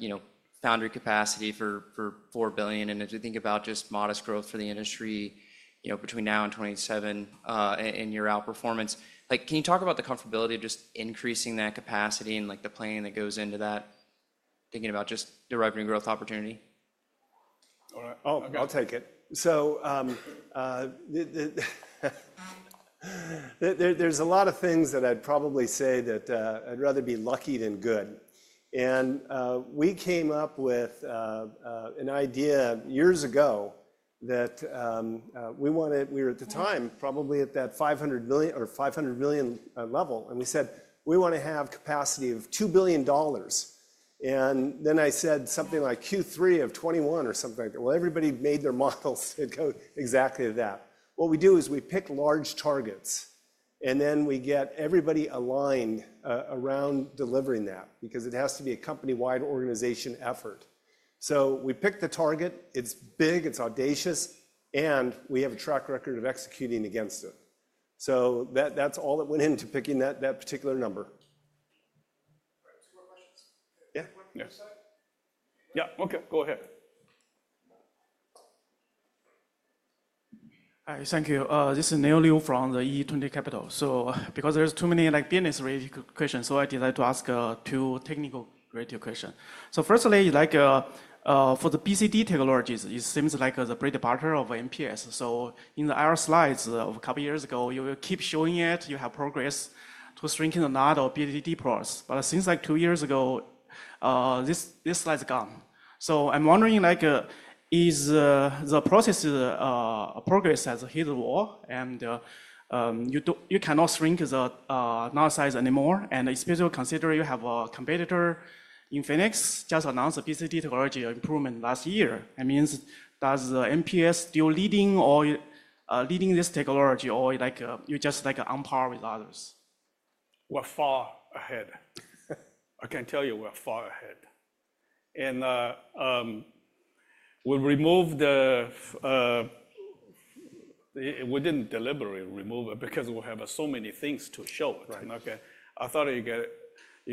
foundry capacity for $4 billion. And if you think about just modest growth for the industry between now and 2027 and your outperformance, can you talk about the comfortability of just increasing that capacity and the planning that goes into that, thinking about just the revenue growth opportunity? Oh, I'll take it. There are a lot of things that I'd probably say that I'd rather be lucky than good. We came up with an idea years ago that we wanted, we were at the time probably at that $500 million or $500 million level. We said, we want to have capacity of $2 billion. I said something like Q3 of 2021 or something like that. Everybody made their models that go exactly to that. What we do is we pick large targets. Then we get everybody aligned around delivering that because it has to be a company-wide organization effort. We pick the target. It's big. It's audacious. We have a track record of executing against it. That's all that went into picking that particular number. Two more questions. Yeah. Yeah. Okay. Go ahead. Hi. Thank you. This is Neo Liu from E20 Capital. Because there's too many business-related questions, I'd like to ask two technical-related questions. Firstly, for the BCD technologies, it seems like the break departure of MPS. In our slides of a couple of years ago, you will keep showing it. You have progress to shrinking the nod or BCD ports. But since like two years ago, this slide's gone. I'm wondering, is the process progress has hit a wall? You cannot shrink the node size anymore. Especially considering you have a competitor, Infineon, just announced a BCD technology improvement last year. That means does MPS still leading this technology or you're just on par with others? We're far ahead. I can tell you we're far ahead. We didn't deliberately remove it because we have so many things to show. I thought you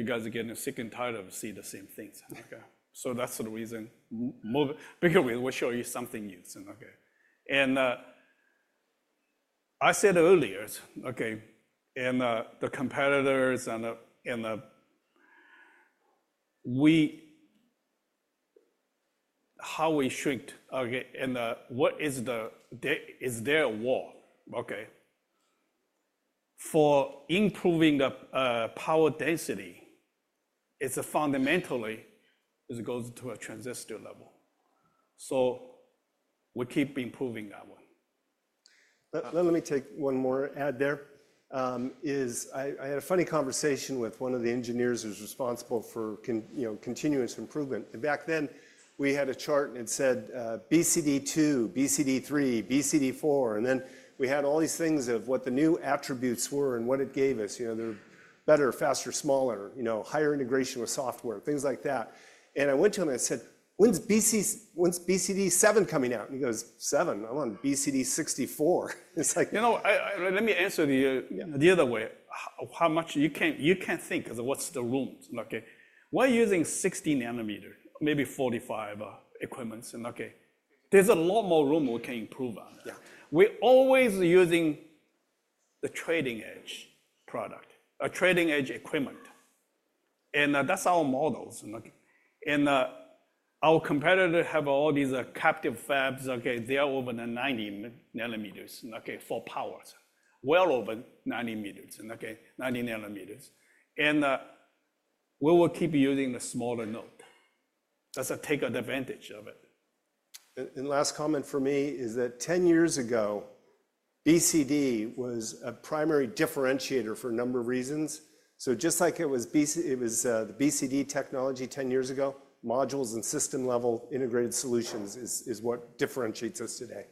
guys are getting sick and tired of seeing the same things. That's the reason. We will show you something new. I said earlier, the competitors and how we shrinked, and what is there a wall for improving the power density, it's fundamentally it goes to a transistor level. We keep improving that one. Let me take one more add there. I had a funny conversation with one of the engineers who's responsible for continuous improvement. Back then, we had a chart and it said BCD2, BCD3, BCD4. Then we had all these things of what the new attributes were and what it gave us. They're better, faster, smaller, higher integration with software, things like that. I went to him and I said, "When's BCD7 coming out?" He goes, "seven? I want BCD64." It's like, you know. Let me answer the other way. You can't think of what's the room. Okay. We're using 16 nanometers, maybe 45 equipments. Okay. There's a lot more room we can improve on. We're always using the trading edge product, a trading edge equipment. That's our models. Our competitors have all these captive fabs. They're over the 90 nanometers for powers. Well over 90 meters. Okay. 90 nanometers. We will keep using the smaller node. That is to take advantage of it. Last comment for me is that 10 years ago, BCD was a primary differentiator for a number of reasons. Just like it was the BCD technology 10 years ago, modules and system-level integrated solutions is what differentiates us today.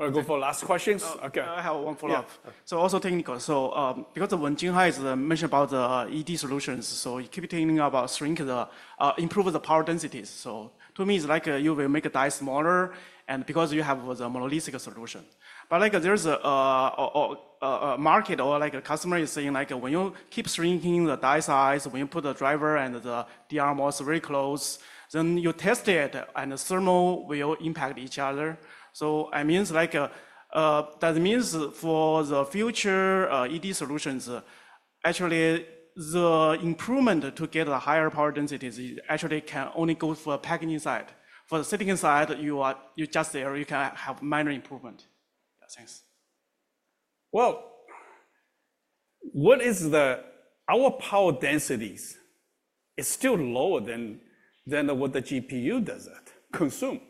I'll go for last questions. I have one follow-up. Also technical. Because Wen Jinghai mentioned about the ED solutions, I keep thinking about improving the power densities. To me, it's like you will make a die smaller because you have the monolithic solution. There is a market or a customer saying when you keep shrinking the die size, when you put the driver and the DRMOS very close, then you test it and the thermal will impact each other. That means for the future ED solutions, actually the improvement to get a higher power density actually can only go for a packaging side. For the silicon side, you just have minor improvement. Thanks. What is our power densities? It is still lower than what the GPU does consume.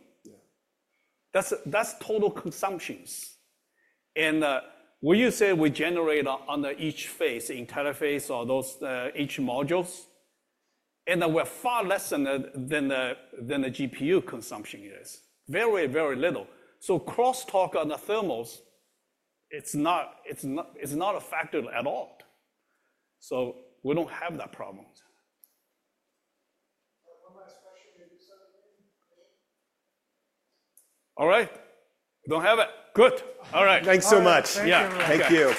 That is total consumption. Would you say we generate on each phase, entire phase, or those H modules? We are far less than the GPU consumption is. Very, very little. Crosstalk on the thermals is not a factor at all. We do not have that problem. One last question. All right. Do not have it. Good. All right. Thanks so much. Yeah. Thank you.